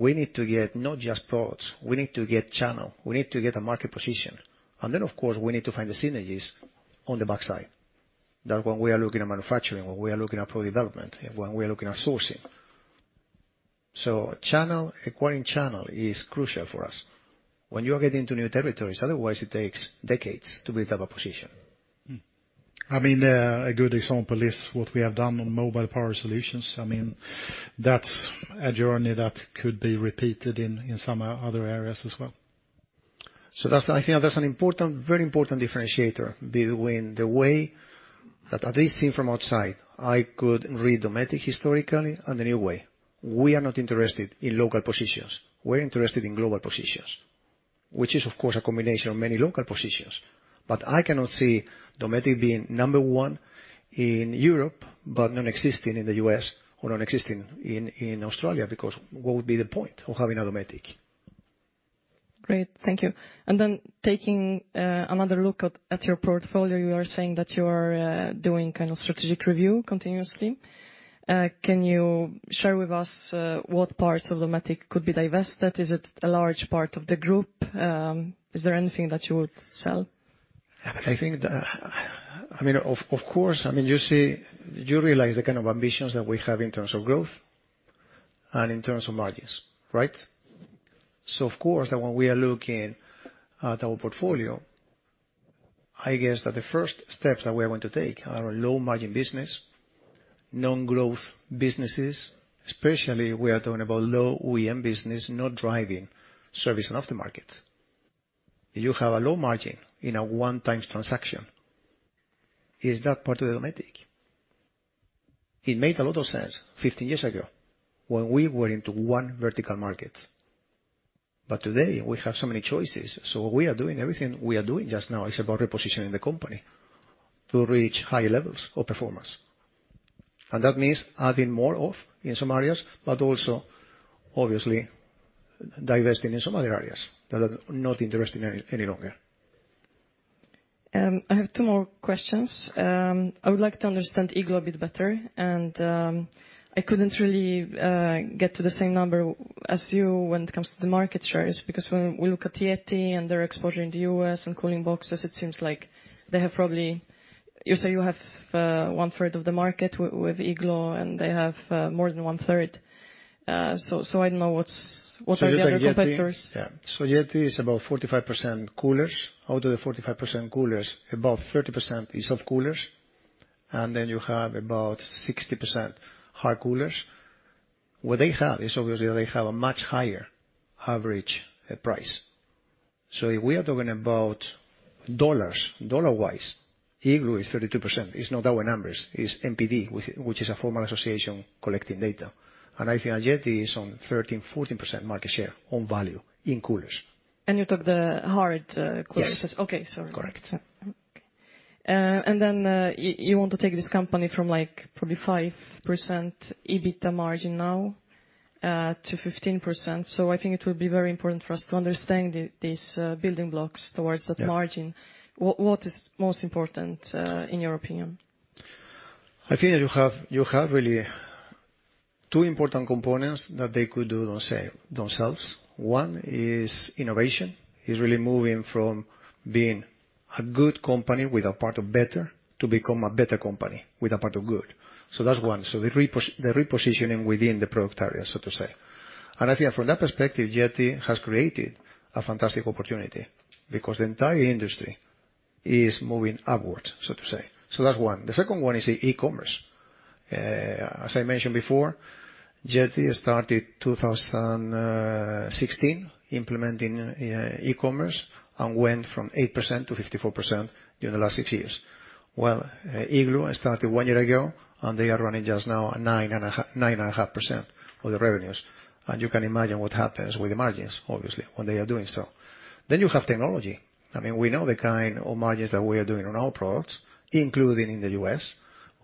We need to get not just products, we need to get channel, we need to get a market position. Then, of course, we need to find the synergies on the backside. That when we are looking at manufacturing, when we are looking at product development, when we are looking at sourcing. Channel acquisition is crucial for us. When you are getting into new territories, otherwise it takes decades to build up a position. Mm. I mean, a good example is what we have done on mobile power solutions. I mean, that's a journey that could be repeated in some other areas as well. That's, I think that's an important, very important differentiator between the way that, at least seen from outside, I could read Dometic historically and the new way. We are not interested in local positions. We're interested in global positions, which is, of course, a combination of many local positions. I cannot see Dometic being number one in Europe, but non-existing in the U.S. or non-existing in Australia, because what would be the point of having a Dometic? Great. Thank you. Then taking another look at your portfolio, you are saying that you are doing kind of strategic review continuously. Can you share with us what parts of Dometic could be divested? Is it a large part of the group? Is there anything that you would sell? I mean, of course. I mean, you see, you realize the kind of ambitions that we have in terms of growth and in terms of margins, right? Of course, that when we are looking at our portfolio, I guess that the first steps that we are going to take are low margin business, non-growth businesses, especially we are talking about low OEM business, not driving service and aftermarket. If you have a low margin in a one-time transaction, is that part of the Dometic? It made a lot of sense 15 years ago when we were into one vertical market. Today we have so many choices, everything we are doing just now is about repositioning the company to reach higher levels of performance. That means adding more of in some areas, but also obviously divesting in some other areas that are not interesting any longer. I have two more questions. I would like to understand Igloo a bit better, and I couldn't really get to the same number as you when it comes to the market shares, because when we look at YETI and their exposure in the U.S. and cooling boxes, it seems like they have. You say you have one third of the market with Igloo, and they have more than one third. So, I don't know. What are the other competitors? YETI is about 45% coolers. Out of the 45% coolers, about 30% is soft coolers, and then you have about 60% hard coolers. What they have is obviously they have a much higher average price. If we are talking about dollars, dollar-wise, Igloo is 32%. It's not our numbers, it's NPD, which is a formal association collecting data. I think YETI is on 13%-14% market share on value in coolers. You took the hard coolers? Yes. Okay. Sorry. Correct. You want to take this company from, like, probably 5% EBITDA margin now to 15%. I think it will be very important for us to understand these building blocks towards that margin. Yeah. What is most important, in your opinion? I think you have really two important components that they could do themselves. One is innovation. It's really moving from being a good company with a part of better to become a better company with a part of good. That's one. The repositioning within the product area, so to say. I think from that perspective, YETI has created a fantastic opportunity because the entire industry is moving upwards, so to say. That's one. The second one is e-commerce. As I mentioned before, YETI started 2016 implementing e-commerce and went from 8% to 54% during the last six years. Well, Igloo started one year ago, and they are running just now at 9.5% of the revenues. You can imagine what happens with the margins, obviously, when they are doing so. You have technology. I mean, we know the kind of margins that we are doing on our products, including in the U.S.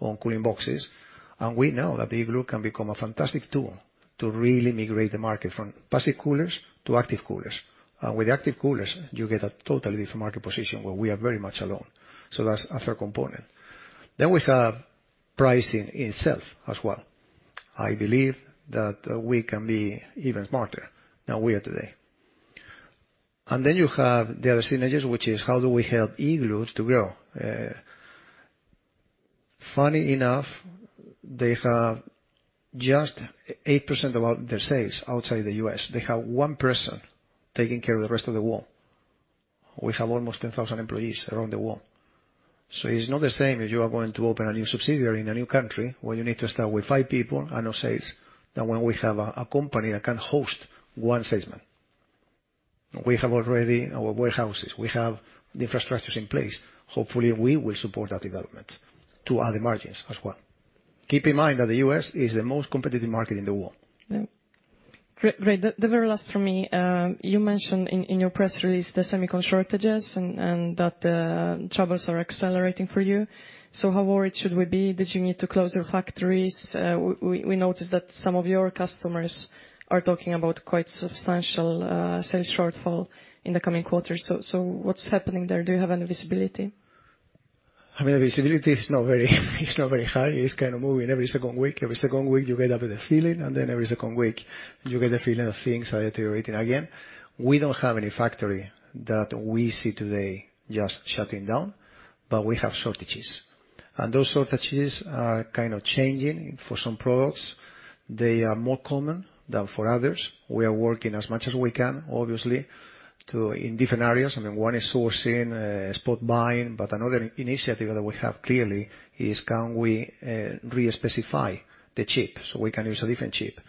on cooling boxes. We know that Igloo can become a fantastic tool to really migrate the market from passive coolers to active coolers. With active coolers, you get a totally different market position where we are very much alone. That's a third component. We have pricing itself as well. I believe that we can be even smarter than we are today. You have the other synergies, which is how do we help Igloo to grow? Funny enough, they have just 8% of all their sales outside the U.S. They have one person taking care of the rest of the world. We have almost 10,000 employees around the world. It's not the same as you are going to open a new subsidiary in a new country where you need to start with five people and no sales, as when we have a company that can host one salesman. We have already our warehouses, we have the infrastructures in place. Hopefully, we will support that development to add margins as well. Keep in mind that the U.S. is the most competitive market in the world. Yeah. Great. The very last for me, you mentioned in your press release the semicon shortages and that the troubles are accelerating for you. How worried should we be? Did you need to close your factories? We noticed that some of your customers are talking about quite substantial sales shortfall in the coming quarters. What's happening there? Do you have any visibility? I mean, the visibility is not very high. It's kind of moving every second week you get up with a feeling, and then every second week you get the feeling that things are deteriorating again. We don't have any factory that we see today just shutting down, but we have shortages. Those shortages are kind of changing for some products. They are more common than for others. We are working as much as we can, obviously, in different areas. I mean, one is sourcing, spot buying. Another initiative that we have clearly is can we re-specify the chip so we can use a different chip?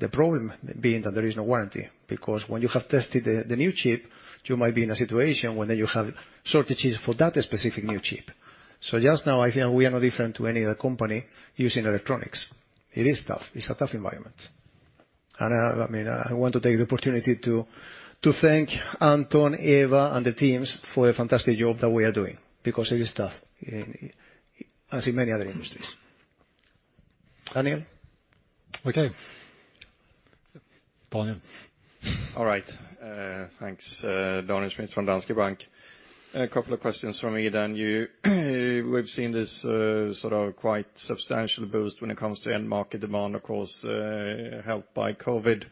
The problem being that there is no warranty, because when you have tested the new chip, you might be in a situation where then you have shortages for that specific new chip. Just now, I think we are no different to any other company using electronics. It is tough. It's a tough environment. I mean, I want to take the opportunity to thank Anton, Eva, and the teams for the fantastic job that we are doing because it is tough, as in many other industries. Daniel? Okay. Daniel. All right. Thanks. Daniel Schmidt from Danske Bank. A couple of questions from me. We've seen this sort of quite substantial boost when it comes to end market demand, of course, helped by COVID.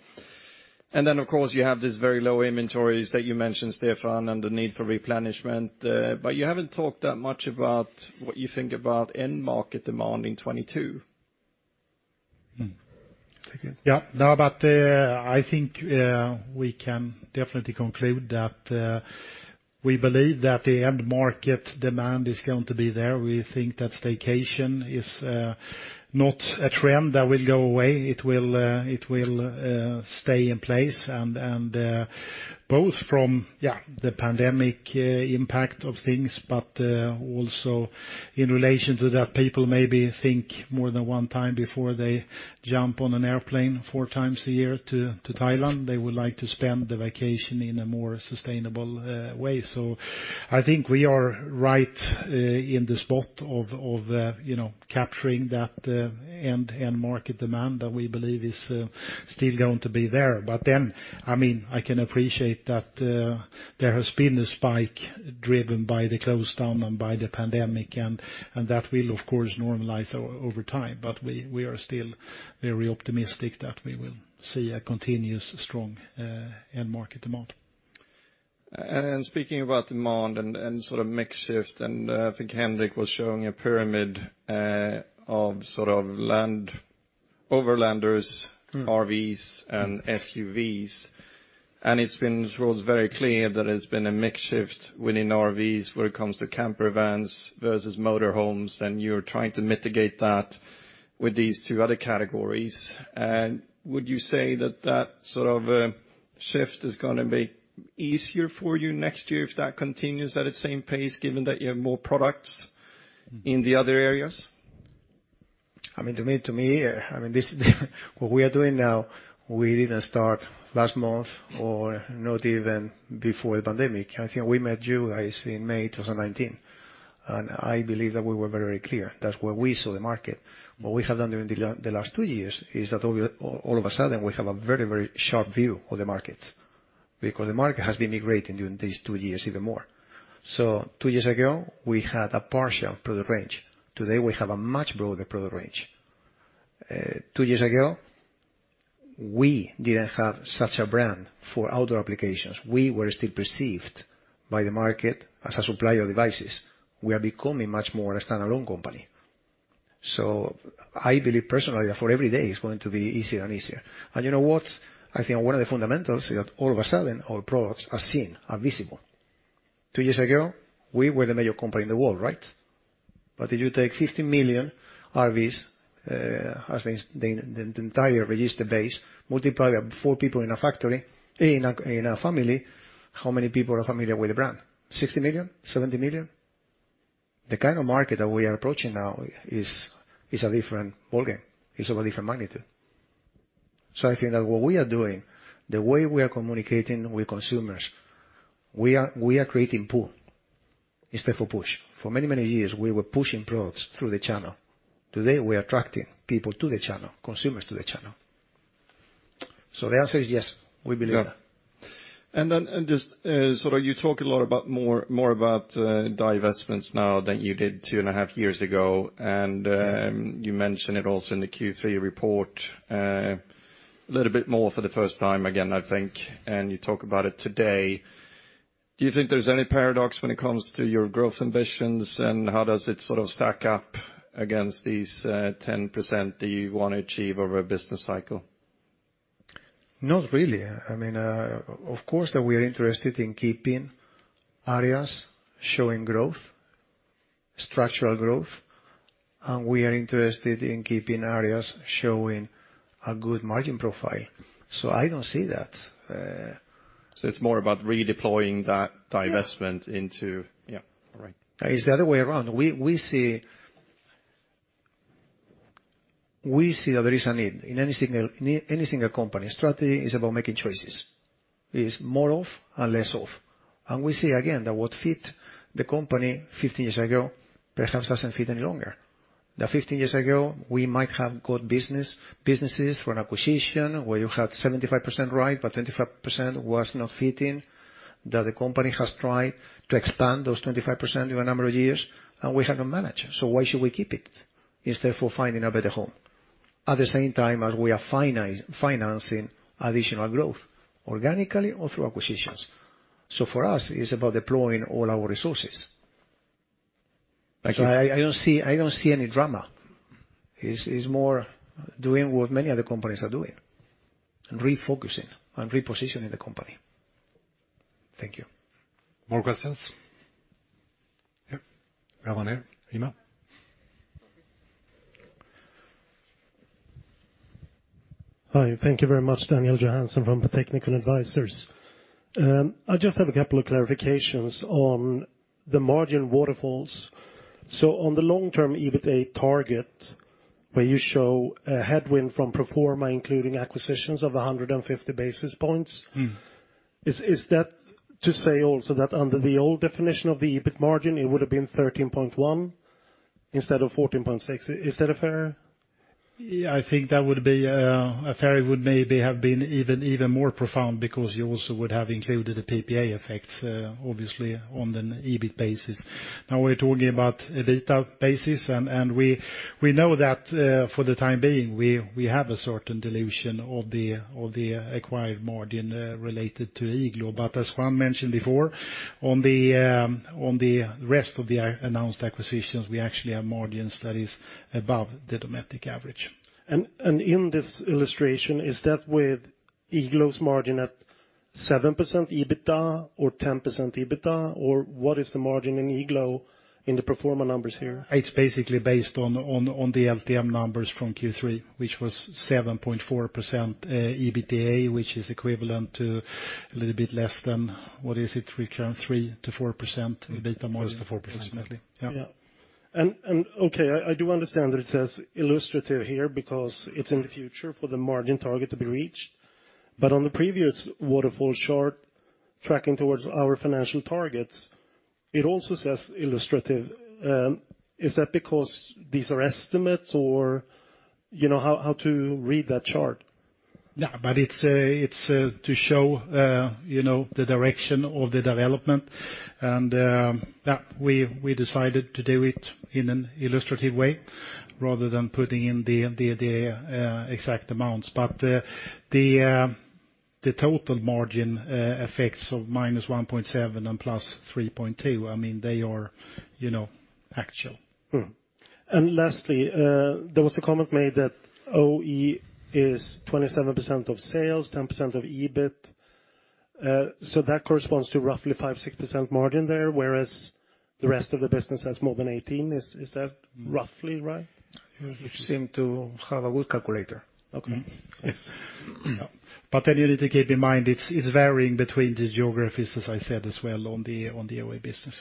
Of course, you have these very low inventories that you mentioned, Stefan, and the need for replenishment. You haven't talked that much about what you think about end market demand in 2022. Take it. I think we can definitely conclude that we believe that the end market demand is going to be there. We think that staycation is not a trend that will go away. It will stay in place and both from the pandemic impact of things, but also in relation to that, people maybe think more than one time before they jump on an airplane four times a year to Thailand. They would like to spend the vacation in a more sustainable way. I think we are right in the spot of you know, capturing that end market demand that we believe is still going to be there. I mean, I can appreciate that there has been a spike driven by the lockdown and by the pandemic and that will of course normalize over time. We are still very optimistic that we will see a continuously strong end market demand. Speaking about demand and sort of mix shift, I think Henrik was showing a pyramid of sort of overlanders, RVs and SUVs. It's been very clear that there's been a mix shift within RVs when it comes to camper vans versus motor homes, and you're trying to mitigate that with these two other categories. Would you say that that sort of shift is gonna be easier for you next year if that continues at the same pace, given that you have more products in the other areas? I mean, to me, this is the what we are doing now. We didn't start last month or not even before the pandemic. I think we met you guys in May 2019, and I believe that we were very clear. That's where we saw the market. What we have done during the last two years is that all of a sudden, we have a very sharp view of the market because the market has been migrating during these two years even more. Two years ago, we had a partial product range. Today, we have a much broader product range. Two years ago, we didn't have such a brand for outdoor applications. We were still perceived by the market as a supplier of devices. We are becoming much more a standalone company. I believe personally that for every day, it's going to be easier and easier. You know what? I think one of the fundamentals is that all of a sudden our products are seen, are visible. Two years ago, we were the major company in the world, right? But if you take 50 million RVs as the entire registered base, multiply by four people in a family, how many people are familiar with the brand? 60 million? 70 million? The kind of market that we are approaching now is a different ballgame. It's of a different magnitude. I think that what we are doing, the way we are communicating with consumers, we are creating pull instead of push. For many years, we were pushing products through the channel. Today, we are attracting people to the channel, consumers to the channel. The answer is yes, we believe that. You talk a lot more about divestments now than you did two and a half years ago. You mentioned it also in the Q3 report, a little bit more for the first time again, I think, and you talk about it today. Do you think there's any paradox when it comes to your growth ambitions, and how does it sort of stack up against these 10% that you wanna achieve over a business cycle? Not really. I mean, of course, that we are interested in keeping areas showing growth, structural growth, and we are interested in keeping areas showing a good margin profile. So I don't see that, It's more about redeploying that divestment into. Yeah. Yeah, all right. It's the other way around. We see that there is a need in any single company. Strategy is about making choices. It's more of and less of. We see again that what fit the company 15 years ago perhaps doesn't fit any longer. That 15 years ago, we might have got businesses from acquisition, where you had 75% right, but 25% was not fitting, that the company has tried to expand those 25% through a number of years, and we have not managed. Why should we keep it instead of finding a better home? At the same time as we are financing additional growth organically or through acquisitions. For us, it's about deploying all our resources. Thank you. I don't see any drama. It's more doing what many other companies are doing and refocusing and repositioning the company. Thank you. More questions? Yep. We have one here. Emma? Hi, thank you very much. Daniel Johansson from the Technical Advisors. I just have a couple of clarifications on the margin waterfalls. On the long-term EBITA target, where you show a headwind from pro forma, including acquisitions of 150 basis points- Mm-hmm. Is that to say also that under the old definition of the EBIT margin, it would have been 13.1% instead of 14.6%? Is that fair? Yeah, I think that would be maybe even more profound because you also would have included the PPA effects, obviously on an EBIT basis. Now we're talking about EBITDA basis, and we know that, for the time being, we have a certain dilution of the acquired margin related to Igloo. But as Juan mentioned before, on the rest of the announced acquisitions, we actually have margins that is above the Dometic average. In this illustration, is that with Igloo's margin at 7% EBITDA or 10% EBITDA, or what is the margin in Igloo in the pro forma numbers here? It's basically based on the LTM numbers from Q3, which was 7.4% EBITDA, which is equivalent to a little bit less than, what is it? 3.3%-4% EBITDA margin. Close to 4%, maybe. Yeah. Yeah. Okay, I do understand that it says illustrative here because it's in the future for the margin target to be reached. On the previous waterfall chart, tracking towards our financial targets, it also says illustrative. Is that because these are estimates or, you know, how to read that chart? No, it's to show, you know, the direction of the development. We decided to do it in an illustrative way rather than putting in the exact amounts. The total margin effects of -1.7% and +3.2%, I mean, they are, you know, actual. Lastly, there was a comment made that OEM is 27% of sales, 10% of EBIT. So that corresponds to roughly 5%-6% margin there, whereas the rest of the business has more than 18%. Is that roughly right? You seem to have a good calculator. Okay. Yes. You need to keep in mind, it's varying between the geographies, as I said, as well on the OE business.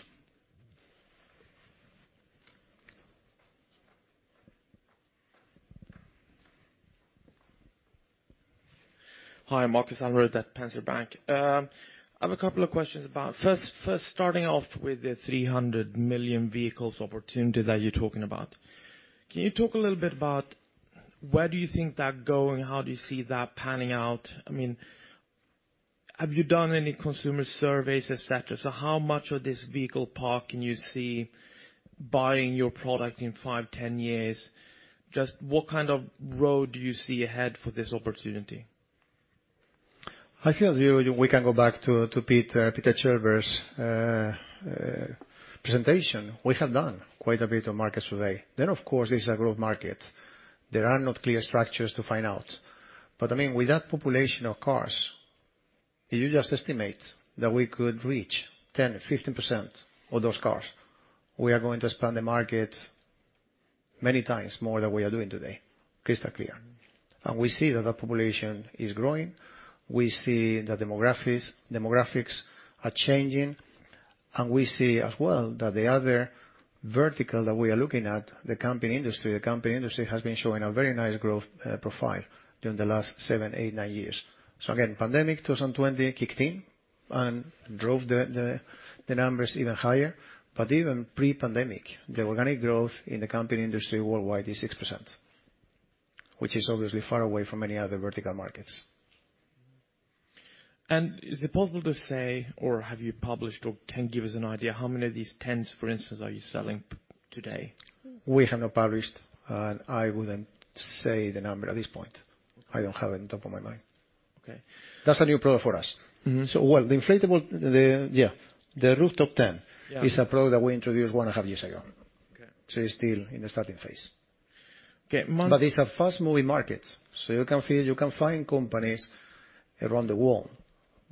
Hi, Markus Almerud at Erik Penser Bank. I have a couple of questions. First, starting off with the 300 million vehicles opportunity that you're talking about. Can you talk a little bit about where do you think that going? How do you see that panning out? I mean, have you done any consumer surveys, et cetera? How much of this vehicle park can you see buying your product in five, 10 years? Just what kind of road do you see ahead for this opportunity? I feel we can go back to Peter Kjellberg's presentation. We have done quite a bit of market survey. Of course, this is a growth market. There are no clear structures to find out. I mean, with that population of cars, if you just estimate that we could reach 10%-15% of those cars, we are going to expand the market many times more than we are doing today. Crystal clear. We see that the population is growing. We see the demographics are changing. We see as well that the other vertical that we are looking at, the camping industry. The camping industry has been showing a very nice growth profile during the last 7-9 years. Again, the 2020 pandemic kicked in and drove the numbers even higher. Even pre-pandemic, the organic growth in the camping industry worldwide is 6%, which is obviously far away from any other vertical markets. Is it possible to say, or have you published, or can give us an idea how many of these tents, for instance, are you selling today? We have not published, and I wouldn't say the number at this point. I don't have it on top of my mind. Okay. That's a new product for us. Mm-hmm. Well, the inflatable rooftop tent- Yeah. It is a product that we introduced one and a half years ago. Okay. It's still in the starting phase. Okay. It's a fast-moving market, so you can feel you can find companies around the world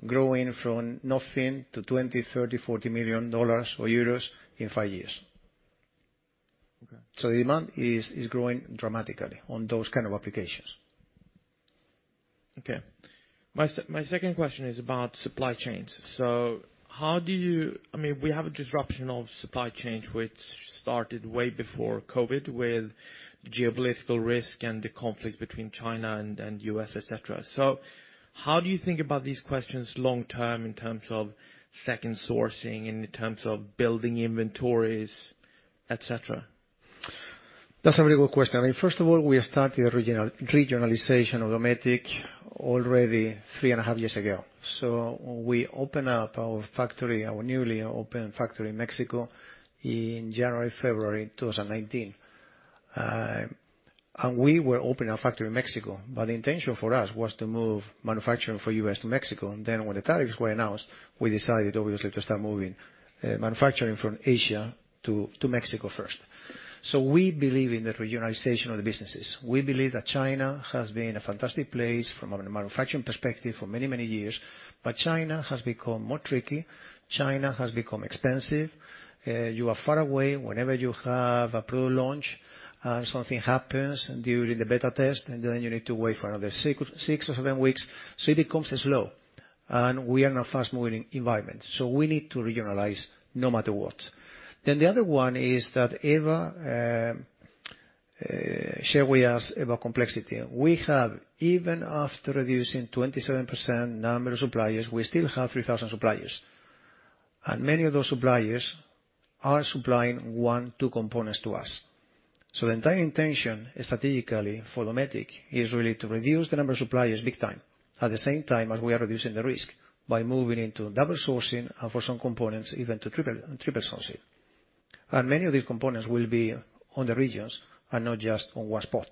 growing from nothing to $20 million, $30 million, $40 million or EUR 20 million, EUR 30 million, EUR 40 million in five years. Okay. Demand is growing dramatically on those kind of applications. Okay. My second question is about supply chains. How do you, I mean, we have a disruption of supply chains which started way before COVID with geopolitical risk and the conflicts between China and U.S., et cetera. How do you think about these questions long term in terms of second sourcing, in terms of building inventories, et cetera? That's a really good question. I mean, first of all, we started regionalization of Dometic already three and a half years ago. We opened up our factory, our newly opened factory in Mexico in January, February 2019. We were opening a factory in Mexico, but the intention for us was to move manufacturing for U.S. to Mexico. Then when the tariffs were announced, we decided obviously to start moving manufacturing from Asia to Mexico first. We believe in the regionalization of the businesses. We believe that China has been a fantastic place from a manufacturing perspective for many, many years, but China has become more tricky. China has become expensive. You are far away. Whenever you have a product launch, something happens during the beta test, and then you need to wait for another six or seven weeks. It becomes slow. We are in a fast-moving environment, so we need to regionalize no matter what. The other one is that Eva shared with us about complexity. We have, even after reducing 27% number of suppliers, we still have 3,000 suppliers. Many of those suppliers are supplying one, two components to us. The entire intention strategically for Dometic is really to reduce the number of suppliers big time, at the same time as we are reducing the risk by moving into double sourcing and for some components even to triple sourcing. Many of these components will be on the regions and not just on one spot.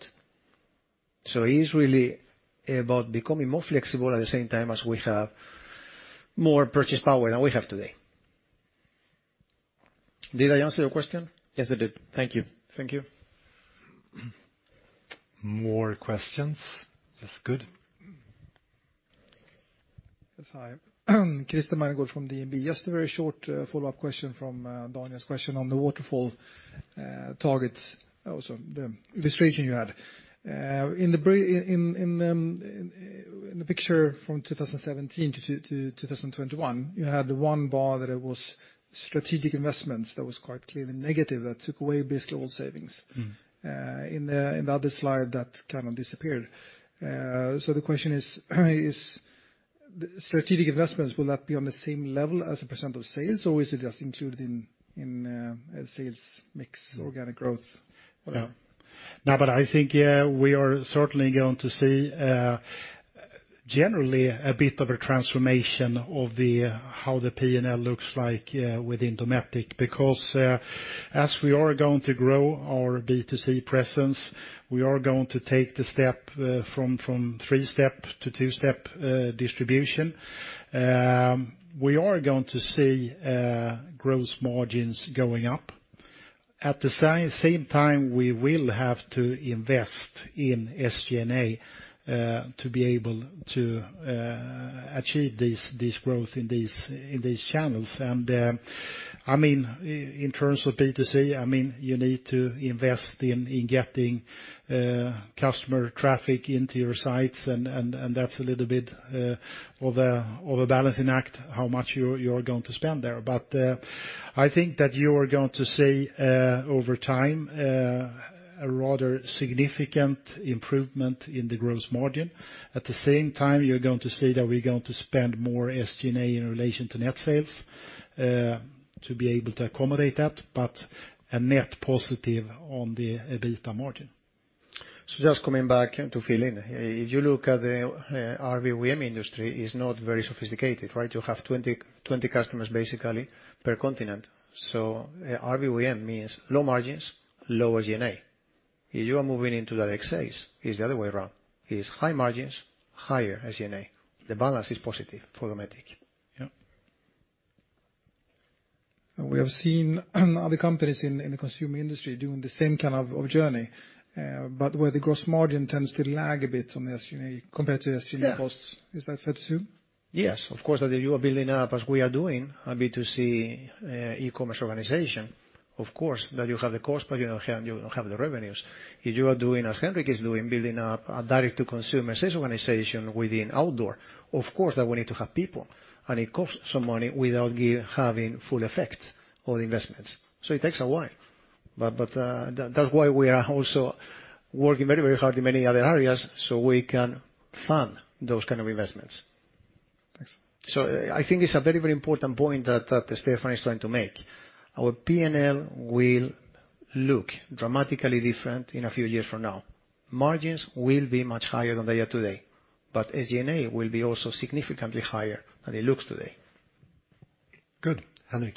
It is really about becoming more flexible at the same time as we have more purchasing power than we have today. Did I answer your question? Yes, you did. Thank you. Thank you. More questions. That's good. Yes. Hi. Christer Magnergård from DNB. Just a very short follow-up question from Daniel's question on the waterfall targets. Also the illustration you had. In the picture from 2017 to 2021, you had the one bar that it was strategic investments that was quite clearly negative, that took away basically all savings. Mm-hmm. In the other slide, that kind of disappeared. The question is the strategic investments, will that be on the same level as a percent of sales, or is it just included in sales mix, organic growth? Whatever. No, I think, yeah, we are certainly going to see, Generally a bit of a transformation of how the P&L looks like within Dometic because as we are going to grow our B2C presence, we are going to take the step from three-step to two-step distribution. We are going to see gross margins going up. At the same time, we will have to invest in SG&A to be able to achieve this growth in these channels. I mean, in terms of B2C, I mean, you need to invest in getting customer traffic into your sites, and that's a little bit of a balancing act, how much you're going to spend there. I think that you are going to see over time a rather significant improvement in the gross margin. At the same time, you're going to see that we're going to spend more SG&A in relation to net sales, to be able to accommodate that, but a net positive on the EBITDA margin. Just coming back to fill in. If you look at the RV OEM industry, it's not very sophisticated, right? You have 20 customers basically per continent. RV OEM means low margins, low SG&A. If you are moving into that X axis is the other way around, is high margins, higher SG&A. The balance is positive for Dometic. Yeah. We have seen other companies in the consumer industry doing the same kind of journey, but where the gross margin tends to lag a bit on the SG&A compared to SG&A costs. Yeah. Is that fair to assume? Yes. Of course, you are building up, as we are doing, a B2C e-commerce organization. Of course, that you have the cost, but you don't have the revenues. If you are doing as Henrik is doing, building up a direct-to-consumer sales organization within outdoor, of course that we need to have people, and it costs some money without you having full effect on investments. It takes a while. That's why we are also working very, very hard in many other areas, so we can fund those kind of investments. Thanks. I think it's a very, very important point that Stefan is trying to make. Our P&L will look dramatically different in a few years from now. Margins will be much higher than they are today, but SG&A will be also significantly higher than it looks today. Good, Henrik.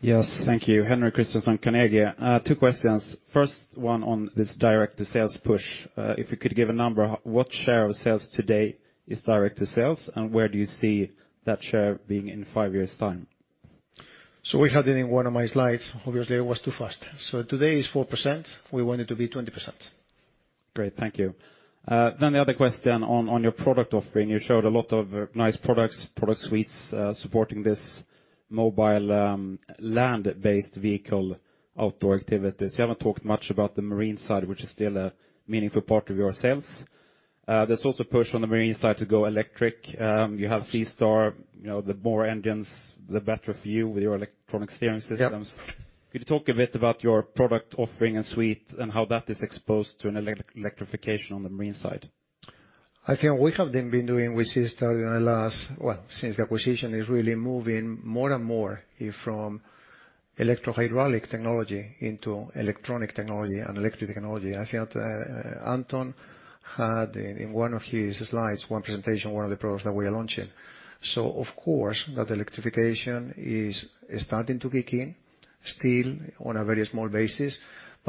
Yes. Thank you. Henrik Christiansson, Carnegie. Two questions. First one on this direct to sales push. If you could give a number, what share of sales today is direct to sales, and where do you see that share being in five years' time? We had it in one of my slides. Obviously, I was too fast. Today is 4%. We want it to be 20%. Great. Thank you. The other question on your product offering. You showed a lot of nice products, product suites supporting this mobile land-based vehicle outdoor activities. You haven't talked much about the marine side, which is still a meaningful part of your sales. There's also push on the marine side to go electric. You have SeaStar, you know, the more engines, the better for you with your electronic steering systems. Yeah. Could you talk a bit about your product offering and suite and how that is exposed to an electrification on the marine side? I think what we have been doing with SeaStar since the acquisition is really moving more and more from electrohydraulic technology into electronic technology and electric technology. I think that Anton had in one of his slides one of the products that we are launching. Of course, that electrification is starting to kick in, still on a very small basis.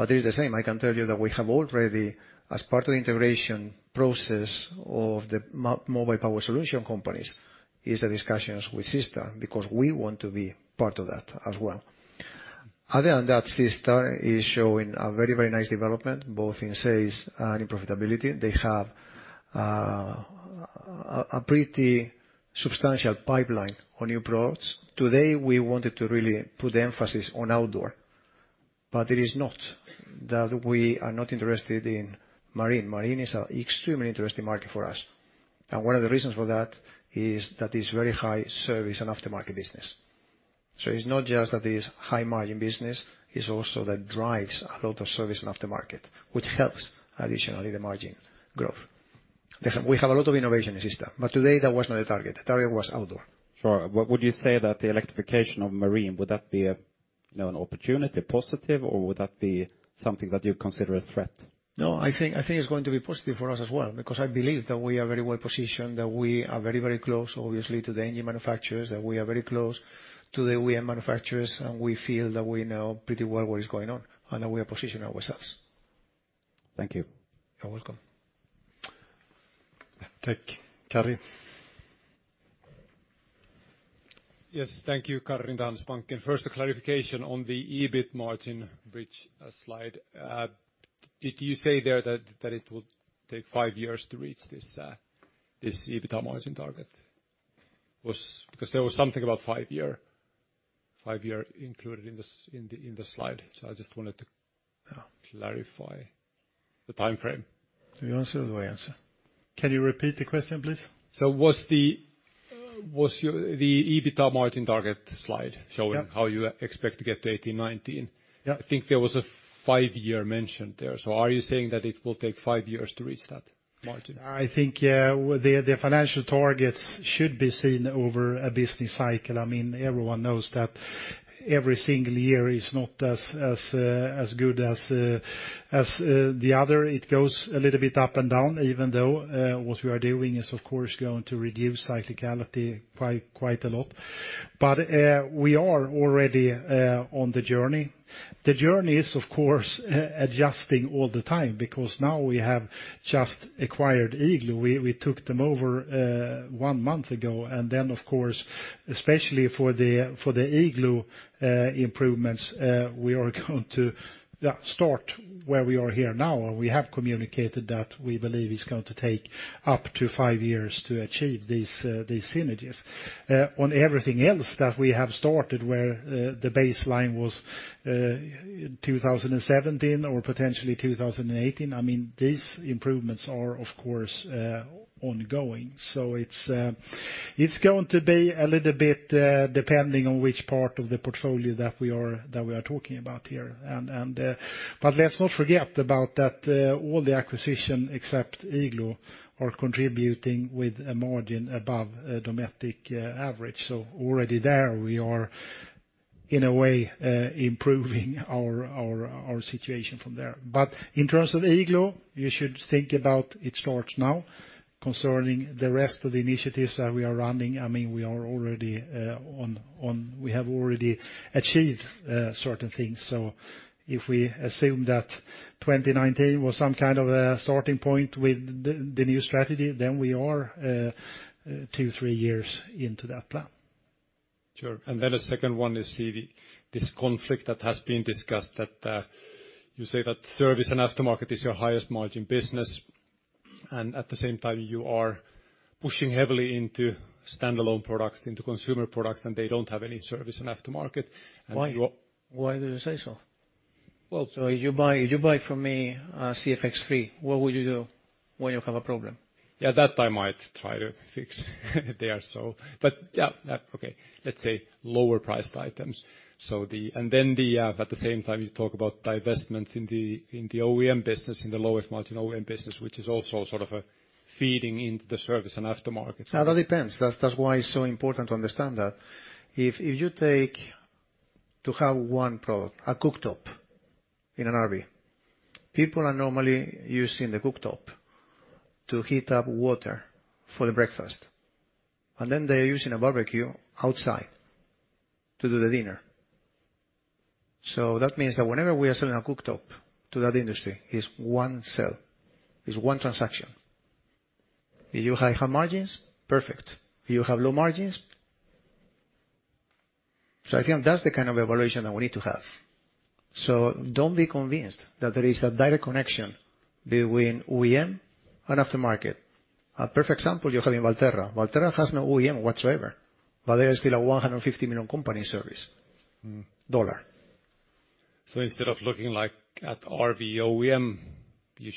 It's the same. I can tell you that we have already, as part of the integration process of the mobile power solution companies, discussions with SeaStar, because we want to be part of that as well. Other than that, SeaStar is showing a very nice development, both in sales and in profitability. They have a pretty substantial pipeline on new products. Today, we wanted to really put the emphasis on Outdoor, but it is not that we are not interested in Marine. Marine is an extremely interesting market for us. One of the reasons for that is that it's very high service and aftermarket business. It's not just that it's high-margin business, it's also that drives a lot of service and aftermarket, which helps additionally the margin growth. We have a lot of innovation in SeaStar, but today that was not a target. The target was Outdoor. Sure. Would you say that the electrification of marine, would that be a, you know, an opportunity positive, or would that be something that you consider a threat? No, I think it's going to be positive for us as well, because I believe that we are very well positioned, that we are very, very close, obviously, to the engine manufacturers, that we are very close to the OEM manufacturers, and we feel that we know pretty well what is going on and that we are positioning ourselves. Thank you. You're welcome. Thank you, Karri. Yes. Thank you. Karri, Danske Bank. First, a clarification on the EBIT margin bridge slide. Did you say there that it would take five years to reach this EBIT margin target? Because there was something about five year included in the slide. I just wanted to clarify the timeframe. Do you answer or do I answer? Can you repeat the question, please? What's your EBIT margin target slide showing? Yep. How you expect to get to 18, 19? Yep. I think there was a five-year mentioned there. Are you saying that it will take five years to reach that margin? I think, the financial targets should be seen over a business cycle. I mean, everyone knows that every single year is not as good as It goes a little bit up and down even though what we are doing is of course going to reduce cyclicality quite a lot. We are already on the journey. The journey is, of course, adjusting all the time because now we have just acquired Igloo. We took them over 1 month ago, and then of course, especially for the Igloo improvements, we are going to start where we are here now. We have communicated that we believe it's going to take up to 5 years to achieve these synergies. On everything else that we have started where the baseline was 2017 or potentially 2018, I mean, these improvements are, of course, ongoing. It's going to be a little bit depending on which part of the portfolio that we are talking about here. Let's not forget about that all the acquisition except Igloo are contributing with a margin above a Dometic average. Already there we are in a way improving our situation from there. In terms of Igloo, you should think about it starts now. Concerning the rest of the initiatives that we are running, I mean, we are already. We have already achieved certain things. If we assume that 2019 was some kind of a starting point with the new strategy, then we are 2-3 years into that plan. Sure. A second one is this conflict that has been discussed. You say that service and aftermarket is your highest margin business, and at the same time you are pushing heavily into standalone products, into consumer products, and they don't have any service and aftermarket. You- Why? Why do you say so? Well- If you buy from me a CFX3, what would you do when you have a problem? Yeah, that I might try to fix there. Let's say lower priced items. At the same time you talk about divestments in the OEM business, in the lowest margin OEM business, which is also sort of feeding into the service and aftermarket. Now, that depends. That's why it's so important to understand that. If you take to have one product, a cooktop in an RV. People are normally using the cooktop to heat up water for the breakfast, and then they are using a barbecue outside to do the dinner. That means that whenever we are selling a cooktop to that industry, it's one sale, it's one transaction. If you have high margins, perfect. If you have low margins. Again, that's the kind of evaluation that we need to have. Don't be convinced that there is a direct connection between OEM and aftermarket. A perfect example you have in Valterra. Valterra has no OEM whatsoever, but there is still a $150 million service company. Instead of looking at RV OEM,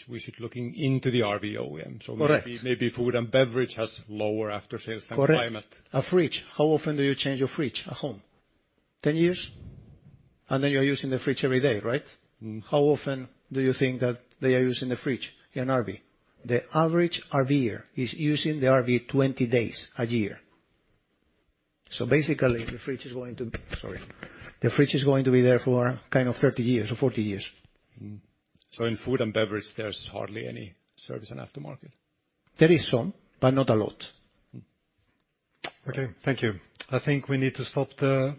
we should look into the RV OEM. Correct. Maybe food and beverage has lower after-sales than climate. Correct. A fridge. How often do you change a fridge at home? 10 years? You're using the fridge every day, right? Mm-hmm. How often do you think that they are using the fridge in RV? The average RVer is using the RV 20 days a year. The fridge is going to be there for kind of 30 years or 40 years. In food and beverage, there's hardly any service and aftermarket. There is some, but not a lot. Mm-hmm. Okay. Thank you. I think we need to stop the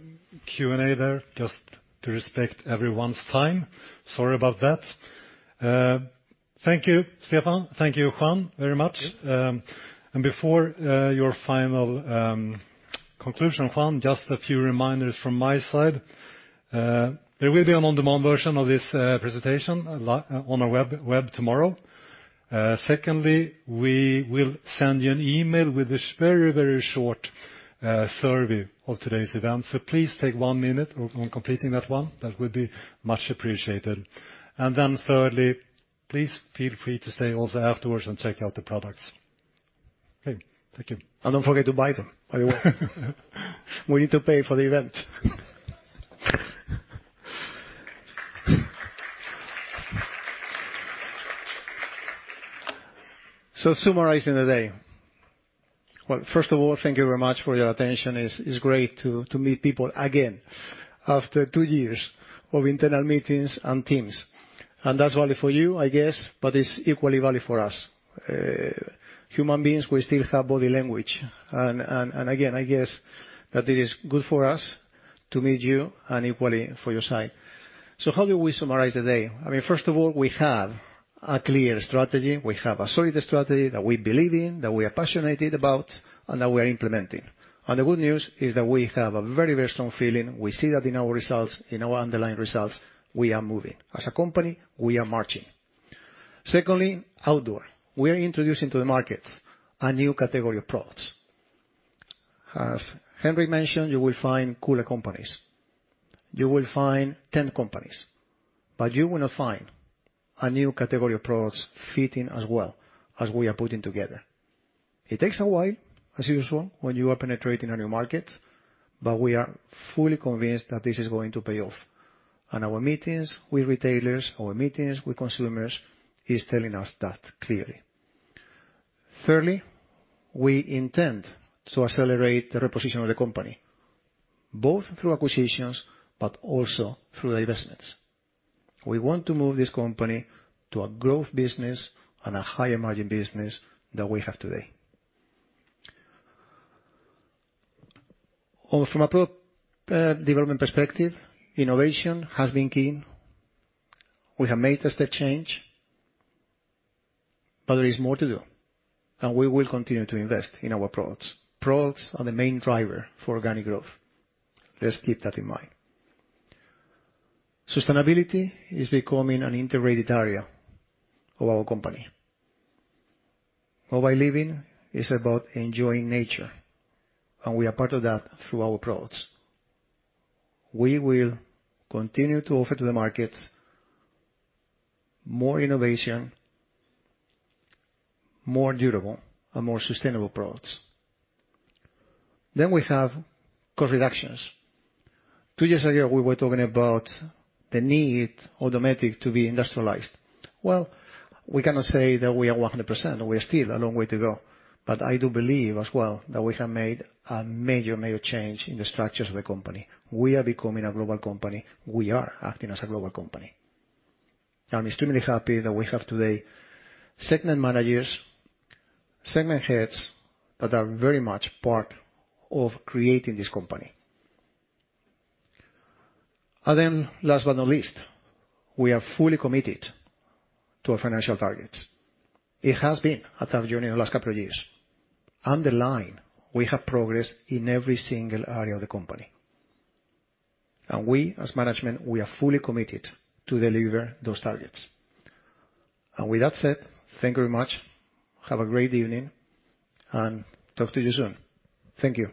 Q&A there just to respect everyone's time. Sorry about that. Thank you, Stefan. Thank you, Juan, very much. And before your final conclusion, Juan, just a few reminders from my side. There will be an on-demand version of this presentation on our web tomorrow. Secondly, we will send you an email with a very short survey of today's event. Please take one minute on completing that one. That would be much appreciated. Thirdly, please feel free to stay also afterwards and check out the products. Okay. Thank you. Don't forget to buy them, by the way. We need to pay for the event. Summarizing the day. Well, first of all, thank you very much for your attention. It's great to meet people again after two years of internal meetings and Teams. That's valid for you, I guess, but it's equally valid for us. Human beings, we still have body language. Again, I guess that it is good for us to meet you and equally for your side. How do we summarize the day? I mean, first of all, we have a clear strategy. We have a solid strategy that we believe in, that we are passionate about, and that we are implementing. The good news is that we have a very, very strong feeling. We see that in our results, in our underlying results. We are moving. As a company, we are marching. Secondly, outdoor. We are introducing to the market a new category of products. As Henrik mentioned, you will find cooler companies. You will find tent companies. But you will not find a new category of products fitting as well as we are putting together. It takes a while, as usual, when you are penetrating a new market, but we are fully convinced that this is going to pay off. Our meetings with retailers, our meetings with consumers is telling us that clearly. Thirdly, we intend to accelerate the reposition of the company, both through acquisitions but also through divestments. We want to move this company to a growth business and a higher margin business than we have today. From a product development perspective, innovation has been key. We have made a step change, but there is more to do, and we will continue to invest in our products. Products are the main driver for organic growth. Let's keep that in mind. Sustainability is becoming an integrated area of our company. Mobile living is about enjoying nature, and we are part of that through our products. We will continue to offer to the market more innovation, more durable and more sustainable products. We have cost reductions. Two years ago, we were talking about the need to automate to be industrialized. Well, we cannot say that we are 100%. We are still a long way to go, but I do believe as well that we have made a major change in the structures of the company. We are becoming a global company. We are acting as a global company. I'm extremely happy that we have today segment managers, segment heads that are very much part of creating this company. Then last but not least, we are fully committed to our financial targets. It has been a tough journey in the last couple of years. Underlined, we have progressed in every single area of the company. We, as management, are fully committed to deliver those targets. With that said, thank you very much. Have a great evening and talk to you soon. Thank you.